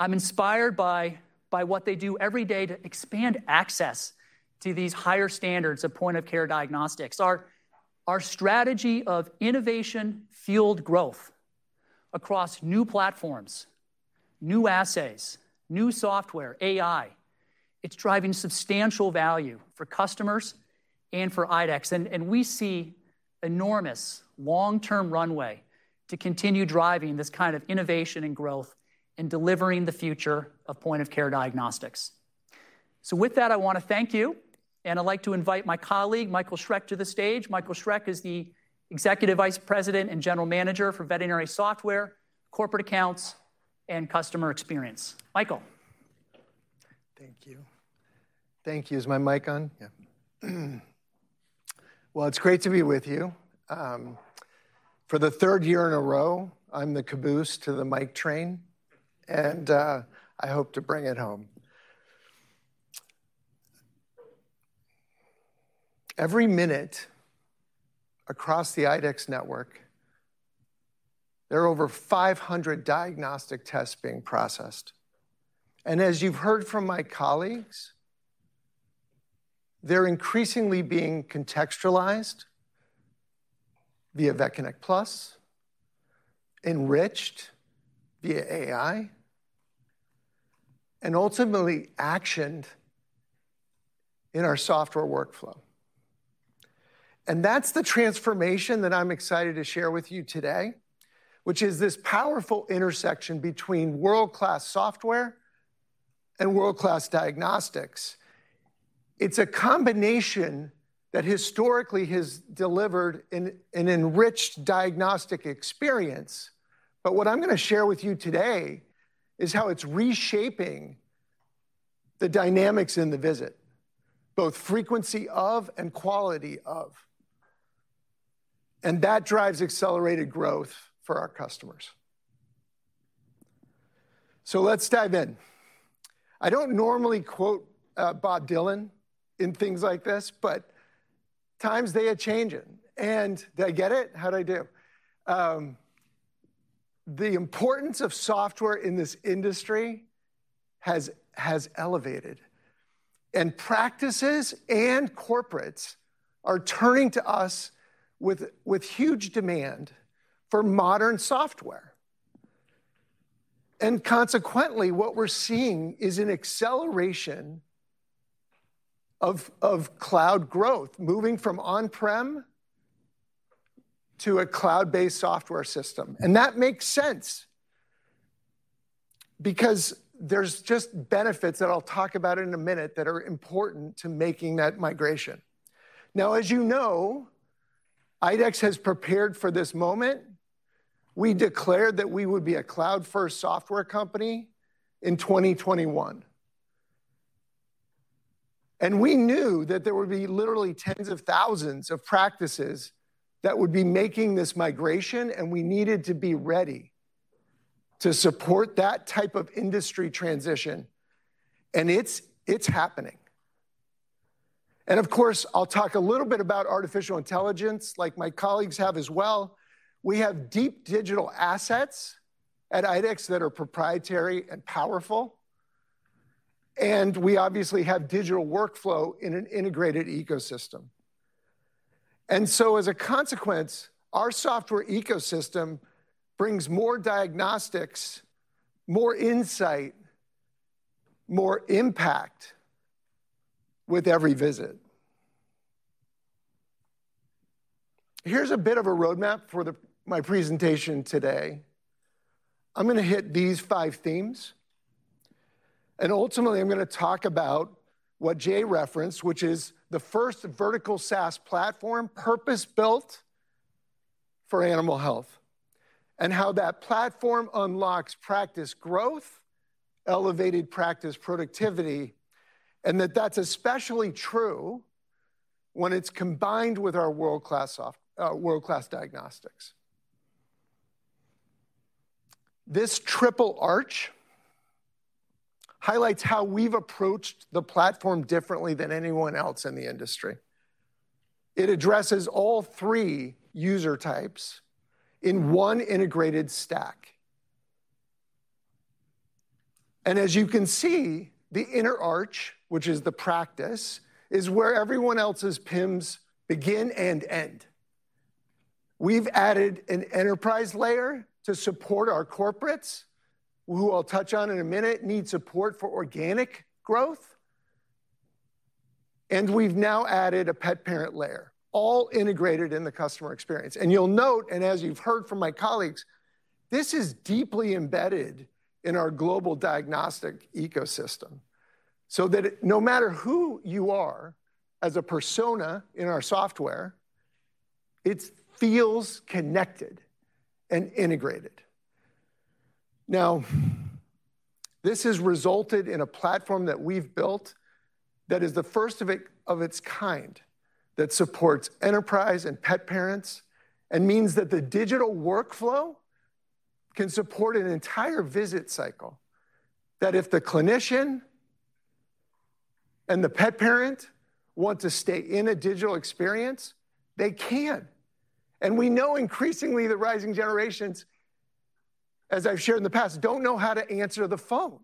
inspired by what they do every day to expand access to these higher standards of point-of-care diagnostics. Our strategy of innovation-fueled growth across new platforms, new assays, new software, AI, is driving substantial value for customers and for IDEXX. We see enormous long-term runway to continue driving this kind of innovation and growth and delivering the future of point-of-care diagnostics. With that I want to thank you. I'd like to invite my colleague, Michael Schreck, to the stage. Michael Schreck is the Executive Vice President and General Manager for Veterinary Software, Corporate Accounts, and Customer Experience. Michael? Thank you. Thank you. Is my mic on? Yeah. It's great to be with you. For the third year in a row, I'm the caboose to the mic train, and I hope to bring it home. Every minute across the IDEXX network, there are over 500 diagnostic tests being processed. As you've heard from my colleagues, they're increasingly being contextualized via VetConnect PLUS, enriched via AI, and ultimately actioned in our software workflow. That's the transformation that I'm excited to share with you today, which is this powerful intersection between world-class software and world-class diagnostics. It's a combination that historically has delivered an enriched diagnostic experience. What I'm going to share with you today is how it's reshaping the dynamics in the visit, both frequency of and quality of. That drives accelerated growth for our customers. Let's dive in. I don't normally quote Bob Dylan in things like this, but times, they are changing. Did I get it? How did I do? The importance of software in this industry has elevated. Practices and corporates are turning to us with huge demand for modern software. Consequently, what we're seeing is an acceleration of cloud growth, moving from on-prem to a cloud-based software system. That makes sense because there are just benefits that I'll talk about in a minute that are important to making that migration. As you know, IDEXX has prepared for this moment. We declared that we would be a cloud-first software company in 2021. We knew that there would be literally tens of thousands of practices that would be making this migration, and we needed to be ready to support that type of industry transition. It's happening. Of course, I'll talk a little bit about artificial intelligence, like my colleagues have as well. We have deep digital assets at IDEXX that are proprietary and powerful. We obviously have digital workflow in an integrated ecosystem. As a consequence, our software ecosystem brings more diagnostics, more insight, more impact with every visit. Here's a bit of a roadmap for my presentation today. I'm going to hit these five themes. Ultimately, I'm going to talk about what Jay referenced, which is the first vertical SaaS platform purpose-built for animal health and how that platform unlocks practice growth, elevated practice productivity, and that that's especially true when it's combined with our world-class diagnostics. This triple arch highlights how we've approached the platform differently than anyone else in the industry. It addresses all three user types in one integrated stack. As you can see, the inner arch, which is the practice, is where everyone else's PIMs begin and end. We've added an enterprise layer to support our corporates, who I'll touch on in a minute, need support for organic growth. We've now added a pet parent layer, all integrated in the customer experience. You'll note, as you've heard from my colleagues, this is deeply embedded in our global diagnostic ecosystem so that no matter who you are as a persona in our software, it feels connected and integrated. This has resulted in a platform that we've built that is the first of its kind that supports enterprise and pet parents and means that the digital workflow can support an entire visit cycle. If the clinician and the pet parent want to stay in a digital experience, they can. We know increasingly the rising generations, as I've shared in the past, don't know how to answer the phone.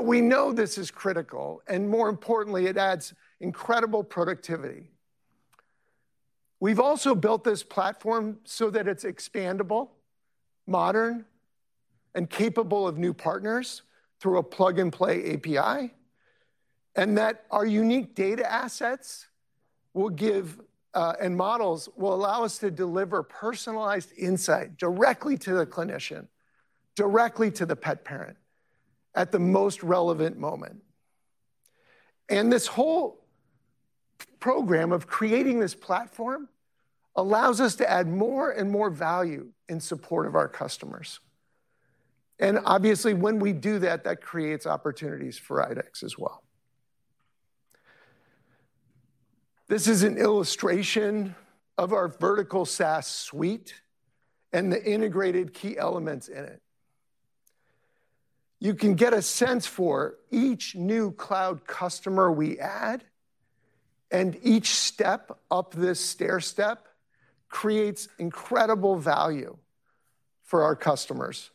We know this is critical. More importantly, it adds incredible productivity. We've also built this platform so that it's expandable, modern, and capable of new partners through a plug-and-play API, and that our unique data assets and models will allow us to deliver personalized insight directly to the clinician, directly to the pet parent at the most relevant moment. This whole program of creating this platform allows us to add more and more value in support of our customers. Obviously, when we do that, that creates opportunities for IDEXX as well. This is an illustration of our vertical SaaS suite and the integrated key elements in it. You can get a sense for each new cloud customer we add, and each step up this stair step creates incredible value for our customers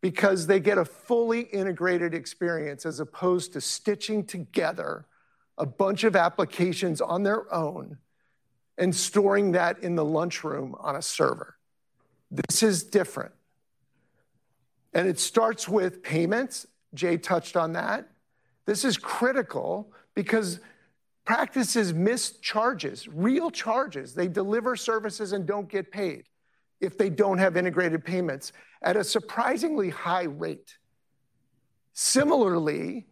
because they get a fully integrated experience as opposed to stitching together a bunch of applications on their own and storing that in the lunchroom on a server. This is different. It starts with payments. Jay touched on that. This is critical because practices miss charges, real charges. They deliver services and don't get paid if they don't have integrated payments at a surprisingly high rate. Similarly,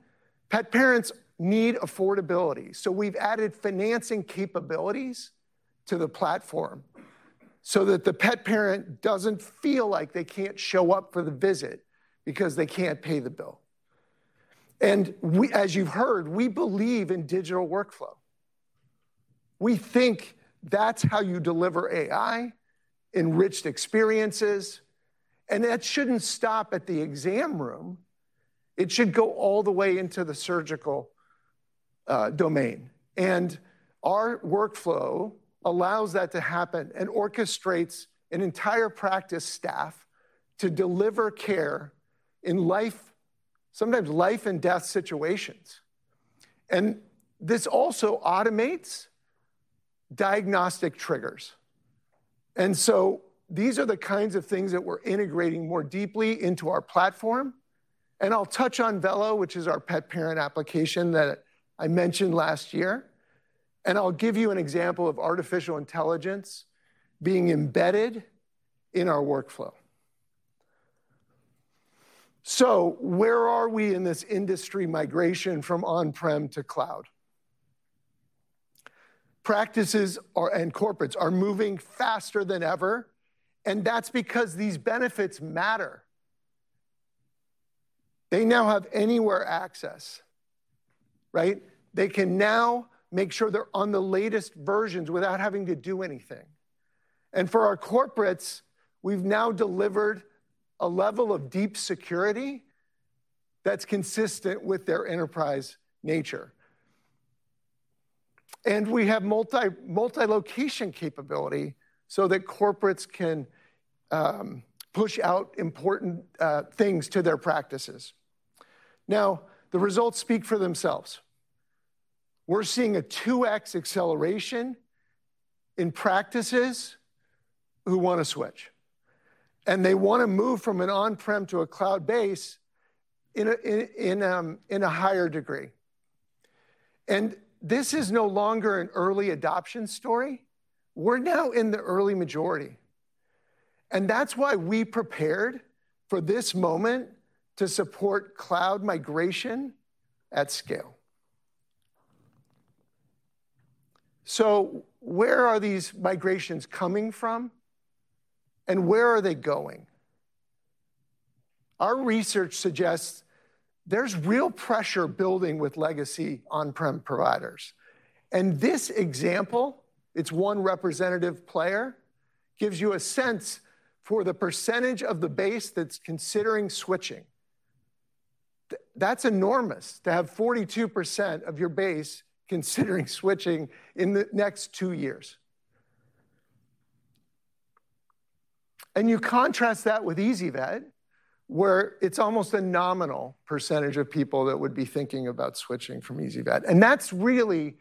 pet parents need affordability. We've added financing capabilities to the platform so that the pet parent doesn't feel like they can't show up for the visit because they can't pay the bill. As you've heard, we believe in digital workflow. We think that's how you deliver AI-enriched experiences. That shouldn't stop at the exam room. It should go all the way into the surgical domain. Our workflow allows that to happen and orchestrates an entire practice staff to deliver care in sometimes life and death situations. This also automates diagnostic triggers. These are the kinds of things that we're integrating more deeply into our platform. I'll touch on Vello, which is our pet parent application that I mentioned last year. I'll give you an example of artificial intelligence being embedded in our workflow. Where are we in this industry migration from on-prem to cloud? Practices and corporates are moving faster than ever. That's because these benefits matter. They now have anywhere access. They can now make sure they're on the latest versions without having to do anything. For our corporates, we've now delivered a level of deep security that's consistent with their enterprise nature. We have multi-location capability so that corporates can push out important things to their practices. Now the results speak for themselves. We're seeing a 2x acceleration in practices who want to switch. They want to move from an on-prem to a cloud base in a higher degree. This is no longer an early adoption story. We're now in the early majority. That's why we prepared for this moment to support cloud migration at scale. Where are these migrations coming from? Where are they going? Our research suggests there's real pressure building with legacy on-prem providers. In this example, it's one representative player, gives you a sense for the percentage of the base that's considering switching. That's enormous to have 42% of your base considering switching in the next two years. You contrast that with easyvet, where it's almost a nominal percentage of people that would be thinking about switching from easyvet. That's really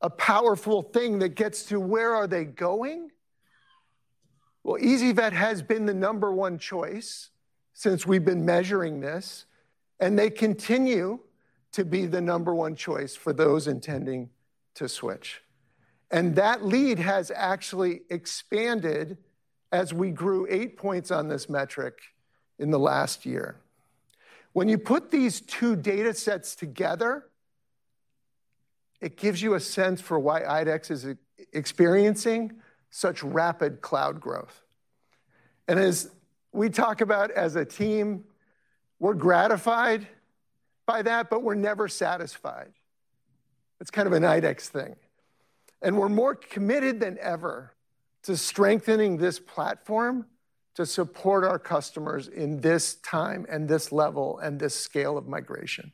a powerful thing that gets to where are they going. Well, easyvet has been the number one choice since we've been measuring this and they continue to be the number one choice for those intending to switch. That lead has actually expanded as we grew eight points on this metric in the last year. When you put these two data sets together, it gives you a sense for why IDEXX is experiencing such rapid cloud growth. As we talk about as a team, we're gratified by that, but we're never satisfied. It's kind of an IDEXX thing. We're more committed than ever to strengthening this platform to support our customers in this time and this level and this scale of migration.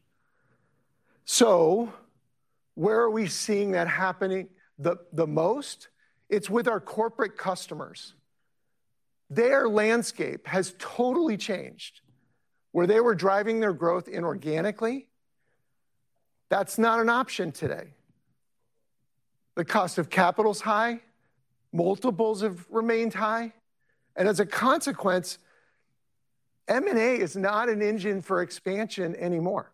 Where are we seeing that happening the most? It's with our corporate customers. Their landscape has totally changed. Where they were driving their growth inorganically, that's not an option today. The cost of capital is high. Multiples have remained high. As a consequence, M&A is not an engine for expansion anymore.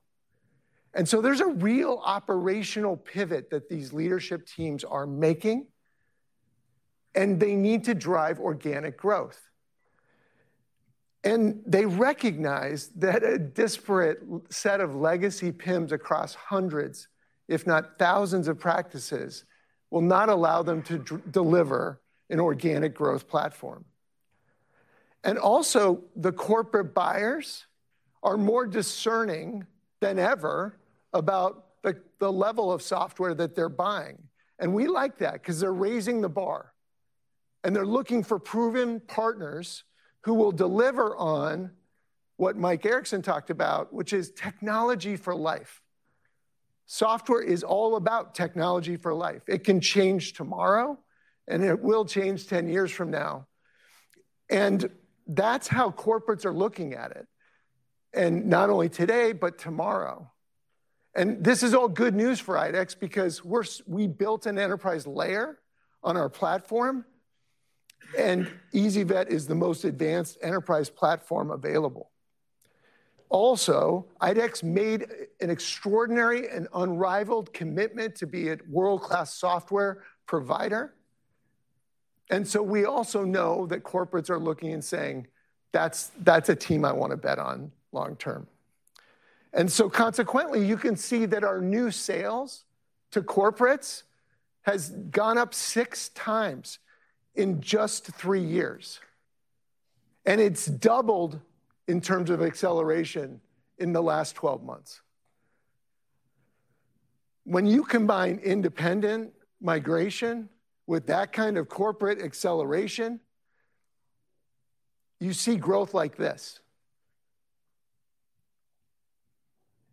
There's a real operational pivot that these leadership teams are making and they need to drive organic growth. They recognize that a disparate set of legacy PIMs across hundreds, if not thousands, of practices will not allow them to deliver an organic growth platform. Also, the corporate buyers are more discerning than ever about the level of software that they're buying. We like that because they're raising the bar. They're looking for proven partners who will deliver on what Mike Erickson talked about, which is technology for life. Software is all about technology for life. It can change tomorrow, and it will change 10 years from now. That's how corporates are looking at it, not only today, but tomorrow. This is all good news for IDEXX because we built an enterprise layer on our platform, and easyvet is the most advanced enterprise platform available. Also, IDEXX made an extraordinary and unrivaled commitment to be a world-class software provider. We also know that corporates are looking and saying, that's a team I want to bet on long term. Consequently, you can see that our new sales to corporates have gone up six times in just three years. It's doubled in terms of acceleration in the last 12 months. When you combine independent migration with that kind of corporate acceleration, you see growth like this.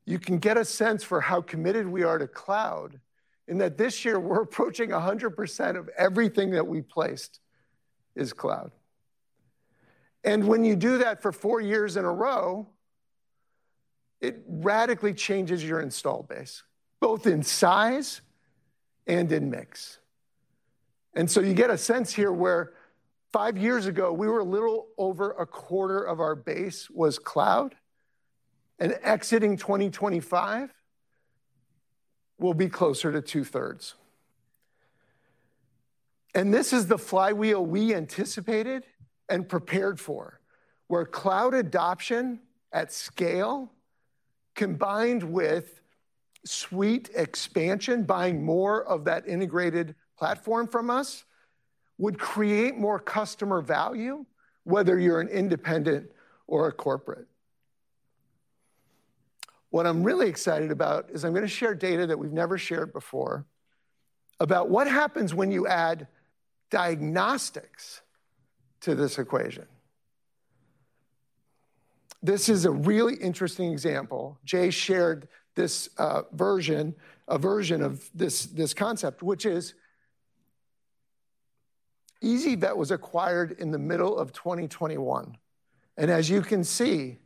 You can get a sense for how committed we are to cloud in that this year, we're approaching 100% of everything that we placed is cloud. When you do that for four years in a row, it radically changes your install base, both in size and in mix. You get a sense here where five years ago, we were a little over a quarter of our base was cloud and exiting 2025, we'll be closer to 2/3. This is the flywheel we anticipated and prepared for, where cloud adoption at scale combined with suite expansion, buying more of that integrated platform from us, would create more customer value, whether you're an independent or a corporate. What I'm really excited about is I'm going to share data that we've never shared before about what happens when you add diagnostics to this equation. This is a really interesting example. Jay shared a version of this concept, which is easyvet was acquired in the middle of 2021. As you can see,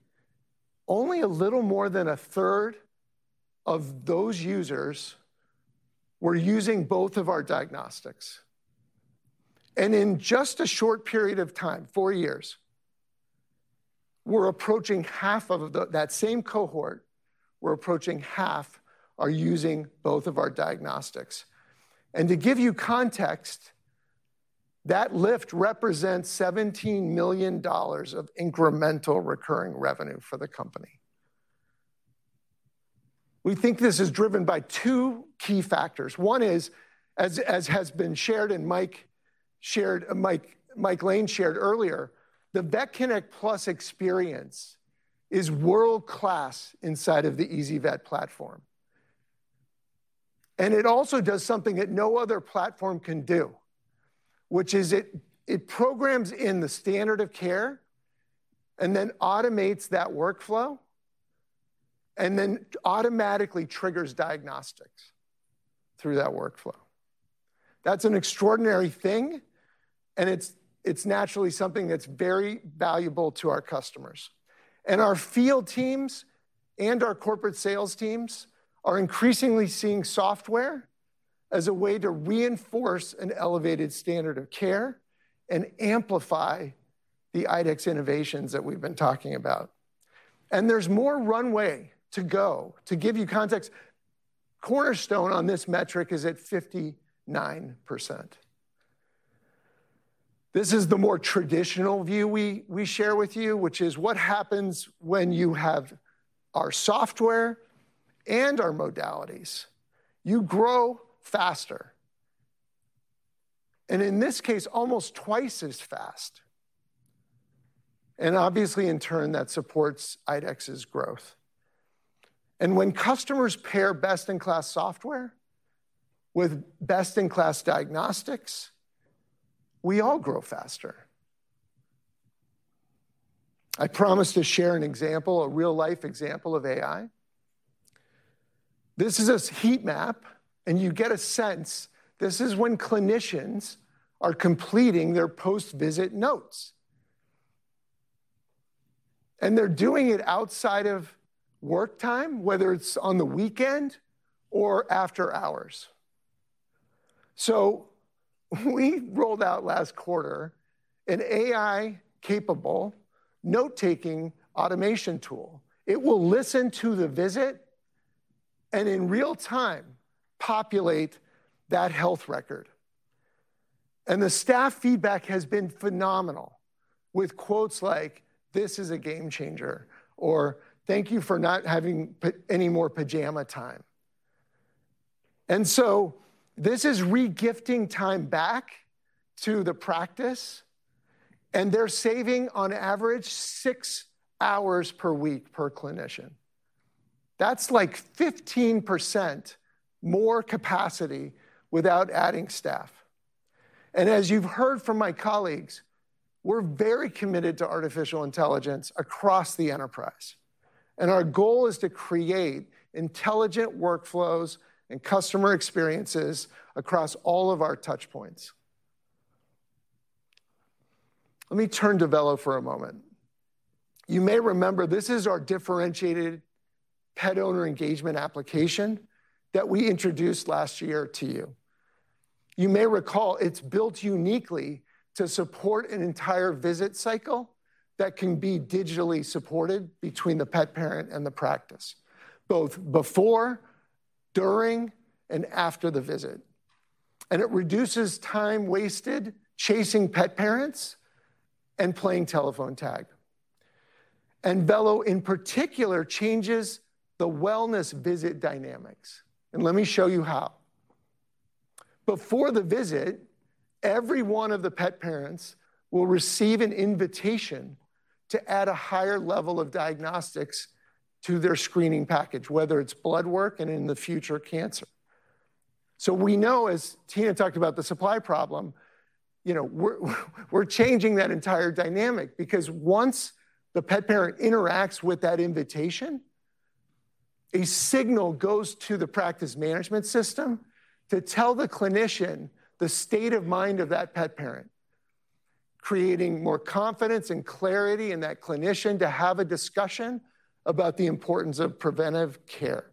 only a little more than a third of those users were using both of our diagnostics. In just a short period of time, four years, we're approaching half of that same cohort. We're approaching half are using both of our diagnostics. To give you context, that lift represents $17 million of incremental recurring revenue for the company. We think this is driven by two key factors. One is, as Mike Lane shared earlier, the VetConnect PLUS experience is world-class inside of the easyvet platform. It also does something that no other platform can do, which is it programs in the standard of care and then automates that workflow and then automatically triggers diagnostics through that workflow. That's an extraordinary thing. It's naturally something that's very valuable to our customers. Our field teams and our corporate sales teams are increasingly seeing software as a way to reinforce an elevated standard of care and amplify the IDEXX innovations that we've been talking about. There's more runway to go. To give you context, the cornerstone on this metric is at 59%. This is the more traditional view we share with you, which is what happens when you have our software and our modalities. You grow faster. In this case, almost twice as fast. Obviously, in turn, that supports IDEXX's growth. When customers pair best-in-class software with best-in-class diagnostics, we all grow faster. I promised to share an example, a real-life example of AI. This is a heat map. You get a sense this is when clinicians are completing their post-visit notes. They're doing it outside of work time, whether it's on the weekend or after hours. We rolled out last quarter an AI-capable note-taking automation tool. It will listen to the visit and in real time populate that health record. The staff feedback has been phenomenal with quotes like, "This is a game changer," or, "Thank you for not having any more pajama time." This is re-gifting time back to the practice. They're saving on average six hours per week per clinician. That's like 15% more capacity without adding staff. As you've heard from my colleagues, we're very committed to artificial intelligence across the enterprise. Our goal is to create intelligent workflows and customer experiences across all of our touchpoints. Let me turn to Vello for a moment. You may remember this is our differentiated pet owner engagement application that we introduced last year to you. You may recall it's built uniquely to support an entire visit cycle that can be digitally supported between the pet parent and the practice, both before, during, and after the visit. It reduces time wasted chasing pet parents and playing telephone tag. Vello, in particular, changes the wellness visit dynamics. Let me show you how. Before the visit, every one of the pet parents will receive an invitation to add a higher level of diagnostics to their screening package, whether it's bloodwork and in the future, cancer. We know, as Tina talked about the supply problem, we're changing that entire dynamic because once the pet parent interacts with that invitation, a signal goes to the practice management system to tell the clinician the state of mind of that pet parent, creating more confidence and clarity in that clinician to have a discussion about the importance of preventive care.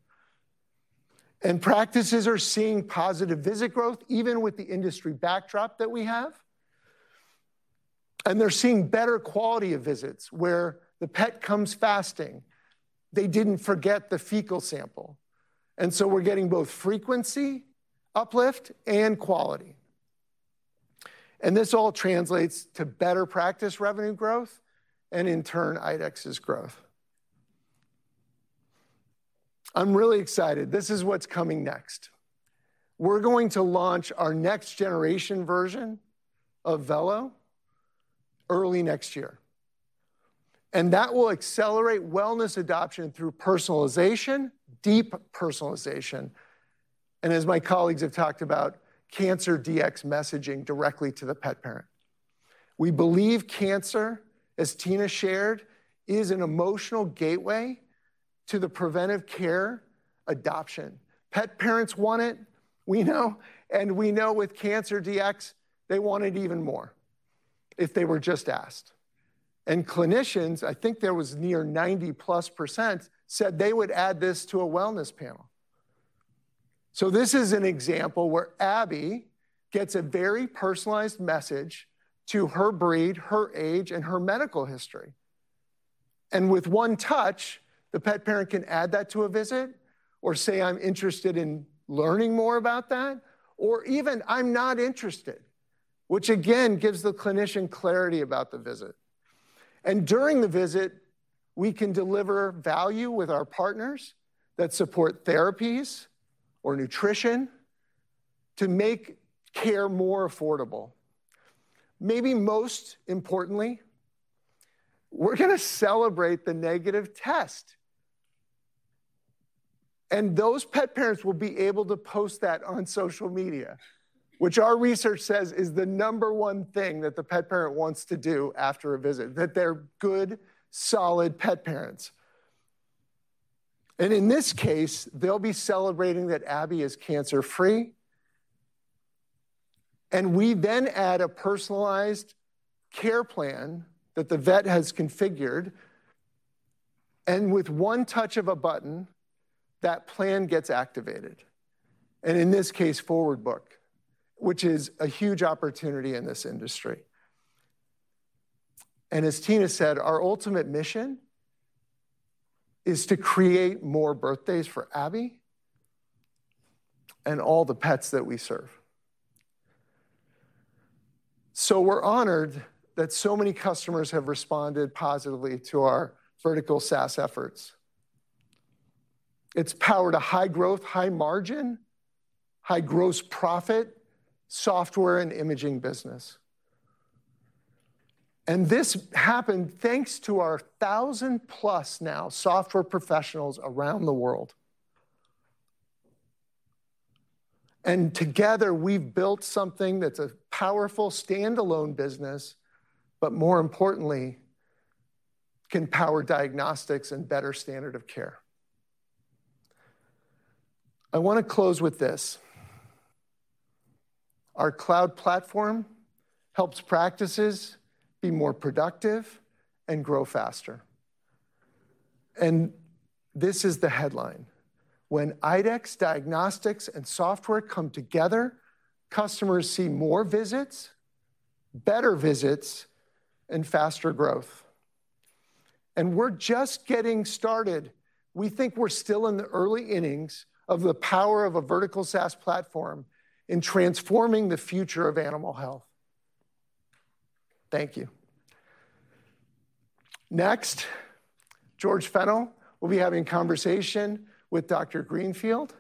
Practices are seeing positive visit growth, even with the industry backdrop that we have and they're seeing better quality of visits, where the pet comes fasting. They didn't forget the fecal sample. We're getting both frequency uplift and quality. This all translates to better practice revenue growth and, in turn, IDEXX's growth. I'm really excited. This is what's coming next. We're going to launch our next-generation version of Vello early next year. That will accelerate wellness adoption through personalization, deep personalization, and, as my colleagues have talked about, Cancer Dx messaging directly to the pet parent. We believe cancer, as Tina shared, is an emotional gateway to the preventive care adoption. Pet parents want it, we know. We know with Cancer Dx, they want it even more if they were just asked. Clinicians, I think there was near 90%+, said they would add this to a wellness panel. This is an example where Abby gets a very personalized message to her breed, her age, and her medical history. With one touch, the pet parent can add that to a visit or say, "I'm interested in learning more about that," or even, "I'm not interested," which gives the clinician clarity about the visit. During the visit, we can deliver value with our partners that support therapies or nutrition to make care more affordable. Maybe most importantly, we're going to celebrate the negative test. Those pet parents will be able to post that on social media, which our research says is the number one thing that the pet parent wants to do after a visit, that they're good, solid pet parents. In this case, they'll be celebrating that Abby is cancer-free. We then add a personalized care plan that the vet has configured. With one touch of a button, that plan gets activated, and in this case, forward book, which is a huge opportunity in this industry. As Tina said, our ultimate mission is to create more birthdays for Abby and all the pets that we serve. We're honored that so many customers have responded positively to our vertical SaaS efforts. It's powered a high growth, high margin, high gross profit software and imaging business. This happened thanks to our 1,000+ now software professionals around the world. Together, we've built something that's a powerful standalone business, but more importantly, can power diagnostics and better standard of care. I want to close with this. Our cloud platform helps practices be more productive and grow faster. This is the headline. When IDEXX, diagnostics, and software come together, customers see more visits, better visits, and faster growth. We're just getting started. We think we're still in the early innings of the power of a vertical SaaS platform in transforming the future of animal health. Thank you. Next, George Fennell will be having a conversation with Dr. Brian Greenfield.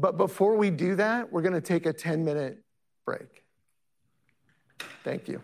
Before we do that, we're going to take a 10-minute break. Thank you.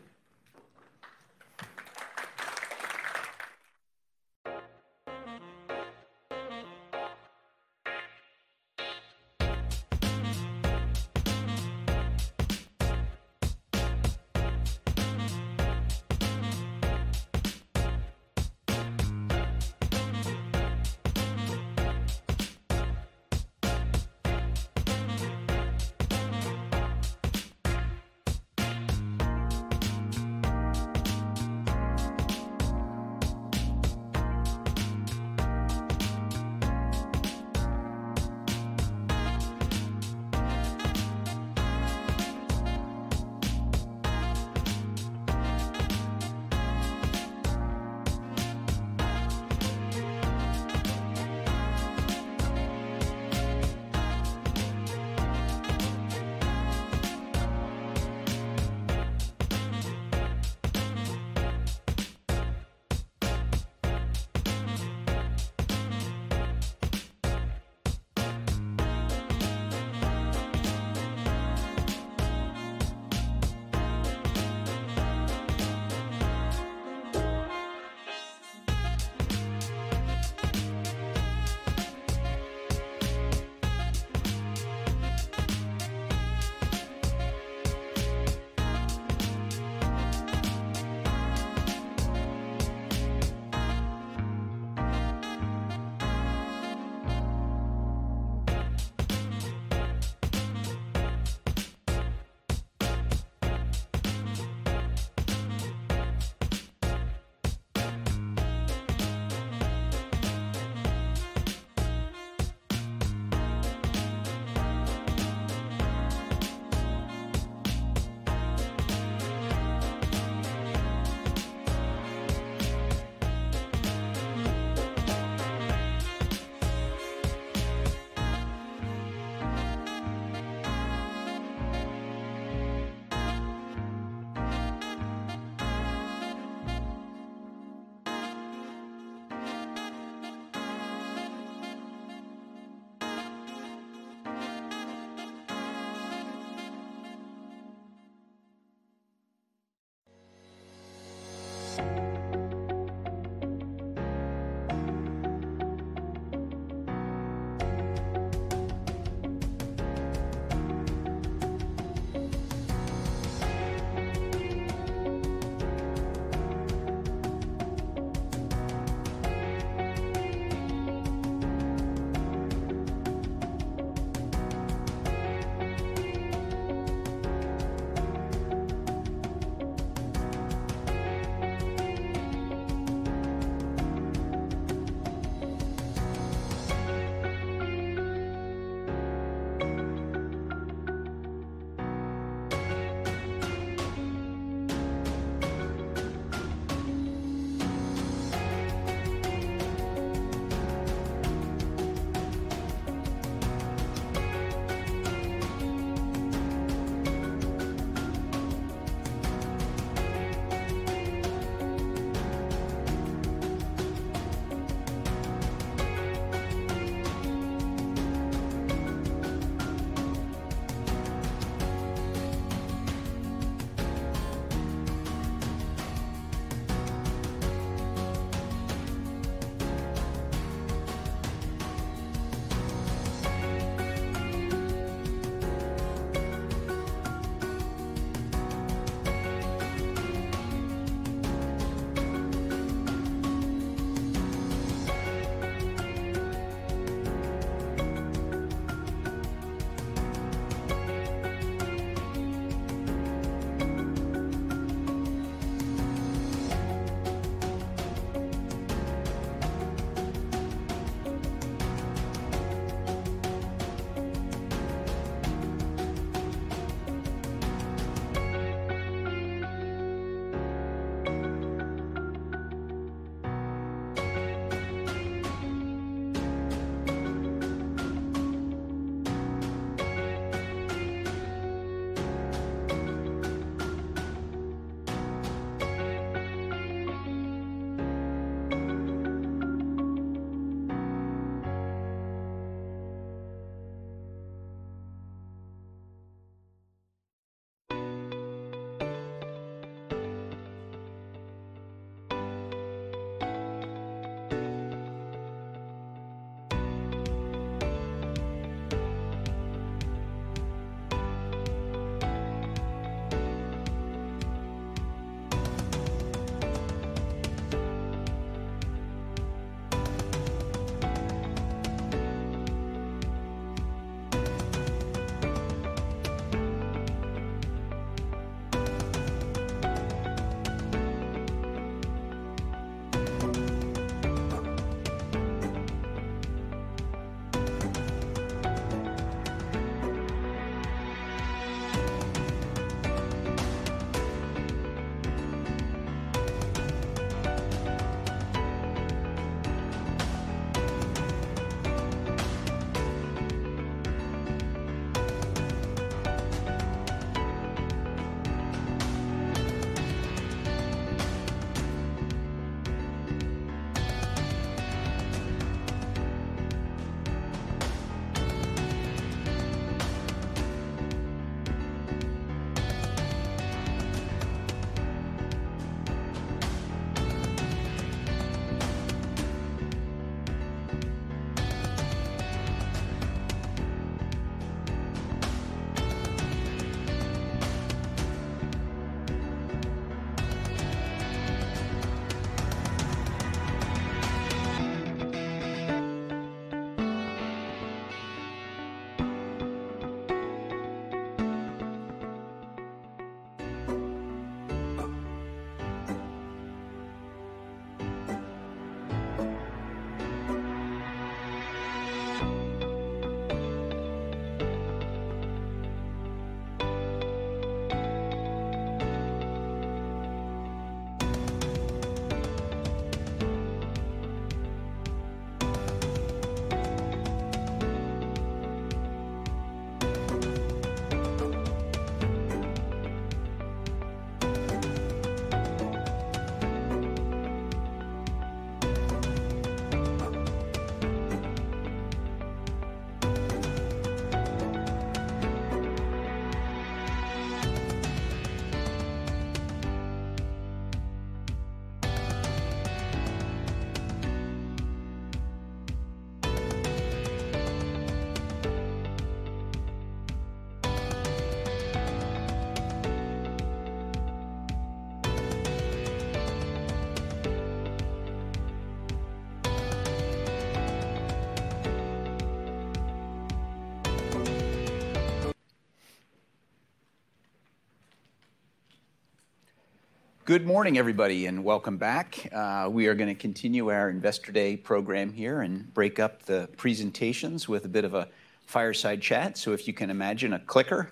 Good morning, everybody, and welcome back. We are going to continue our Investor Day program here and break up the presentations with a bit of a fireside chat. If you can imagine a clicker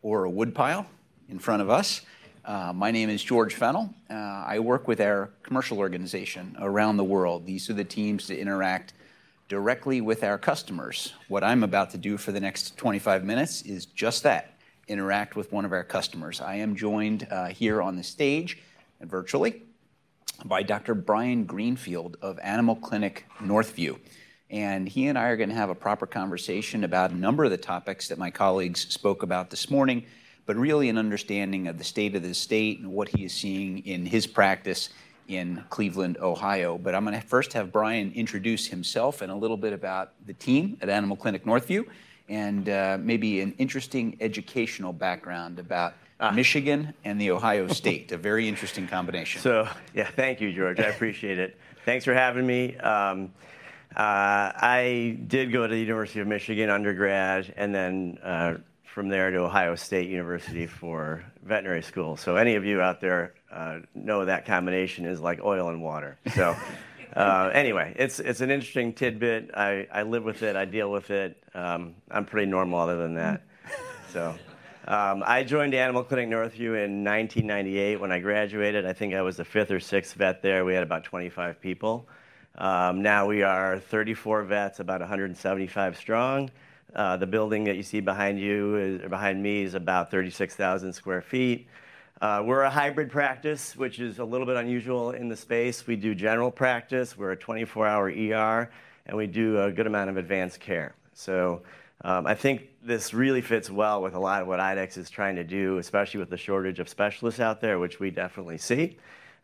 or a woodpile in front of us, my name is George Fennell. I work with our commercial organization around the world. These are the teams that interact directly with our customers. What I'm about to do for the next 25 minutes is just that, interact with one of our customers. I am joined here on the stage virtually by Dr. Brian Greenfield of Animal Clinic Northview. He and I are going to have a proper conversation about a number of the topics that my colleagues spoke about this morning, really an understanding of the state of the state and what he is seeing in his practice in Cleveland, Ohio. I'm going to first have Brian introduce himself and a little bit about the team at Animal Clinic Northview and maybe an interesting educational background about Michigan and the Ohio State, a very interesting combination. Thank you, George. I appreciate it. Thanks for having me. I did go to the University of Michigan undergrad, and then from there to Ohio State University for veterinary school. Any of you out there know that combination is like oil and water. It's an interesting tidbit. I live with it. I deal with it. I'm pretty normal other than that. I joined Animal Clinic Northview in 1998 when I graduated. I think I was the fifth or sixth vet there. We had about 25 people. Now we are 34 vets, about 175 strong. The building that you see behind you or behind me is about 36,000 square feet. We're a hybrid practice, which is a little bit unusual in the space. We do general practice. We're a 24-hour ER, and we do a good amount of advanced care. I think this really fits well with a lot of what IDEXX is trying to do, especially with the shortage of specialists out there, which we definitely see.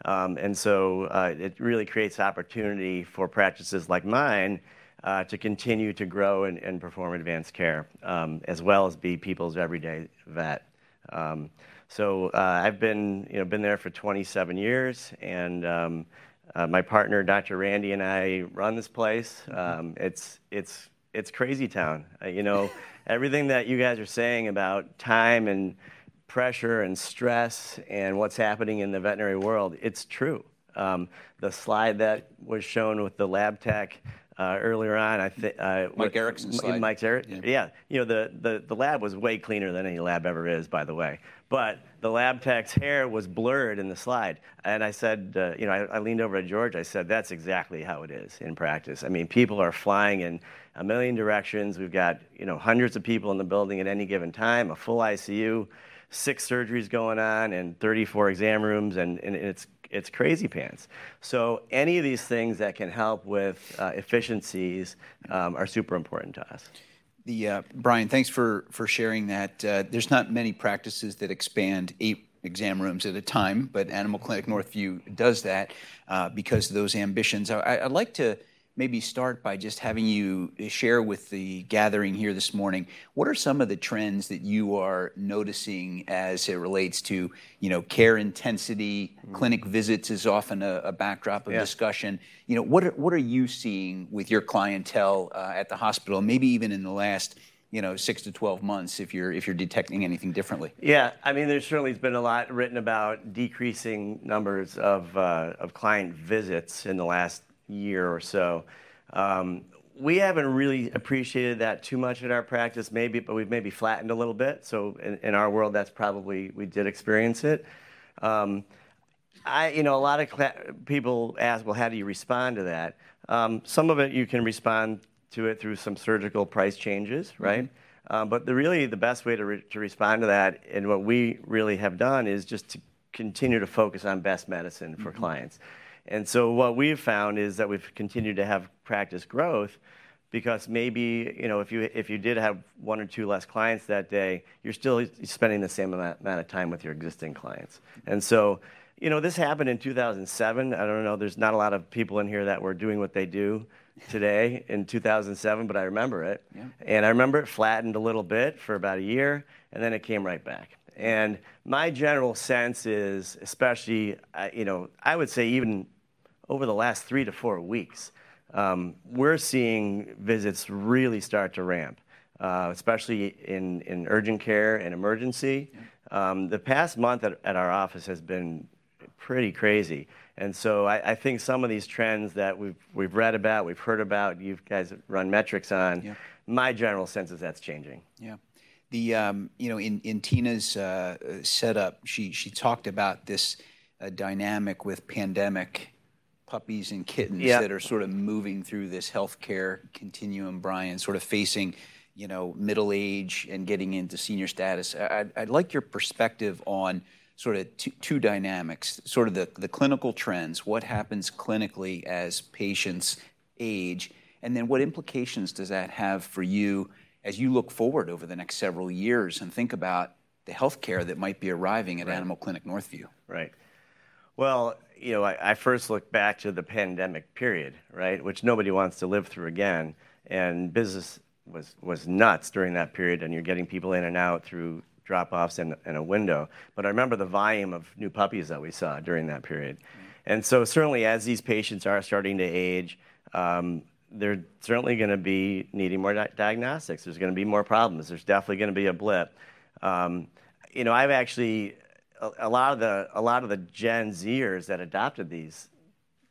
It really creates opportunity for practices like mine to continue to grow and perform advanced care, as well as be people's everyday vet. I've been there for 27 years. My partner, Dr. Randy, and I run this place. It's crazy town. Everything that you guys are saying about time and pressure and stress and what's happening in the veterinary world, it's true. The slide that was shown with the lab tech earlier on, I think. Michael Erickson? The lab was way cleaner than any lab ever is, by the way. The lab tech's hair was blurred in the slide. I said I leaned over to George. I said, that's exactly how it is in practice. People are flying in a million directions. We've got hundreds of people in the building at any given time, a full ICU, six surgeries going on, and 34 exam rooms. It's crazy pants. Any of these things that can help with efficiencies are super important to us. Brian, thanks for sharing that. There's not many practices that expand eight exam rooms at a time. Animal Clinic Northview does that because of those ambitions. I'd like to maybe start by just having you share with the gathering here this morning what are some of the trends that you are noticing as it relates to care intensity. Clinic visits is often a backdrop of discussion. What are you seeing with your clientele at the hospital, maybe even in the last 6-12 months, if you're detecting anything differently? There certainly has been a lot written about decreasing numbers of client visits in the last year or so. We haven't really appreciated that too much in our practice, but we've maybe flattened a little bit. In our world, that's probably we did experience it. A lot of people ask, how do you respond to that? Some of it, you can respond to it through some surgical price changes, but the best way to respond to that, and what we really have done, is just to continue to focus on best medicine for clients. What we've found is that we've continued to have practice growth because maybe if you did have one or two less clients that day, you're still spending the same amount of time with your existing clients. This happened in 2007. I don't know. There's not a lot of people in here that were doing what they do today in 2007, but I remember it. I remember it flattened a little bit for about a year. It came right back. My general sense is, especially I would say even over the last three to four weeks, we're seeing visits really start to ramp, especially in urgent care and emergency. The past month at our office has been pretty crazy. I think some of these trends that we've read about, we've heard about, you guys run metrics on, my general sense is that's changing. In Tina's setup, she talked about this dynamic with pandemic puppies and kittens that are sort of moving through this health care continuum, Brian, sort of facing middle age and getting into senior status. I'd like your perspective on sort of two dynamics, the clinical trends, what happens clinically as patients age, and then what implications does that have for you as you look forward over the next several years and think about the health care that might be arriving at Animal Clinic Northview. Well, I first look back to the pandemic period, which nobody wants to live through again. Business was nuts during that period. You're getting people in and out through drop-offs and a window. I remember the volume of new puppies that we saw during that period. Certainly, as these patients are starting to age, they're certainly going to be needing more diagnostics. There's going to be more problems. There's definitely going to be a blip. A lot of the Gen Zers that adopted these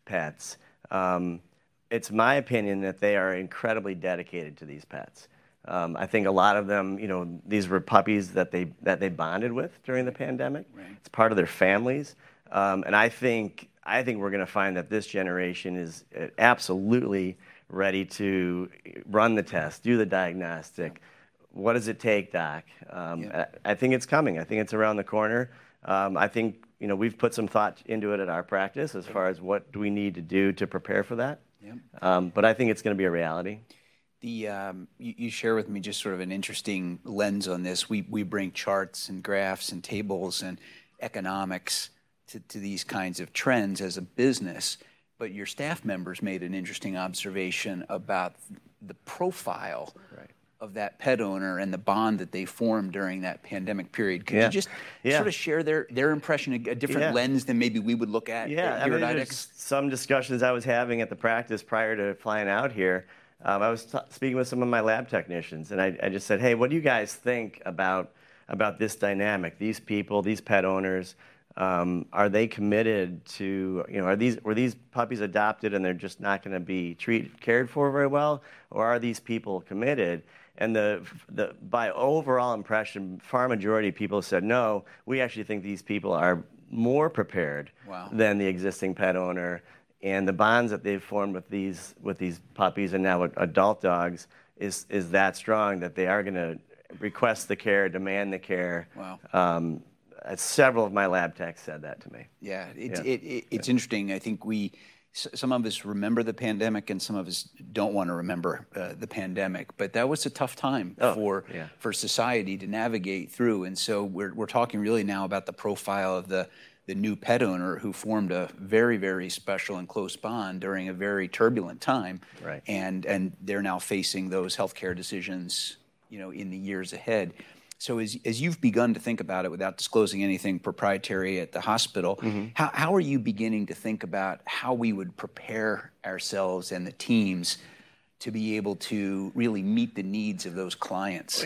pets, it's my opinion that they are incredibly dedicated to these pets. I think a lot of them, these were puppies that they bonded with during the pandemic. It's part of their families. I think we're going to find that this generation is absolutely ready to run the test, do the diagnostic. What does it take, Doc? I think it's coming. I think it's around the corner. We've put some thought into it at our practice as far as what do we need to do to prepare for that. I think it's going to be a reality. You share with me just sort of an interesting lens on this. We bring charts, graphs, tables, and economics to these kinds of trends as a business. Your staff members made an interesting observation about the profile of that pet owner and the bond that they formed during that pandemic period. Could you just sort of share their impression, a different lens than maybe we would look at? Some discussions I was having at the practice prior to flying out here, I was speaking with some of my lab technicians. I just said, hey, what do you guys think about this dynamic? These people, these pet owners, are they committed to, were these puppies adopted and they're just not going to be cared for very well or are these people committed? My overall impression, a far majority of people said, no, we actually think these people are more prepared than the existing pet owner. The bonds that they've formed with these puppies and now adult dogs is that strong that they are going to demand the care. Several of my lab techs said that to me. It's interesting. I think some of us remember the pandemic, and some of us don't want to remember the pandemic. That was a tough time for society to navigate through. We're talking really now about the profile of the new pet owner who formed a very special and close bond during a very turbulent time and they're now facing those health care decisions in the years ahead. As you've begun to think about it, without disclosing anything proprietary at the hospital, how are you beginning to think about how we would prepare ourselves and the teams to be able to really meet the needs of those clients?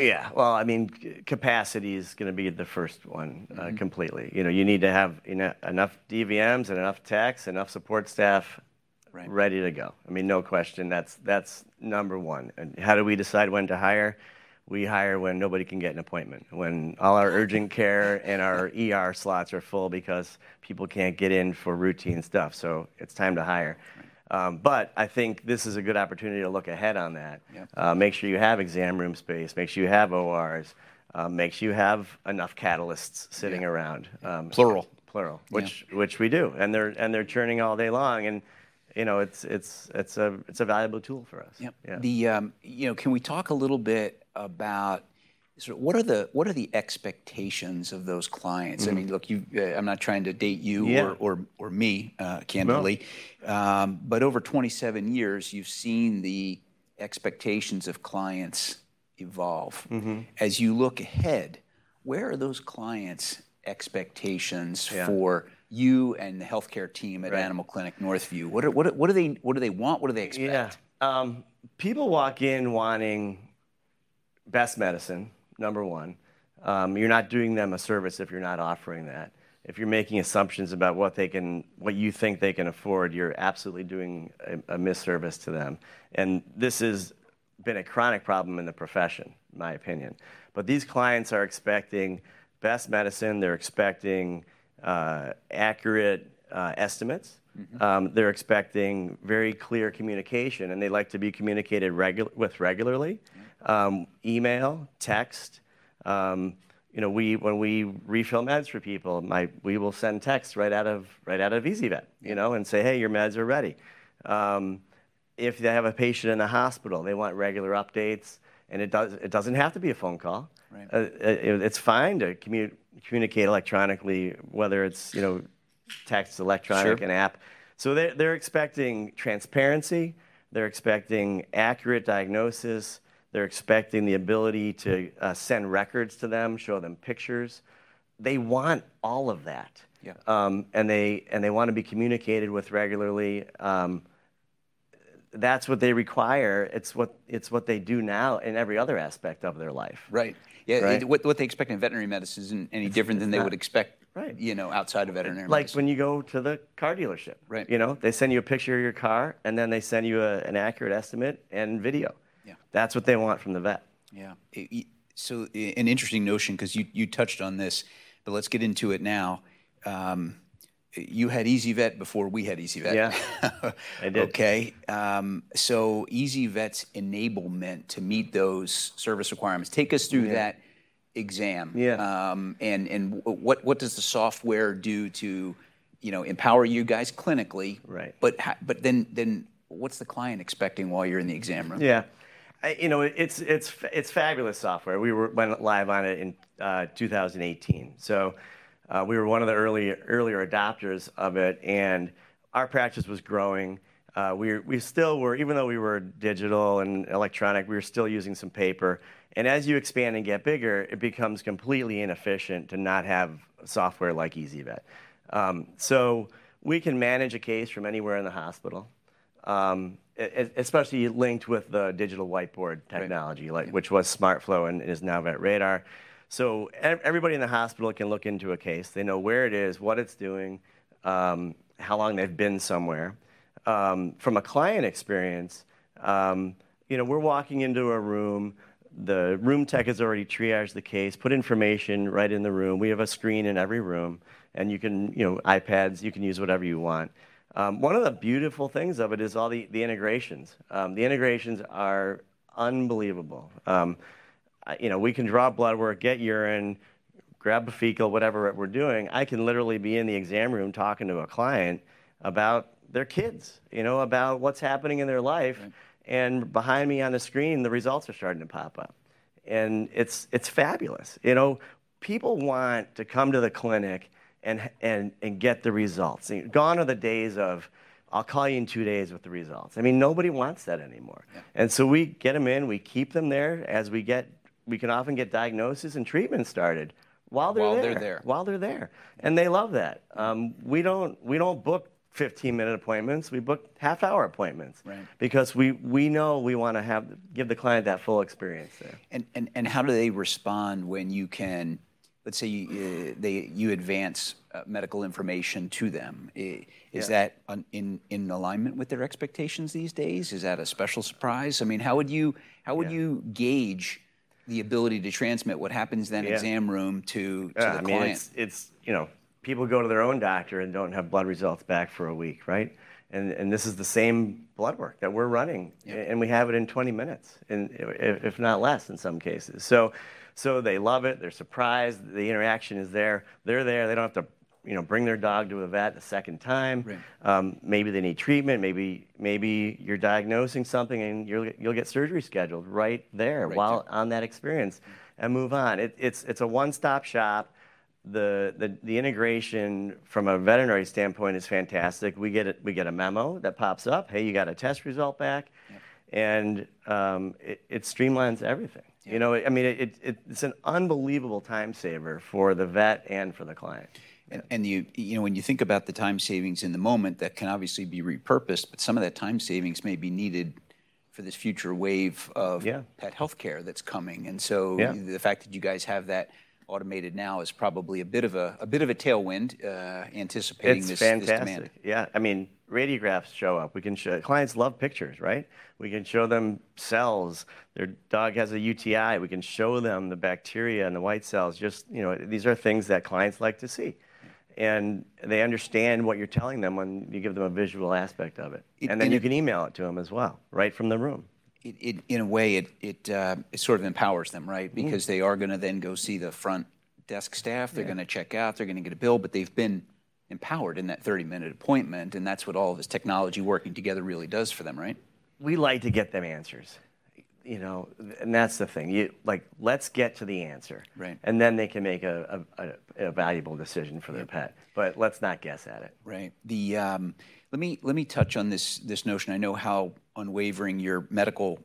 Capacity is going to be the first one, completely. You need to have enough DVMs and enough techs, enough support staff ready to go. No question. That's number one. How do we decide when to hire? We hire when nobody can get an appointment, when all our urgent care and our ER slots are full because people can't get in for routine stuff so it's time to hire. I think this is a good opportunity to look ahead on that. Make sure you have exam room space. Make sure you have ORs. Make sure you have enough catalysts sitting around. Plural. Plural, which we do. They're churning all day long, and it's a valuable tool for us. Can we talk a little bit about what are the expectations of those clients? Look, I'm not trying to date you or me, candidly. Over 27 years, you've seen the expectations of clients evolve. As you look ahead, where are those clients expectations for you and the health care team at Animal Clinic Northview? What do they want? What do they expect? People walk in wanting best medicine, number one. You're not doing them a service if you're not offering that. If you're making assumptions about what you think they can afford, you're absolutely doing a misservice to them. This has been a chronic problem in the profession, my opinion. But these clients are expecting best medicine. They're expecting accurate estimates. They're expecting very clear communication. They like to be communicated with regularly: email, text. When we refill meds for people, we will send texts right out of easyvet and say your meds are ready. If they have a patient in the hospital and they want regular updates, and it doesn't have to be a phone call, it's fine to communicate electronically, whether it's text, electronic, and app. They're expecting transparency. They're expecting accurate diagnosis. They're expecting the ability to send records to them, show them pictures. They want all of that. They want to be communicated with regularly. That's what they require. It's what they do now in every other aspect of their life. What they expect in veterinary medicine isn't any different than they would expect outside of veterinary medicine. When you go to the car dealership, they send you a picture of your car, and then they send you an accurate estimate and video. That's what they want from the vet. An interesting notion, because you touched on this, but let's get into it now. You had easyvet before we had easyvet. I did. Easyvet's enablement to meet those service requirements, take us through that exam. What does the software do to empower you guys clinically? But then what is the client expecting while you're in the exam room? It's fabulous software. We went live on it in 2018. We were one of the earlier adopters of it and our practice was growing. Even though we were digital and electronic, we were still using some paper. As you expand and get bigger, it becomes completely inefficient to not have software like easyvet. We can manage a case from anywhere in the hospital, especially linked with the digital whiteboard technology, which was SmartFlow and is now Vet Radar. Everybody in the hospital can look into a case. They know where it is, what it's doing, how long they've been somewhere. From a client experience, we're walking into a room. The room tech has already triaged the case, put information right in the room. We have a screen in every room. iPads. You can use whatever you want. One of the beautiful things of it is all the integrations. The integrations are unbelievable. We can draw blood work, get urine, grab a fecal, whatever we're doing. I can literally be in the exam room talking to a client about their kid, about what's happening in their life. Behind me on the screen, the results are starting to pop up. It's fabulous. People want to come to the clinic and get the results. Gone are the days of, "I'll call you in two days with the results." Nobody wants that anymore. We get them in, we keep them there, as we get, we can often get diagnoses and treatments started while they're there. While they're there. They love that. We don't book 15-minute appointments, we book half-hour appointments because we know we want to give the client that full experience there. How do they respond when you can, let's say you advance medical information to them? Is that in alignment with their expectations these days? Is that a special surprise? How would you gauge the ability to transmit what happens in that exam room to the client? People go to their own doctor and don't have blood results back for a week. This is the same blood work that we're running, and we have it in 20 minutes, if not less in some cases. They love it. They're surprised. The interaction is there. They don't have to bring their dog to a vet a second time. Maybe they need treatment. Maybe you're diagnosing something and you'll get surgery scheduled right there while on that experience and move on. It's a one-stop shop. The integration from a veterinary standpoint is fantastic. We get a memo that pops up, "Hey, you got a test result back." It streamlines everything. It's an unbelievable time saver for the vet and for the client. When you think about the time savings in the moment, that can obviously be repurposed, but some of that time savings may be needed for this future wave of pet healthcare that's coming. The fact that you guys have that automated now is probably a bit of a tailwind anticipating this advancement. Radiographs show up. Clients love pictures, right? We can show them cells. Their dog has a UTI. We can show them the bacteria and the white cells. These are things that clients like to see, and they understand what you're telling them when you give them a visual aspect of it. You can email it to them as well, right from the room. In a way, it empowers them because they are going to then go see the front desk staff. They're going to check out. They're going to get a bill, but they've been empowered in that 30-minute appointment. That is what all of this technology working together really does for them. We like to get them answers. That's the thing. Let's get to the answer and they can make a valuable decision for their pet. Let's not guess at it. Let me touch on this notion. I know how unwavering your medical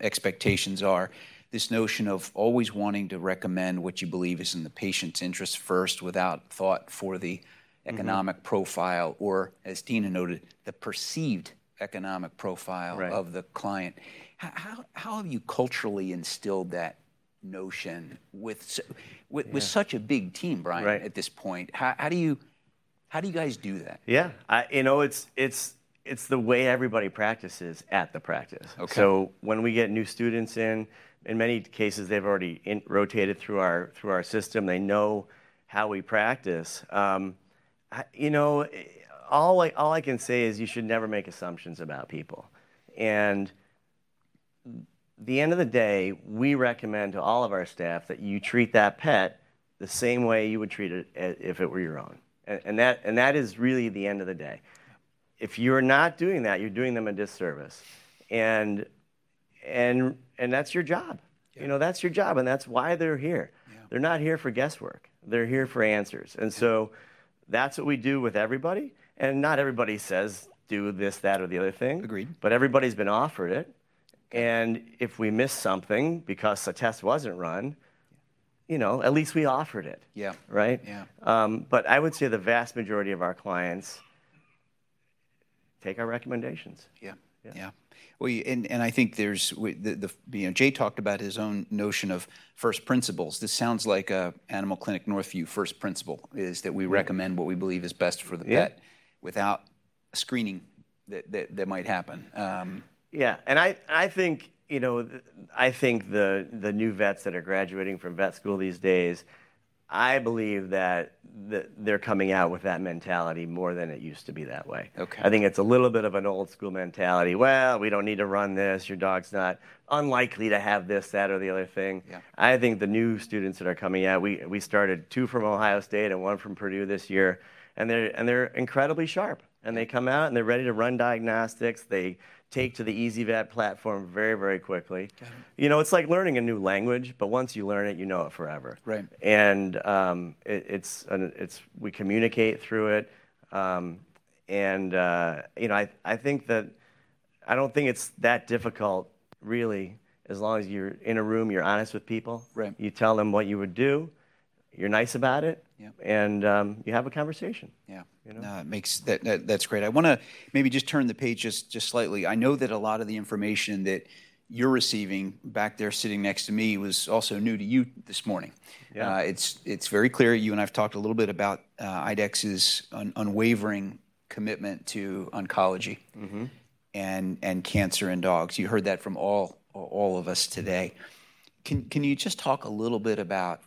expectations are. This notion of always wanting to recommend what you believe is in the patient's interest first, without thought for the economic profile or, as Tina noted, the perceived economic profile of the client. How have you culturally instilled that notion with such a big team, Brian, at this point? How do you guys do that? Yeah, you know, it's the way everybody practices at the practice. When we get new students in, in many cases, they've already rotated through our system. They know how we practice. All I can say is you should never make assumptions about people. At the end of the day, we recommend to all of our staff that you treat that pet the same way you would treat it if it were your own. That is really the end of the day. If you're not doing that, you're doing them a disservice. That's your job, and that's why they're here. They're not here for guesswork. They're here for answers. That's what we do with everybody. Not everybody says, do this, that, or the other thing. Greed. But everybody's been offered it, and if we miss something because a test wasn't run, at least we offered it. But I will say the vast majority of our clients take our recommendations. I think there Jay talked about his own notion of first principles. This sounds like an Animal Clinic Northview first principle is that we recommend what we believe is best for the pet without screening that might happen. I think the new vets that are graduating from vet school these days, I believe that they're coming out with that mentality more than it used to be that way. I think it's a little bit of an old school mentality. We don't need to run this. Your dog's not unlikely to have this, that, or the other thing. I think the new students that are coming out, we started two from Ohio State and one from Purdue this year. They're incredibly sharp, and they come out and they're ready to run diagnostics. They take to the easyvet platform very, very quickly. It's like learning a new language, but once you learn it, you know it forever. We communicate through it. I don't think it's that difficult, really, as long as you're in a room, you're honest with people. You tell them what you would do. You're nice about it. Yep. You have a conversation. That's great. I want to maybe just turn the page slightly. I know that a lot of the information that you're receiving back there sitting next to me was also new to you this morning. It's very clear. You and I've talked a little bit about IDEXXs' unwavering commitment to oncology and cancer in dogs. You heard that from all of us today. Can you just talk a little bit about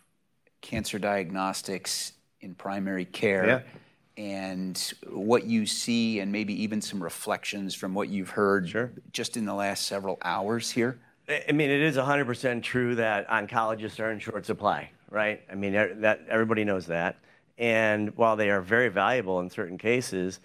cancer diagnostics in primary care and what you see and maybe even some reflections from what you've heard just in the last several hours here? It is 100% true that oncologists are in short supply. Everybody knows that. While they are very valuable in certain cases,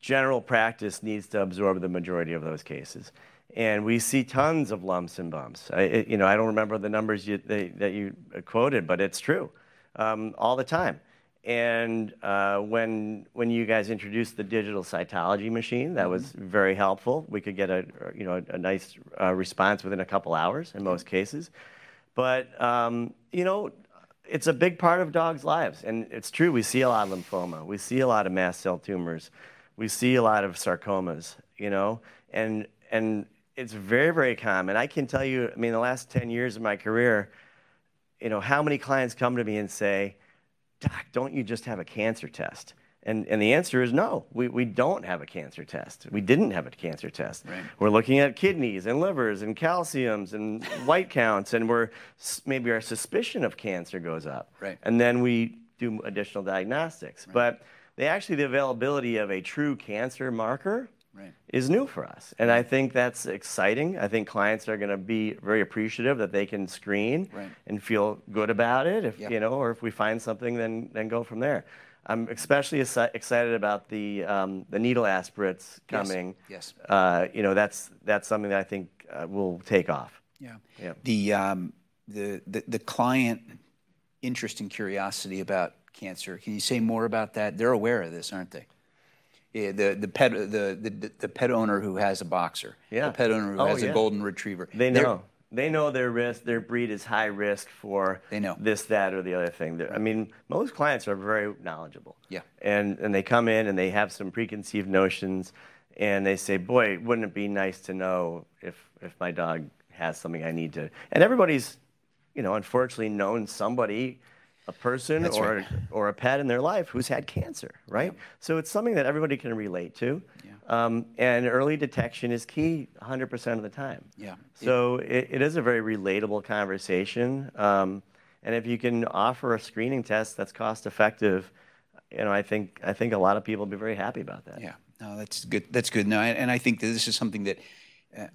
general practice needs to absorb the majority of those cases. We see tons of lumps and bumps. I don't remember the numbers that you quoted, but it's true all the time. When you guys introduced the digital cytology machine, that was very helpful. We could get a nice response within a couple of hours in most cases. It's a big part of dogs' lives. It's true, we see a lot of lymphoma. We see a lot of mast cell tumors. We see a lot of sarcoma. It's very, very common. I can tell you, the last 10 years of my career, how many clients come to me and say, "Doc, don't you just have a cancer test?" The answer is no, we don't have a cancer test. We didn't have a cancer test. We're looking at kidneys and livers and calciums and white counts, and maybe our suspicion of cancer goes up and then we do additional diagnostics. The availability of a true cancer marker is new for us, and I think that's exciting. I think clients are going to be very appreciative that they can screen and feel good about it. If we find something, then go from there. I'm especially excited about the needle aspirates coming. That's something that I think will take off. The client's interest and curiosity about cancer, can you say more about that? They're aware of this, aren't they? The pet owner who has a boxer. The pet owner who has a Golden Retriever. They know their risk. Their breed is high risk for this, that, or the other thing. Most clients are very knowledgeble and they come in and they have some preconceived notions. They say, "Boy, wouldn't it be nice to know if my dog has something I need to." Everybody's unfortunately known somebody, a person or a pet in their life who's had cancer. It's something that everybody can relate to. Early detection is key 100% of the time. It is a very relatable conversation. If you can offer a screening test that's cost-effective, I think a lot of people would be very happy about that. Now that's good, that's good. I think this is something that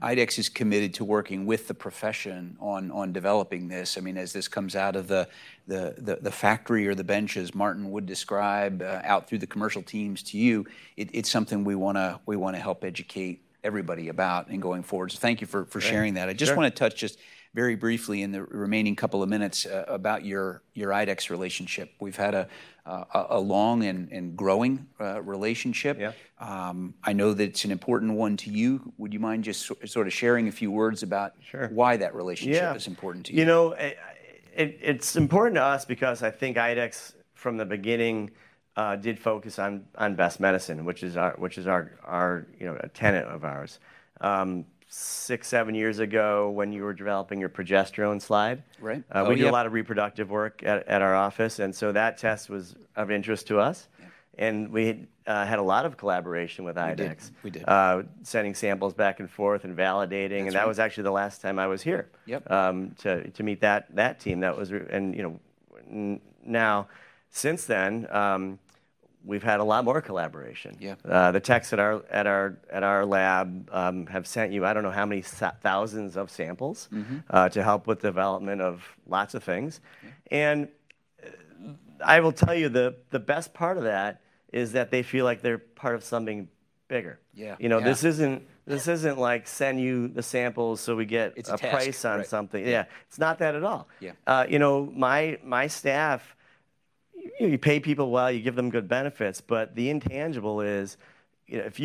IDEXX is committed to working with the profession on developing this. As this comes out of the factory or the benches, Martin would describe out through the commercial teams to you, it's something we want to help educate everybody about and going forward. Thank you for sharing that. I just want to touch just very briefly in the remaining couple of minutes about your IDEXX relationship. We've had a long and growing relationship. I know that it's an important one to you. Would you mind just sharing a few words about why that relationship is important to you? It's important to us because I think IDEXX from the beginning did focus on best medicine, which is a tenet of ours. Six, seven years ago, when you were developing your progesterone slide we did a lot of reproductive work at our office, so that test was of interest to us. We had a lot of collaboration with IDEXX. Yes, we did. Sending samples back and forth and validating. That was actually the last time I was here to meet that team. Now since then, we've had a lot more collaboration. The techs at our lab have sent you, I don't know how many thousands of samples to help with the development of lots of things. I will tell you the best part of that is that they feel like they're part of something bigger. This isn't like sending you the samples so we get a price on something. It's not that at all. My staff, you pay people well, you give them good benefits, but the intangible is if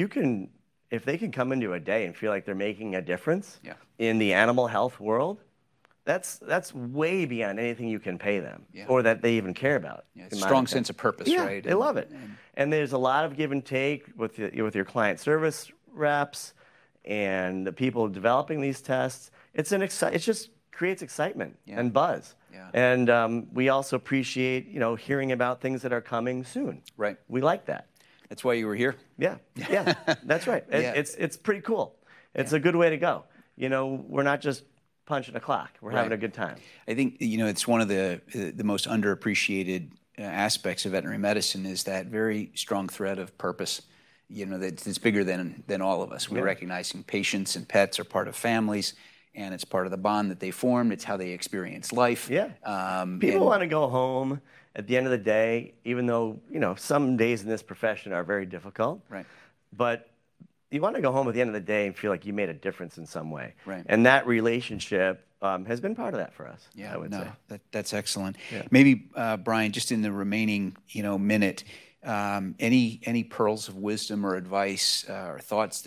they can come into a day and feel like they're making a difference in the animal health world, that's way beyond anything you can pay them or that they even care about. Yes, strong sense of purpose. They love it. There is a lot of give and take with your client service reps and the people developing these tests. It just creates excitement and buzz. We also appreciate hearing about things that are coming soon. We like that. That's why you were here. That's right. It's pretty cool. It's a good way to go. We're not just punching a clock. We're having a good time. I think it's one of the most underappreciated aspects of veterinary medicine, is that very strong thread of purpose. It's bigger than all of us. We're recognizing patients and pets are part of families, and it's part of the bond that they form. It's how they experience life. Yeah. People want to go home at the end of the day, even though some days in this profession are very difficult. But you want to go home at the end of the day and feel like you made a difference in some way and that relationship has been part of that for us. I would say. That's excellent. Maybe, Brian, just in the remaining minute, any pearls of wisdom or advice or thoughts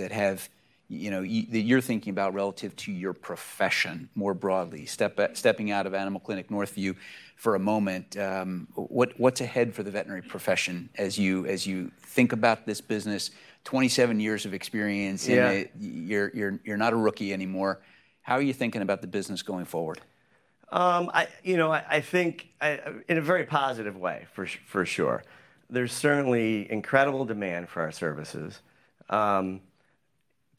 that you're thinking about relative to your profession more broadly. Stepping out of Animal Clinic Northview for a moment, what's ahead for the veterinary profession as you think about this business? 27 years of experience in it. You're not a rookie anymore. How are you thinking about the business going forward? I think in a very positive way, for sure. There's certainly incredible demand for our services.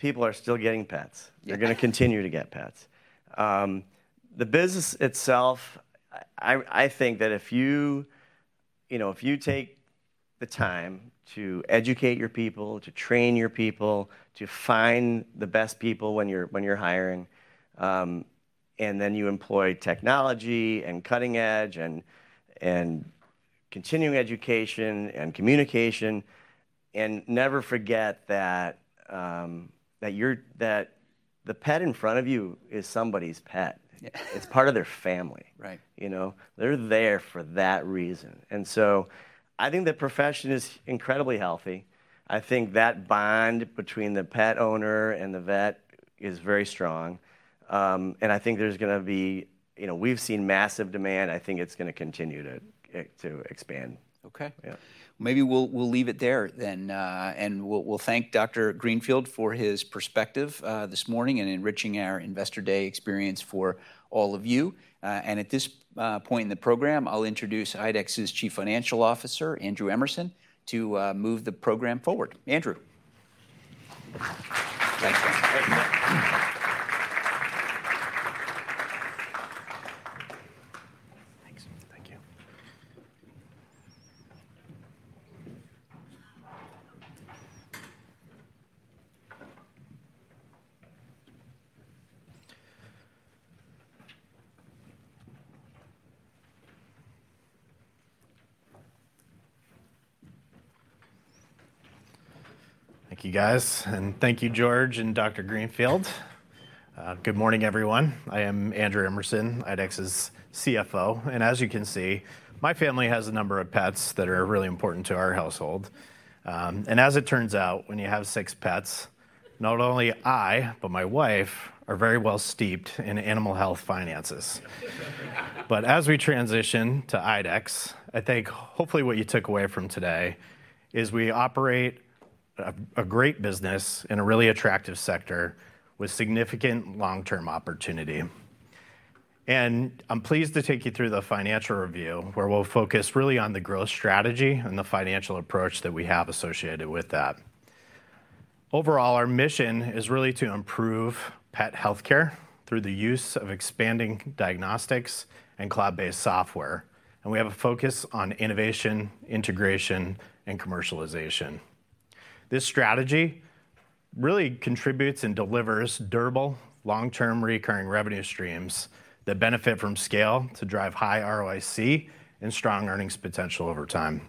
People are still getting pets. They're going to continue to get pets. The business itself, I think that if you take the time to educate your people, to train your people, to find the best people when you're hiring, and then you employ technology and cutting edge and continuing education and communication, and never forget that the pet in front of you is somebody's pet. It's part of their family. They're there for that reason. I think the profession is incredibly healthy. I think that bond between the pet owner and the vet is very strong. We've seen massive demand. I think it's going to continue to expand. Maybe we'll leave it there. We'll thank Dr. Greenfield for his perspective this morning and enriching our Investor Day experience for all of you. At this point in the program, I'll introduce IDEXX's Chief Financial Officer, Andrew Emerson, to move the program forward. Andrew. Thank you, guys. Thank you, George and Dr. Greenfield. Good morning, everyone. I am Andrew Emerson, IDEXX's CFO. As you can see, my family has a number of pets that are really important to our household. As it turns out, when you have six pets, not only I, but my wife are very well steeped in animal health finances. But as we transition to IDEXX, I think hopefully what you took away from today is we operate a great business in a really attractive sector with significant long-term opportunity. I'm pleased to take you through the financial review where we'll focus really on the growth strategy and the financial approach that we have associated with that. Overall, our mission is really to improve pet healthcare through the use of expanding diagnostics and cloud-based software. We have a focus on innovation, integration, and commercialization. This strategy really contributes and delivers durable, long-term recurring revenue streams that benefit from scale to drive high ROIC and strong earnings potential over time.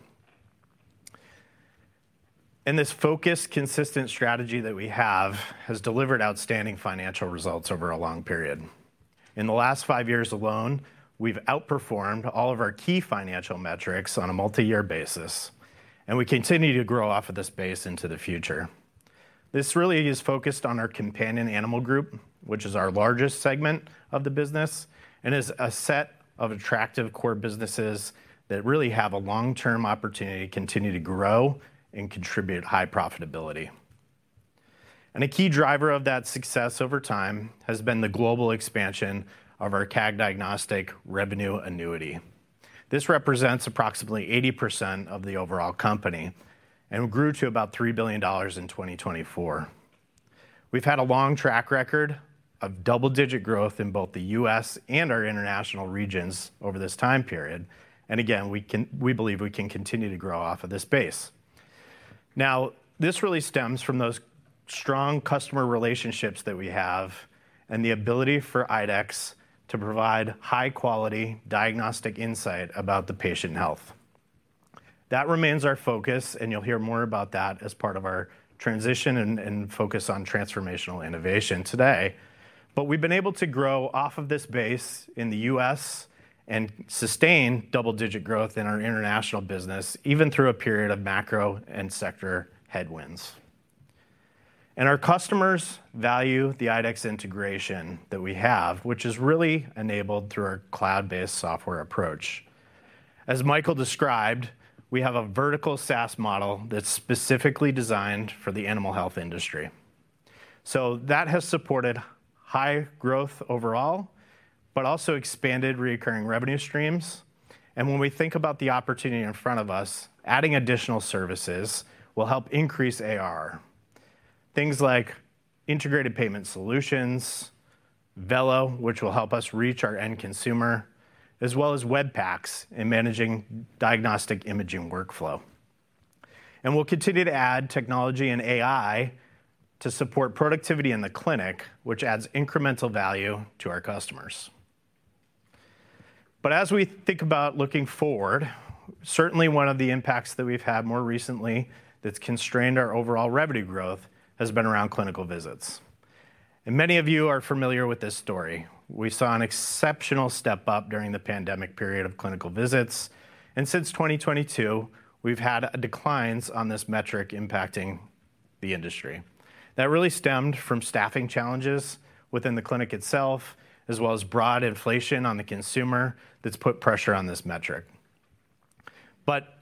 This focused, consistent strategy that we have has delivered outstanding financial results over a long period. In the last five years alone, we've outperformed all of our key financial metrics on a multi-year basis and we continue to grow off of this base into the future. This really is focused on our Companion Animal Group, which is our largest segment of the business and is a set of attractive core businesses that really have a long-term opportunity to continue to grow and contribute high profitability. A key driver of that success over time has been the global expansion of our CAG diagnostic revenue annuity. This represents approximately 80% of the overall company and grew to about $3 billion in 2024. We've had a long track record of double-digit growth in both the U.S. and our international regions over this time period. Again, we believe we can continue to grow off of this base. Now this really stems from those strong customer relationships that we have and the ability for IDEXX to provide high-quality diagnostic insight about the patient health. That remains our focus, and you'll hear more about that as part of our transition and focus on transformational innovation today. We've been able to grow off of this base in the U.S. and sustain double-digit growth in our international business, even through a period of macro and sector headwinds. Our customers value the IDEXX integration that we have, which is really enabled through our cloud-based software approach. As Michael described, we have a vertical SaaS model that's specifically designed for the animal health industry. That has supported high growth overall, but also expanded recurring revenue streams. When we think about the opportunity in front of us, adding additional services will help increase AR. Things like integrated payment solutions, Vello, which will help us reach our end consumer, as well as Web PACs in managing diagnostic imaging workflow. We will continue to add technology and AI to support productivity in the clinic, which adds incremental value to our customers. As we think about looking forward, certainly one of the impacts that we've had more recently that's constrained our overall revenue growth has been around clinical visits. Many of you are familiar with this story. We saw an exceptional step up during the pandemic period of clinical visits. Since 2022, we've had declines on this metric impacting the industry. That really stemmed from staffing challenges within the clinic itself, as well as broad inflation on the consumer that's put pressure on this metric.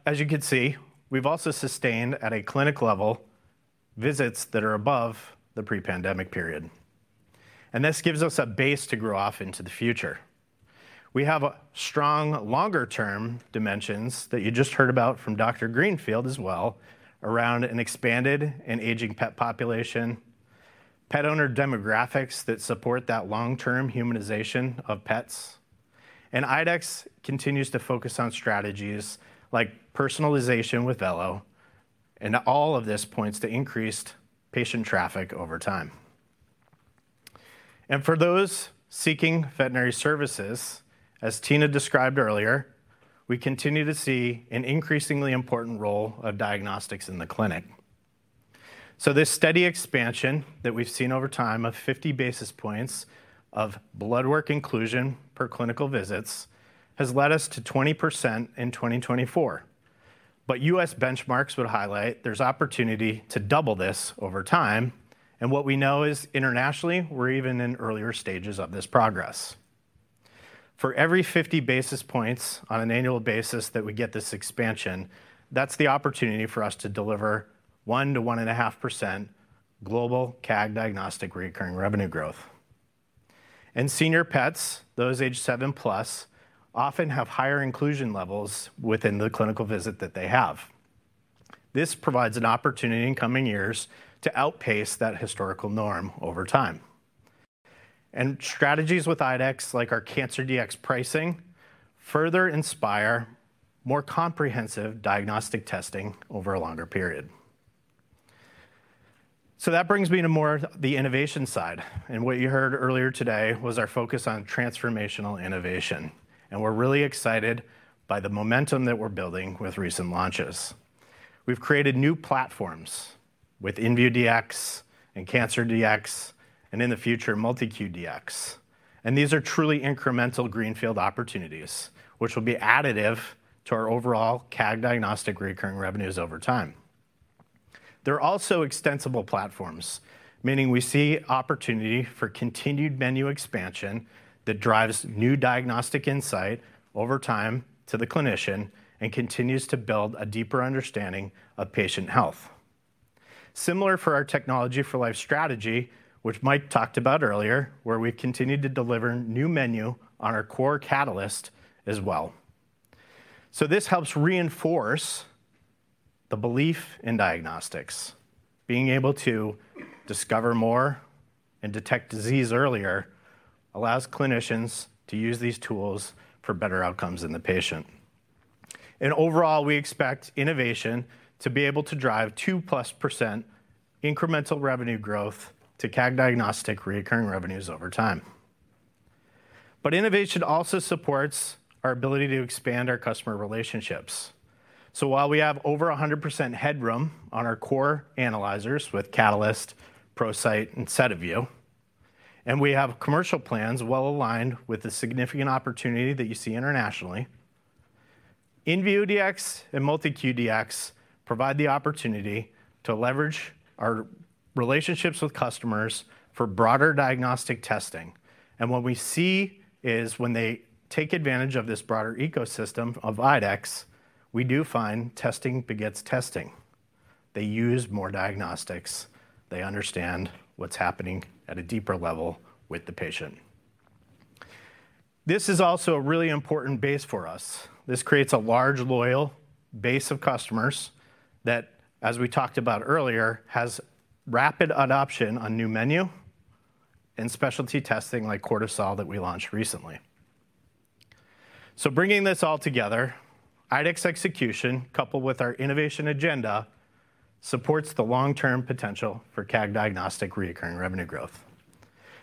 As you can see, we've also sustained at a clinic level visits that are above the pre-pandemic period. This gives us a base to grow off into the future. We have strong longer-term dimensions that you just heard about from Dr. Greenfield as well, around an expanded and aging pet population, pet owner demographics that support that long-term humanization of pets. IDEXX continues to focus on strategies like personalization with Vello and all of this points to increased patient traffic over time. For those seeking veterinary services, as Tina described earlier, we continue to see an increasingly important role of diagnostics in the clinic. This steady expansion that we've seen over time of 50 basis points of blood work inclusion per clinical visits has led us to 20% in 2024. U.S. benchmarks would highlight there's opportunity to double this over time. What we know is internationally, we're even in earlier stages of this progress. For every 50 basis points on an annual basis that we get this expansion, that's the opportunity for us to deliver 1%-1.5% global CAG diagnostic recurring revenue growth. Senior pets, those aged seven plus, often have higher inclusion levels within the clinical visit that they have. This provides an opportunity in coming years to outpace that historical norm over time. Strategies with IDEXX Laboratories, like our Cancer Dx pricing, further inspire more comprehensive diagnostic testing over a longer period. That brings me to more of the innovation side. What you heard earlier today was our focus on transformational innovation. We're really excited by the momentum that we're building with recent launches. We've created new platforms with inVue Dx and Cancer Dx and in the MultiCue Dx. These are truly incremental greenfield opportunities, which will be additive to our overall CAG diagnostic recurring revenues over time. They're also extensible platforms, meaning we see opportunity for continued menu expansion that drives new diagnostic insight over time to the clinician and continues to build a deeper understanding of patient health. Similar for our technology for life strategy, which Mike talked about earlier, where we continue to deliver new menu on our core catalyst as well. This helps reinforce the belief in diagnostics. Being able to discover more and detect disease earlier allows clinicians to use these tools for better outcomes in the patient. Overall, we expect innovation to be able to drive 2%+ incremental revenue growth to CAG diagnostic recurring revenues over time. Innovation also supports our ability to expand our customer relationships. While we have over 100% headroom on our core analyzers with Catalyst, ProSight, and SediVue, and we have commercial plans well aligned with the significant opportunity that you see internationally, inVue Dx and MultiCue Dx provide the opportunity to leverage our relationships with customers for broader diagnostic testing and what we see is when they take advantage of this broader ecosystem of IDEXX, we do find testing begets testing. They use more diagnostics. They understand what's happening at a deeper level with the patient. This is also a really important base for us. This creates a large loyal base of customers that, as we talked about earlier, has rapid adoption on new menu and specialty testing like cortisol that we launched recently. Bringing this all together, IDEXX execution, coupled with our innovation agenda, supports the long-term potential for CAG diagnostic recurring revenue growth.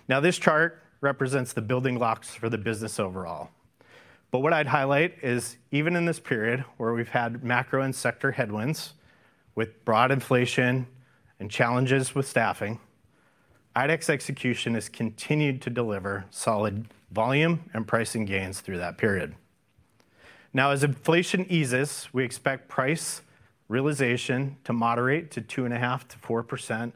Now this chart represents the building blocks for the business overall. What I'd highlight is even in this period where we've had macro and sector headwinds with broad inflation and challenges with staffing, IDEXX execution has continued to deliver solid volume and pricing gains through that period. Now, as inflation eases, we expect price realization to moderate to 2.5%-4%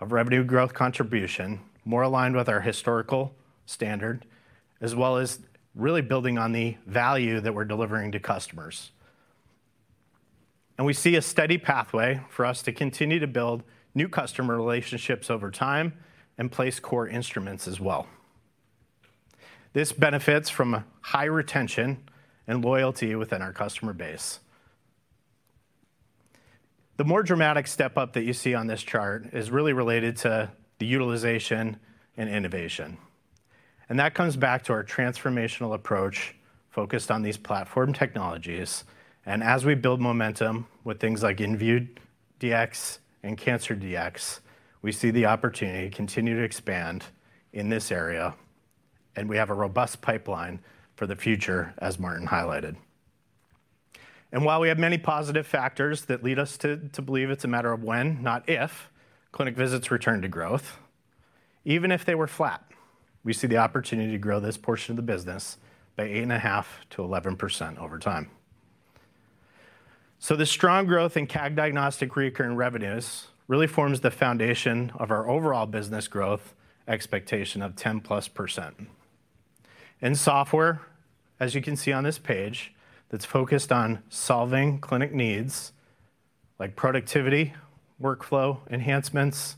of revenue growth contribution, more aligned with our historical standard, as well as really building on the value that we're delivering to customers. We see a steady pathway for us to continue to build new customer relationships over time and place core instruments as well. This benefits from high retention and loyalty within our customer base. The more dramatic step up that you see on this chart is really related to the utilization and innovation. That comes back to our transformational approach focused on these platform technologies. As we build momentum with things like inVue Dx and Cancer Dx, we see the opportunity to continue to expand in this area. We have a robust pipeline for the future, as Martin highlighted. While we have many positive factors that lead us to believe it's a matter of when, not if, clinic visits return to growth, even if they were flat, we see the opportunity to grow this portion of the business by 8.5%-11% over time. The strong growth in CAG diagnostic recurring revenues really forms the foundation of our overall business growth expectation of 10%+. Software, as you can see on this page, that's focused on solving clinic needs like productivity, workflow enhancements,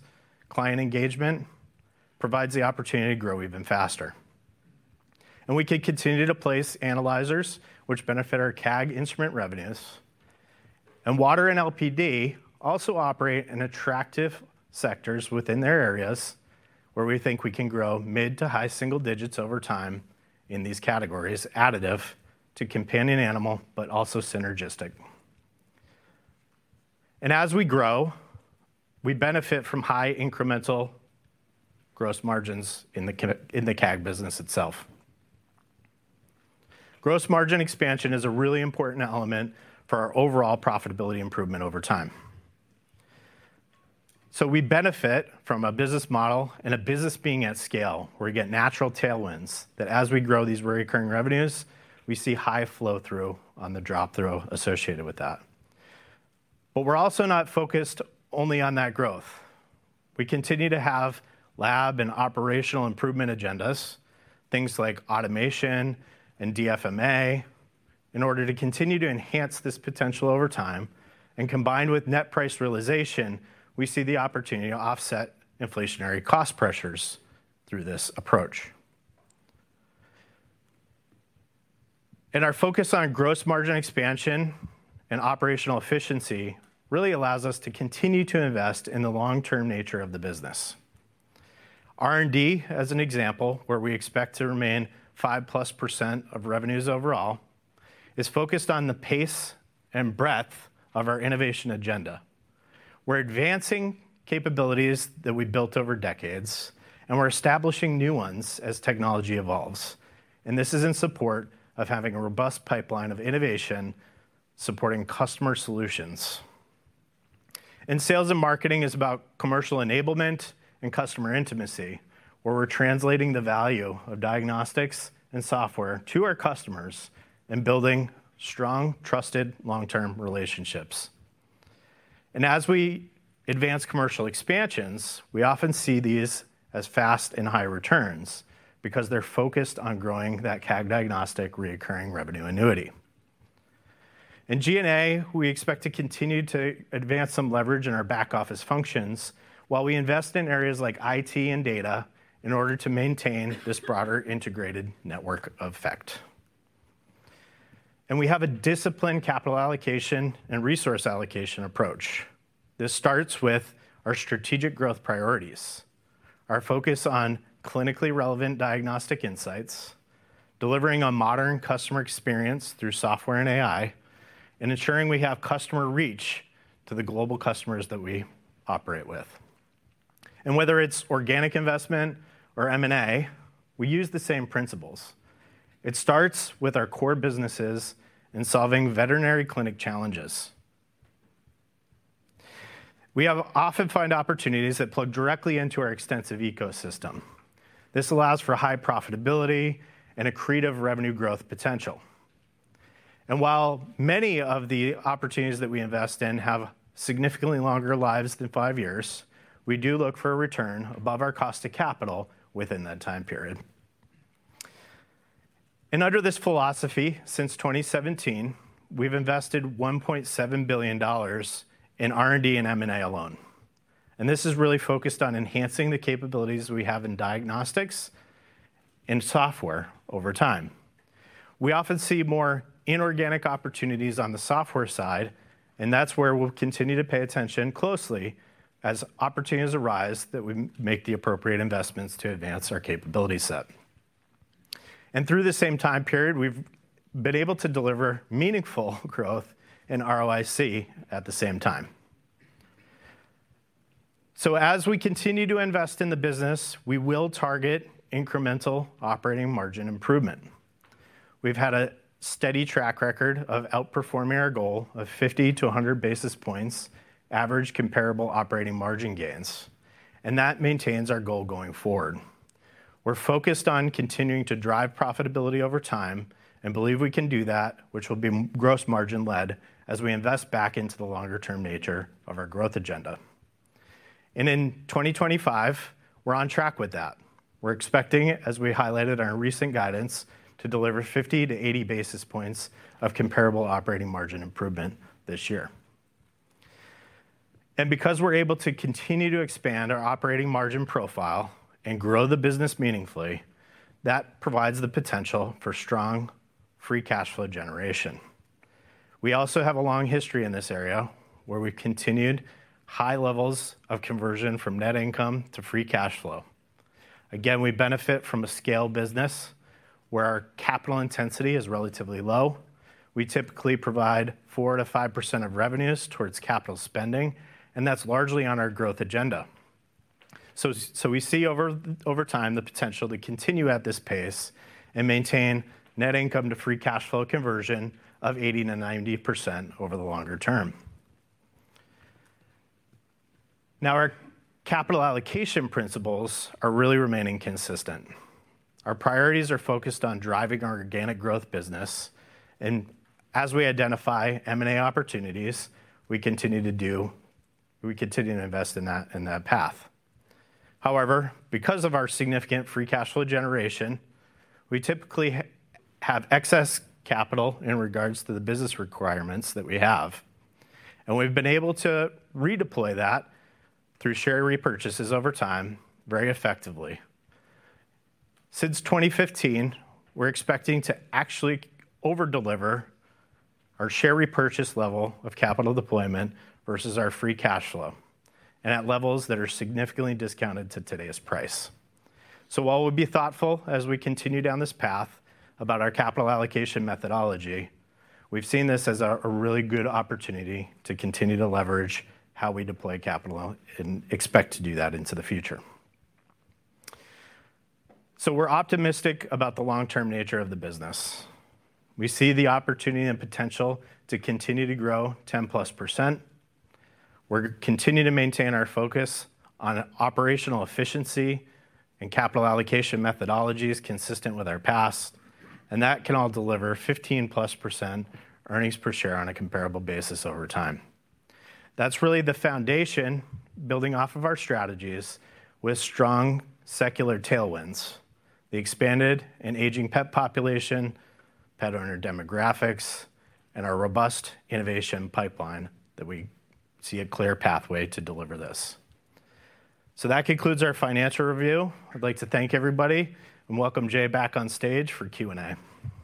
client engagement, provides the opportunity to grow even faster. We can continue to place analyzers which benefit our CAG instrument revenues. Water and LPD also operate in attractive sectors within their areas where we think we can grow mid to high single digits over time in these categories, additive to companion animal, but also synergistic. As we grow, we benefit from high incremental gross margins in the CAG business itself. Gross margin expansion is a really important element for our overall profitability improvement over time. We benefit from a business model and a business being at scale where we get natural tailwinds that as we grow these recurring revenues, we see high flow-through on the drop-through associated with that. We're also not focused only on that growth. We continue to have lab and operational improvement agendas, things like automation and DFMA, in order to continue to enhance this potential over time and combined with net price realization, we see the opportunity to offset inflationary cost pressures through this approach. Our focus on gross margin expansion and operational efficiency really allows us to continue to invest in the long-term nature of the business. R&D, as an example, where we expect to remain +5% of revenues overall, is focused on the pace and breadth of our innovation agenda. We're advancing capabilities that we built over decades, and we're establishing new ones as technology evolves. This is in support of having a robust pipeline of innovation supporting customer solutions. Sales and marketing is about commercial enablement and customer intimacy, where we're translating the value of diagnostics and software to our customers and building strong, trusted long-term relationships. As we advance commercial expansions, we often see these as fast and high returns because they're focused on growing that CAG diagnostic recurring revenue annuity. In G&A, we expect to continue to advance some leverage in our back office functions while we invest in areas like IT and data in order to maintain this broader integrated network effect. We have a disciplined capital allocation and resource allocation approach. This starts with our strategic growth priorities, our focus on clinically relevant diagnostic insights, delivering a modern customer experience through software and AI, and ensuring we have customer reach to the global customers that we operate with. Whether it's organic investment or M&A, we use the same principles. It starts with our core businesses and solving veterinary clinic challenges. We often find opportunities that plug directly into our extensive ecosystem. This allows for high profitability and accretive revenue growth potential. While many of the opportunities that we invest in have significantly longer lives than five years, we do look for a return above our cost of capital within that time period. Under this philosophy, since 2017, we've invested $1.7 billion in R&D and M&A alone. This is really focused on enhancing the capabilities we have in diagnostics and software over time. We often see more inorganic opportunities on the software side, and that's where we'll continue to pay attention closely as opportunities arise that we make the appropriate investments to advance our capability set. Through the same time period, we've been able to deliver meaningful growth in ROIC at the same time. As we continue to invest in the business, we will target incremental operating margin improvement. We've had a steady track record of outperforming our goal of 50-100 basis points average comparable operating margin gains, and that maintains our goal going forward. We're focused on continuing to drive profitability over time and believe we can do that, which will be gross margin led as we invest back into the longer-term nature of our growth agenda. In 2025, we're on track with that. We're expecting, as we highlighted in our recent guidance, to deliver 50-80 basis points of comparable operating margin improvement this year. Because we're able to continue to expand our operating margin profile and grow the business meaningfully, that provides the potential for strong free cash flow generation. We also have a long history in this area where we've continued high levels of conversion from net income to free cash flow. Again, we benefit from a scale business where our capital intensity is relatively low. We typically provide 4%-5% of revenues towards capital spending, and that's largely on our growth agenda. We see over time the potential to continue at this pace and maintain net income to free cash flow conversion of 80%-90% over the longer term. Now, our capital allocation principles are really remaining consistent. Our priorities are focused on driving our organic growth business. As we identify M&A opportunities, we continue to invest in that path. However, because of our significant free cash flow generation, we typically have excess capital in regards to the business requirements that we have. We've been able to redeploy that through share repurchases over time very effectively. Since 2015, we're expecting to actually overdeliver our share repurchase level of capital deployment versus our free cash flow and at levels that are significantly discounted to today's price. While we'll be thoughtful as we continue down this path about our capital allocation methodology, we've seen this as a really good opportunity to continue to leverage how we deploy capital and expect to do that into the future. We're optimistic about the long-term nature of the business. We see the opportunity and potential to continue to grow 10%+. We're continuing to maintain our focus on operational efficiency and capital allocation methodologies consistent with our past. That can all deliver 15% plus earnings per share on a comparable basis over time. That's really the foundation building off of our strategies with strong secular tailwinds, the expanded and aging pet population, pet owner demographics, and our robust innovation pipeline that we see a clear pathway to deliver this. That concludes our financial review. I'd like to thank everybody and welcome Jay back on stage for Q&A. Thank you, everyone. We have time for a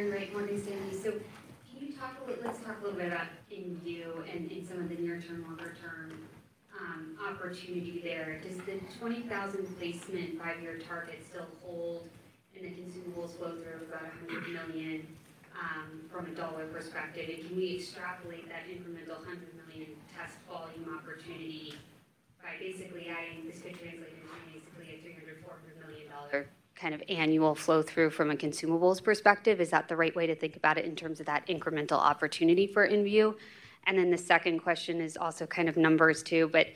few questions. If you have a question, please raise your hand. Members of the IR team will be sharing the number. Great, thanks. Erin Wright, Morgan Stanley. Can you talk a little bit, let's talk a little bit about inVue and some of the near-term, longer-term opportunity there? The 20,000 placement by your target still holds in the consumables welfare of about $150 million from a dollar perspective. Can we extrapolate that incremental $100 million test volume opportunity by basically adding this to translate your home, basically a $300 million-$400 million annual flow-through from a consumables perspective? Is that the right way to think about it in terms of that incremental opportunity for inVue. The second question is also numbers too, but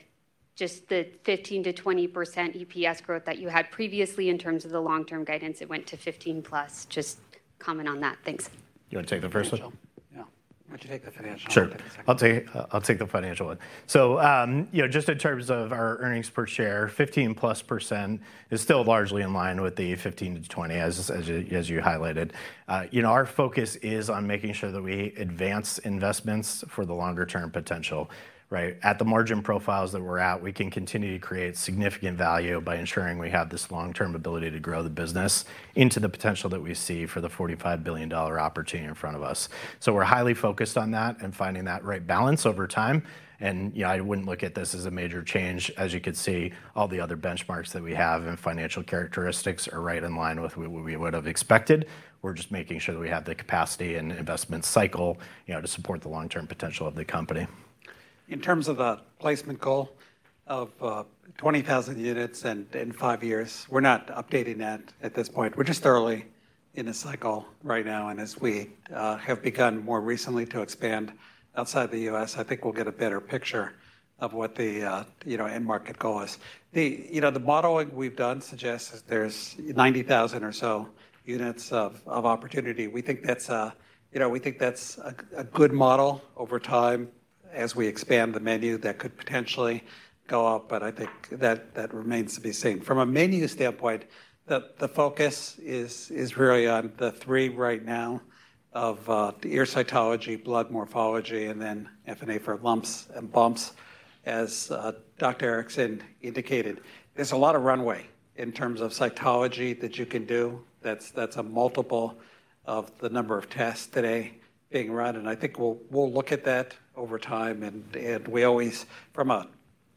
just the 15%-20% EPS growth that you had previously in terms of the long-term guidance, it went to 15%+. Just comment on that. Thanks. You want to take the first one? Why don't you take the financial one? I'll take it. I'll take the financial one. In terms of our earnings per share, 15%+ is still largely in line my annuity 15% to 20%, as you highlighted. Our focus is on making sure that we advance investments for the longer-term potential. At the margin profiles that we're at, we can continue to create significant value by ensuring we have this long-term ability to grow the business into the potential that we see for the $45 billion opportunity in front of us. We are highly focused on that and finding that right balance over time. I wouldn't look at this as a major change, as you could see all the other benchmarks that we have and financial characteristics are right in line with what we would have expected. We're just making sure that we have the capacity and investment cycle to support the long-term potential of the company. In terms of a placement goal of 20,000 units in five years, we're not updating that at this point. We're just thoroughly in a cycle right now. As we have begun more recently to expand outside the U.S., I think we'll get a better picture of what the end market goal is. The modeling we've done suggests that there's 90,000 or so units of opportunity. We think that's a good model over time as we expand the menu that could potentially go up but I think that remains to be seen. From a menu standpoint, the focus is really on the three right now of the ear cytology, blood morphology, and then FNA for lumps and bumps, as Dr. Michael Erickson indicated. There's a lot of runway in terms of cytology that you can do. That's a multiple of the number of tests today being run. I think we'll look at that over time. We always, from a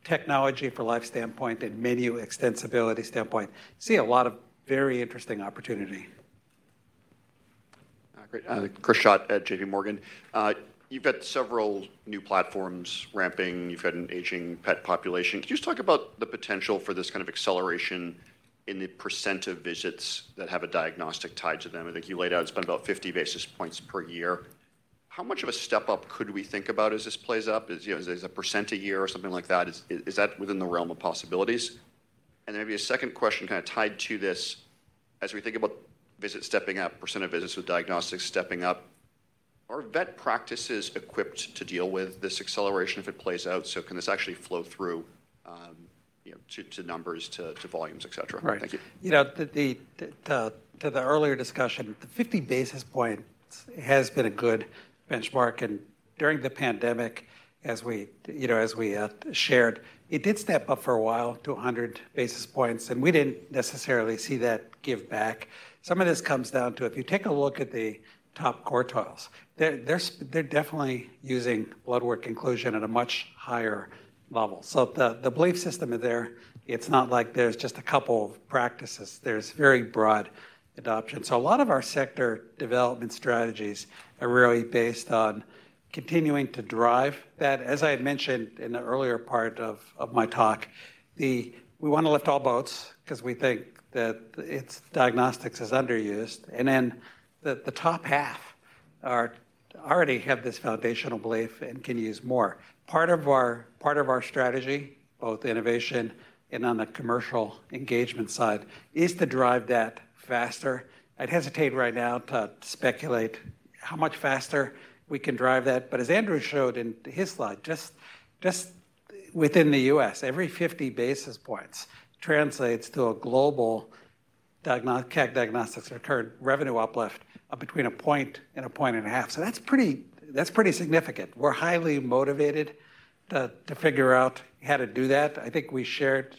technology for life standpoint and menu extensibility standpoint, see a lot of very interesting opportunity. Chris Schott at JP Morgan. You've got several new platforms ramping. You've had an aging pet population. Could you just talk about the potential for this acceleration in the percent of visits that have a diagnostic tied to them? I think you laid out it's been about 50 bps per year. How much of a step up could we think about as this plays up? Is it a percent a year or something like that? Is that within the realm of possibilities? Maybe a second question tied to this. As we think about visits stepping up, percent of visits with diagnostics stepping up, are vet practices equipped to deal with this acceleration if it plays out? Can this actually flow through to numbers, to volumes, et cetera? To the earlier discussion, the 50 basis points has been a good benchmark. During the pandemic, as we shared, it did step up for a while to 100 basis points. We did not necessarily see that give back. Some of this comes down to if you take a look at the top quartiles, they're definitely using blood work inclusion at a much higher level. The belief system is there It's not like there's just a couple of practices. There is very broad adoption. A lot of our sector development strategies are really based on continuing to drive that. As I had mentioned in the earlier part of my talk, we want to lift all boats because we think that diagnostics is underused. Then the top half already has this foundational belief and can use more. Part of our strategy, both innovation and on the commercial engagement side, is to drive that faster. I'd hesitate right now to speculate how much faster we can drive that. As Andrew showed in his slide, just within the U.S., every 50 basis points translates to a global CAG diagnostics return revenue uplift of between a point and a point-and-a-half. That is pretty significant. We're highly motivated to figure out how to do that. I think we shared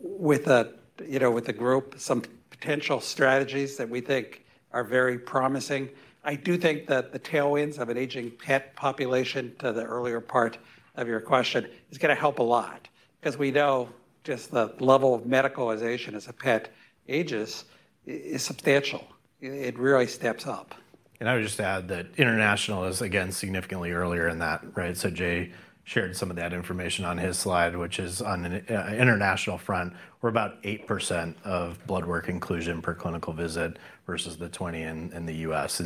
with the group some potential strategies that we think are very promising. I do think that the tailwinds of an aging pet population, to the earlier part of your question, is going to help a lot because we know just the level of medicalization as a pet ages is substantial. It really steps up. I would just add that international is, again, significantly earlier in that. Jay shared some of that information on his slide, which is on an international front. We're about 8% of blood work inclusion per clinical visit versus the 20% in the U.S.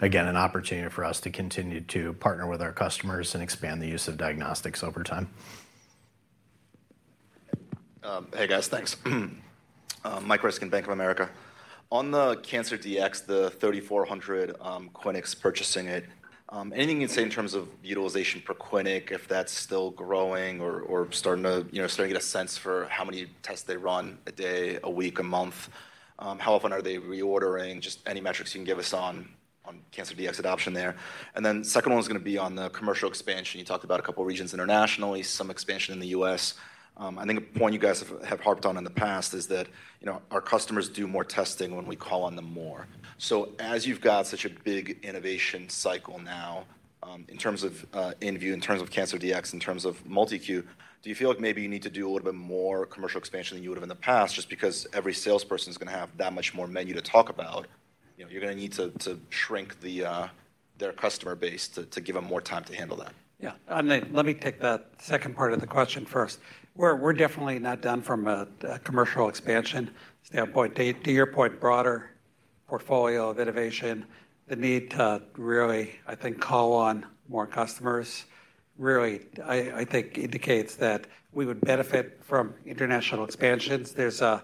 Again an opportunity for us to continue to partner with our customers and expand the use of diagnostics over time. Hey, guys, thanks. Mike Ryskin, Bank of America. On the Cancer Dx, the 3,400 clinics purchasing it. Anything you can say in terms of utilization per clinic, if that's still growing or starting to get a sense for how many tests they run a day, a week, a month? How often are they reordering? Just any metrics you can give us on Cancer Dx adoption there. The second one is going to be on the commercial expansion. You talked about a couple of regions internationally, some expansion in the U.S. I think a point you guys have harped on in the past is that our customers do more testing when we call on them more. As you've got such a big innovation cycle now in terms of inVue Dx, in terms of Cancer Dx, in terms MultiCue Dx, do you feel like maybe you need to do a little bit more commercial expansion than you would have in the past just because every salesperson is going to have that much more menu to talk about, you're going to need to shrink their customer base to give them more time to handle that. Let me take that second part of the question first. We're definitely not done from a commercial expansion standpoint. To your point, broader portfolio of innovation, the need to really, I think, call on more customers. Really, I think, indicates that we would benefit from international expansions. There's the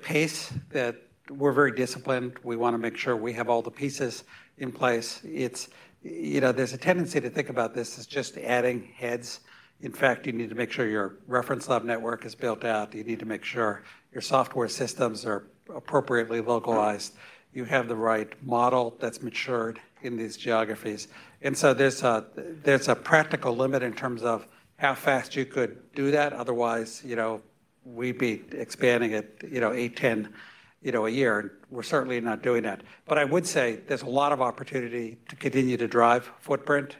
pace that we're very disciplined. We want to make sure we have all the pieces in place. There's a tendency to think about this as just adding heads. In fact, you need to make sure your reference lab network is built out. You need to make sure your software systems are appropriately localized. You have the right model that's matured in these geographies. There's a practical limit in terms of how fast you could do that. Otherwise, we'd be expanding at 8-10 a year. We're certainly not doing that. I would say there's a lot of opportunity to continue to drive footprint.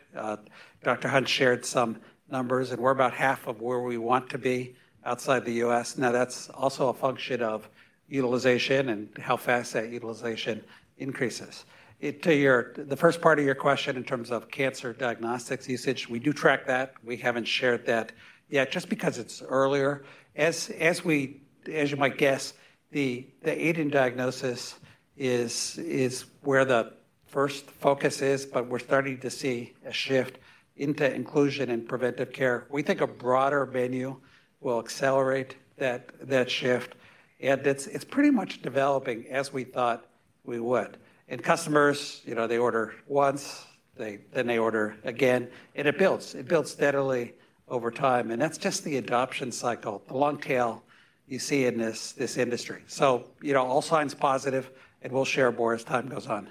Dr. Hunt shared some numbers, and we're about half of where we want to be outside the U.S. That's also a function of utilization and how fast that utilization increases. To the first part of your question in terms of cancer diagnostics usage, we do track that. We haven't shared that yet, just because it's earlier. As you might guess, the aiding diagnosis is where the first focus is, but we're starting to see a shift into inclusion and preventive care. We think a broader menu will accelerate that shift. It's pretty much developing as we thought we would. Customers they order once, then they order again. It builds. It builds steadily over time. That's just the adoption cycle, the long tail you see in this industry. All signs positive, and we'll share more as time goes on.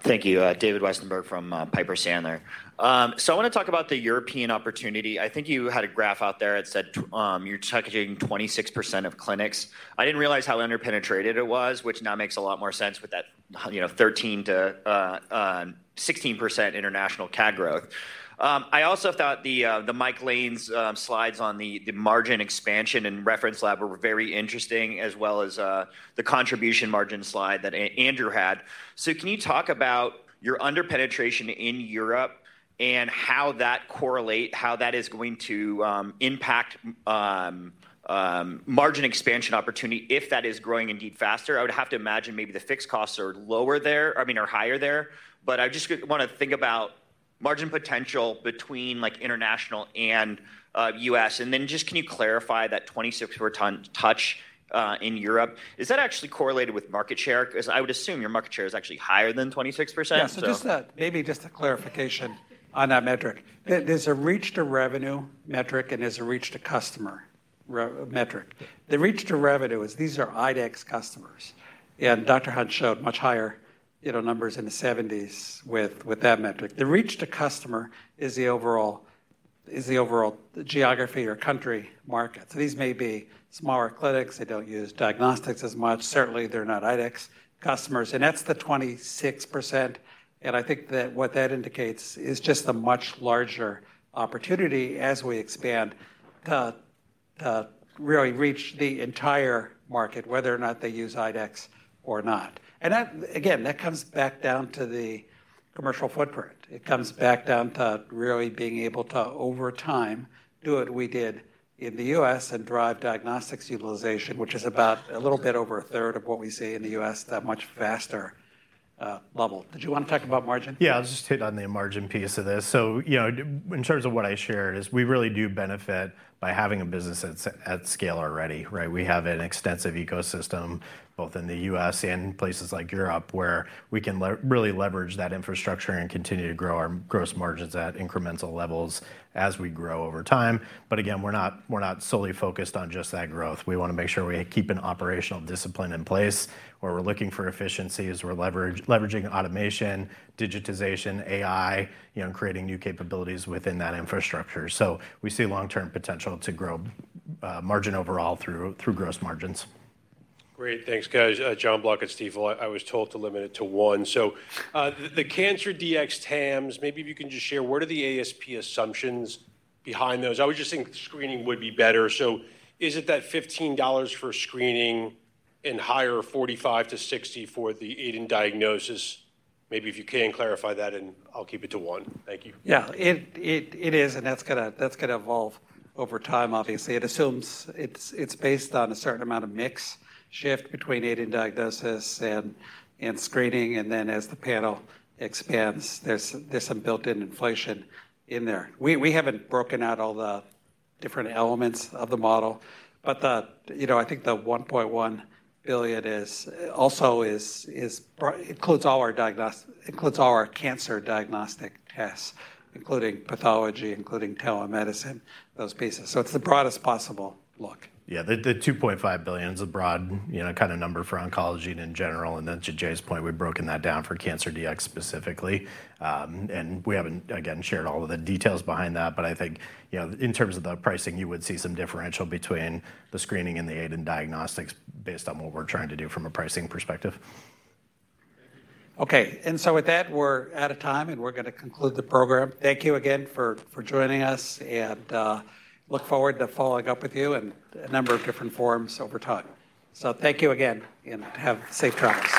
Thank you, David Westenberg from Piper Sandler. I want to talk about the European opportunity. I think you had a graph out there that said you're targeting 26% of clinics. I didn't realize how underpenetrated it was, which now makes a lot more sense with that 13%-16% international CAG growth. I also thought Mike Lane's slides on the margin expansion and reference lab were very interesting, as well as the contribution margin slide that Andrew had. Can you talk about your under penetration in Europe and how that correlates, how that is going to impact margin expansion opportunity, if that is growing indeed faster I would have to imagine maybe the fixed costs higher there. I just want to think about margin potential between international and U.S. Can you clarify that 26% touch in Europe? Is that actually correlated with market share? I would assume your market share is actually higher than 26%. Yes. Just maybe a clarification on that metric. There's a reach-to-revenue metric and there's a reach-to-customer metric. The reach-to-revenue is these are IDEXX customers. Dr. Hunt showed much higher numbers in the 70s with that metric. The reach-to-customer is the overall geography or country market. These may be smaller clinics. They don't use diagnostics as much. Certainly, they're not IDEXX customers. That's the 26%. I think what that indicates is just a much larger opportunity as we expand to really reach the entire market, whether or not they use IDEXX or not. That comes back down to the commercial footprint. It comes back down to really being able to, over time, do what we did in the U.S. and drive diagnostics utilization, which is about a little bit over a third of what we see in the U.S., that much faster level. Did you want to talk about margin? I'll just hit on the margin piece of this. In terms of what I shared, we really do benefit by having a business that's at scale already. We have an extensive ecosystem both in the U.S. and places like Europe where we can really leverage that infrastructure and continue to grow our gross margins at incremental levels as we grow over time. But again we're not solely focused on just that growth. We want to make sure we keep an operational discipline in place where we're looking for efficiencies. We're leveraging automation, digitization, AI, and creating new capabilities within that infrastructure. We see long-term potential to grow margin overall through gross margins. Great, thanks, guys. Jon Block at Stifel. I was told to limit it to one. The Cancer Dx TAMs, maybe if you can just share, what are the ASP assumptions behind those? I was just thinking screening would be better. Is it that $15 for screening and higher, $45-$60 for the aiding diagnosis? Maybe if you can clarify that, and I'll keep it to one. Thank you. It is, and that's going to evolve over time, obviously. It assumes it's based on a certain amount of mix shift between aiding diagnosis and screening. As the panel expands, there's some built-in inflation in there. We haven't broken out all the different elements of the model, but I think the $1.1 billion includes all our cancer diagnostic tests, including pathology, including telemedicine, those pieces. It's the broadest possible look. The $2.5 billion is a broad number for oncology in general. To Jay's point, we've broken that down for Cancer Dx specifically. We haven't, again, shared all of the details behind that. I think in terms of the pricing, you would see some differential between the screening and the aiding diagnostics based on what we're trying to do from a pricing perspective. With that, we're out of time, and we're going to conclude the program. Thank you again for joining us, and look forward to following up with you in a number of different forms over time. Thank you again, and have safe travels.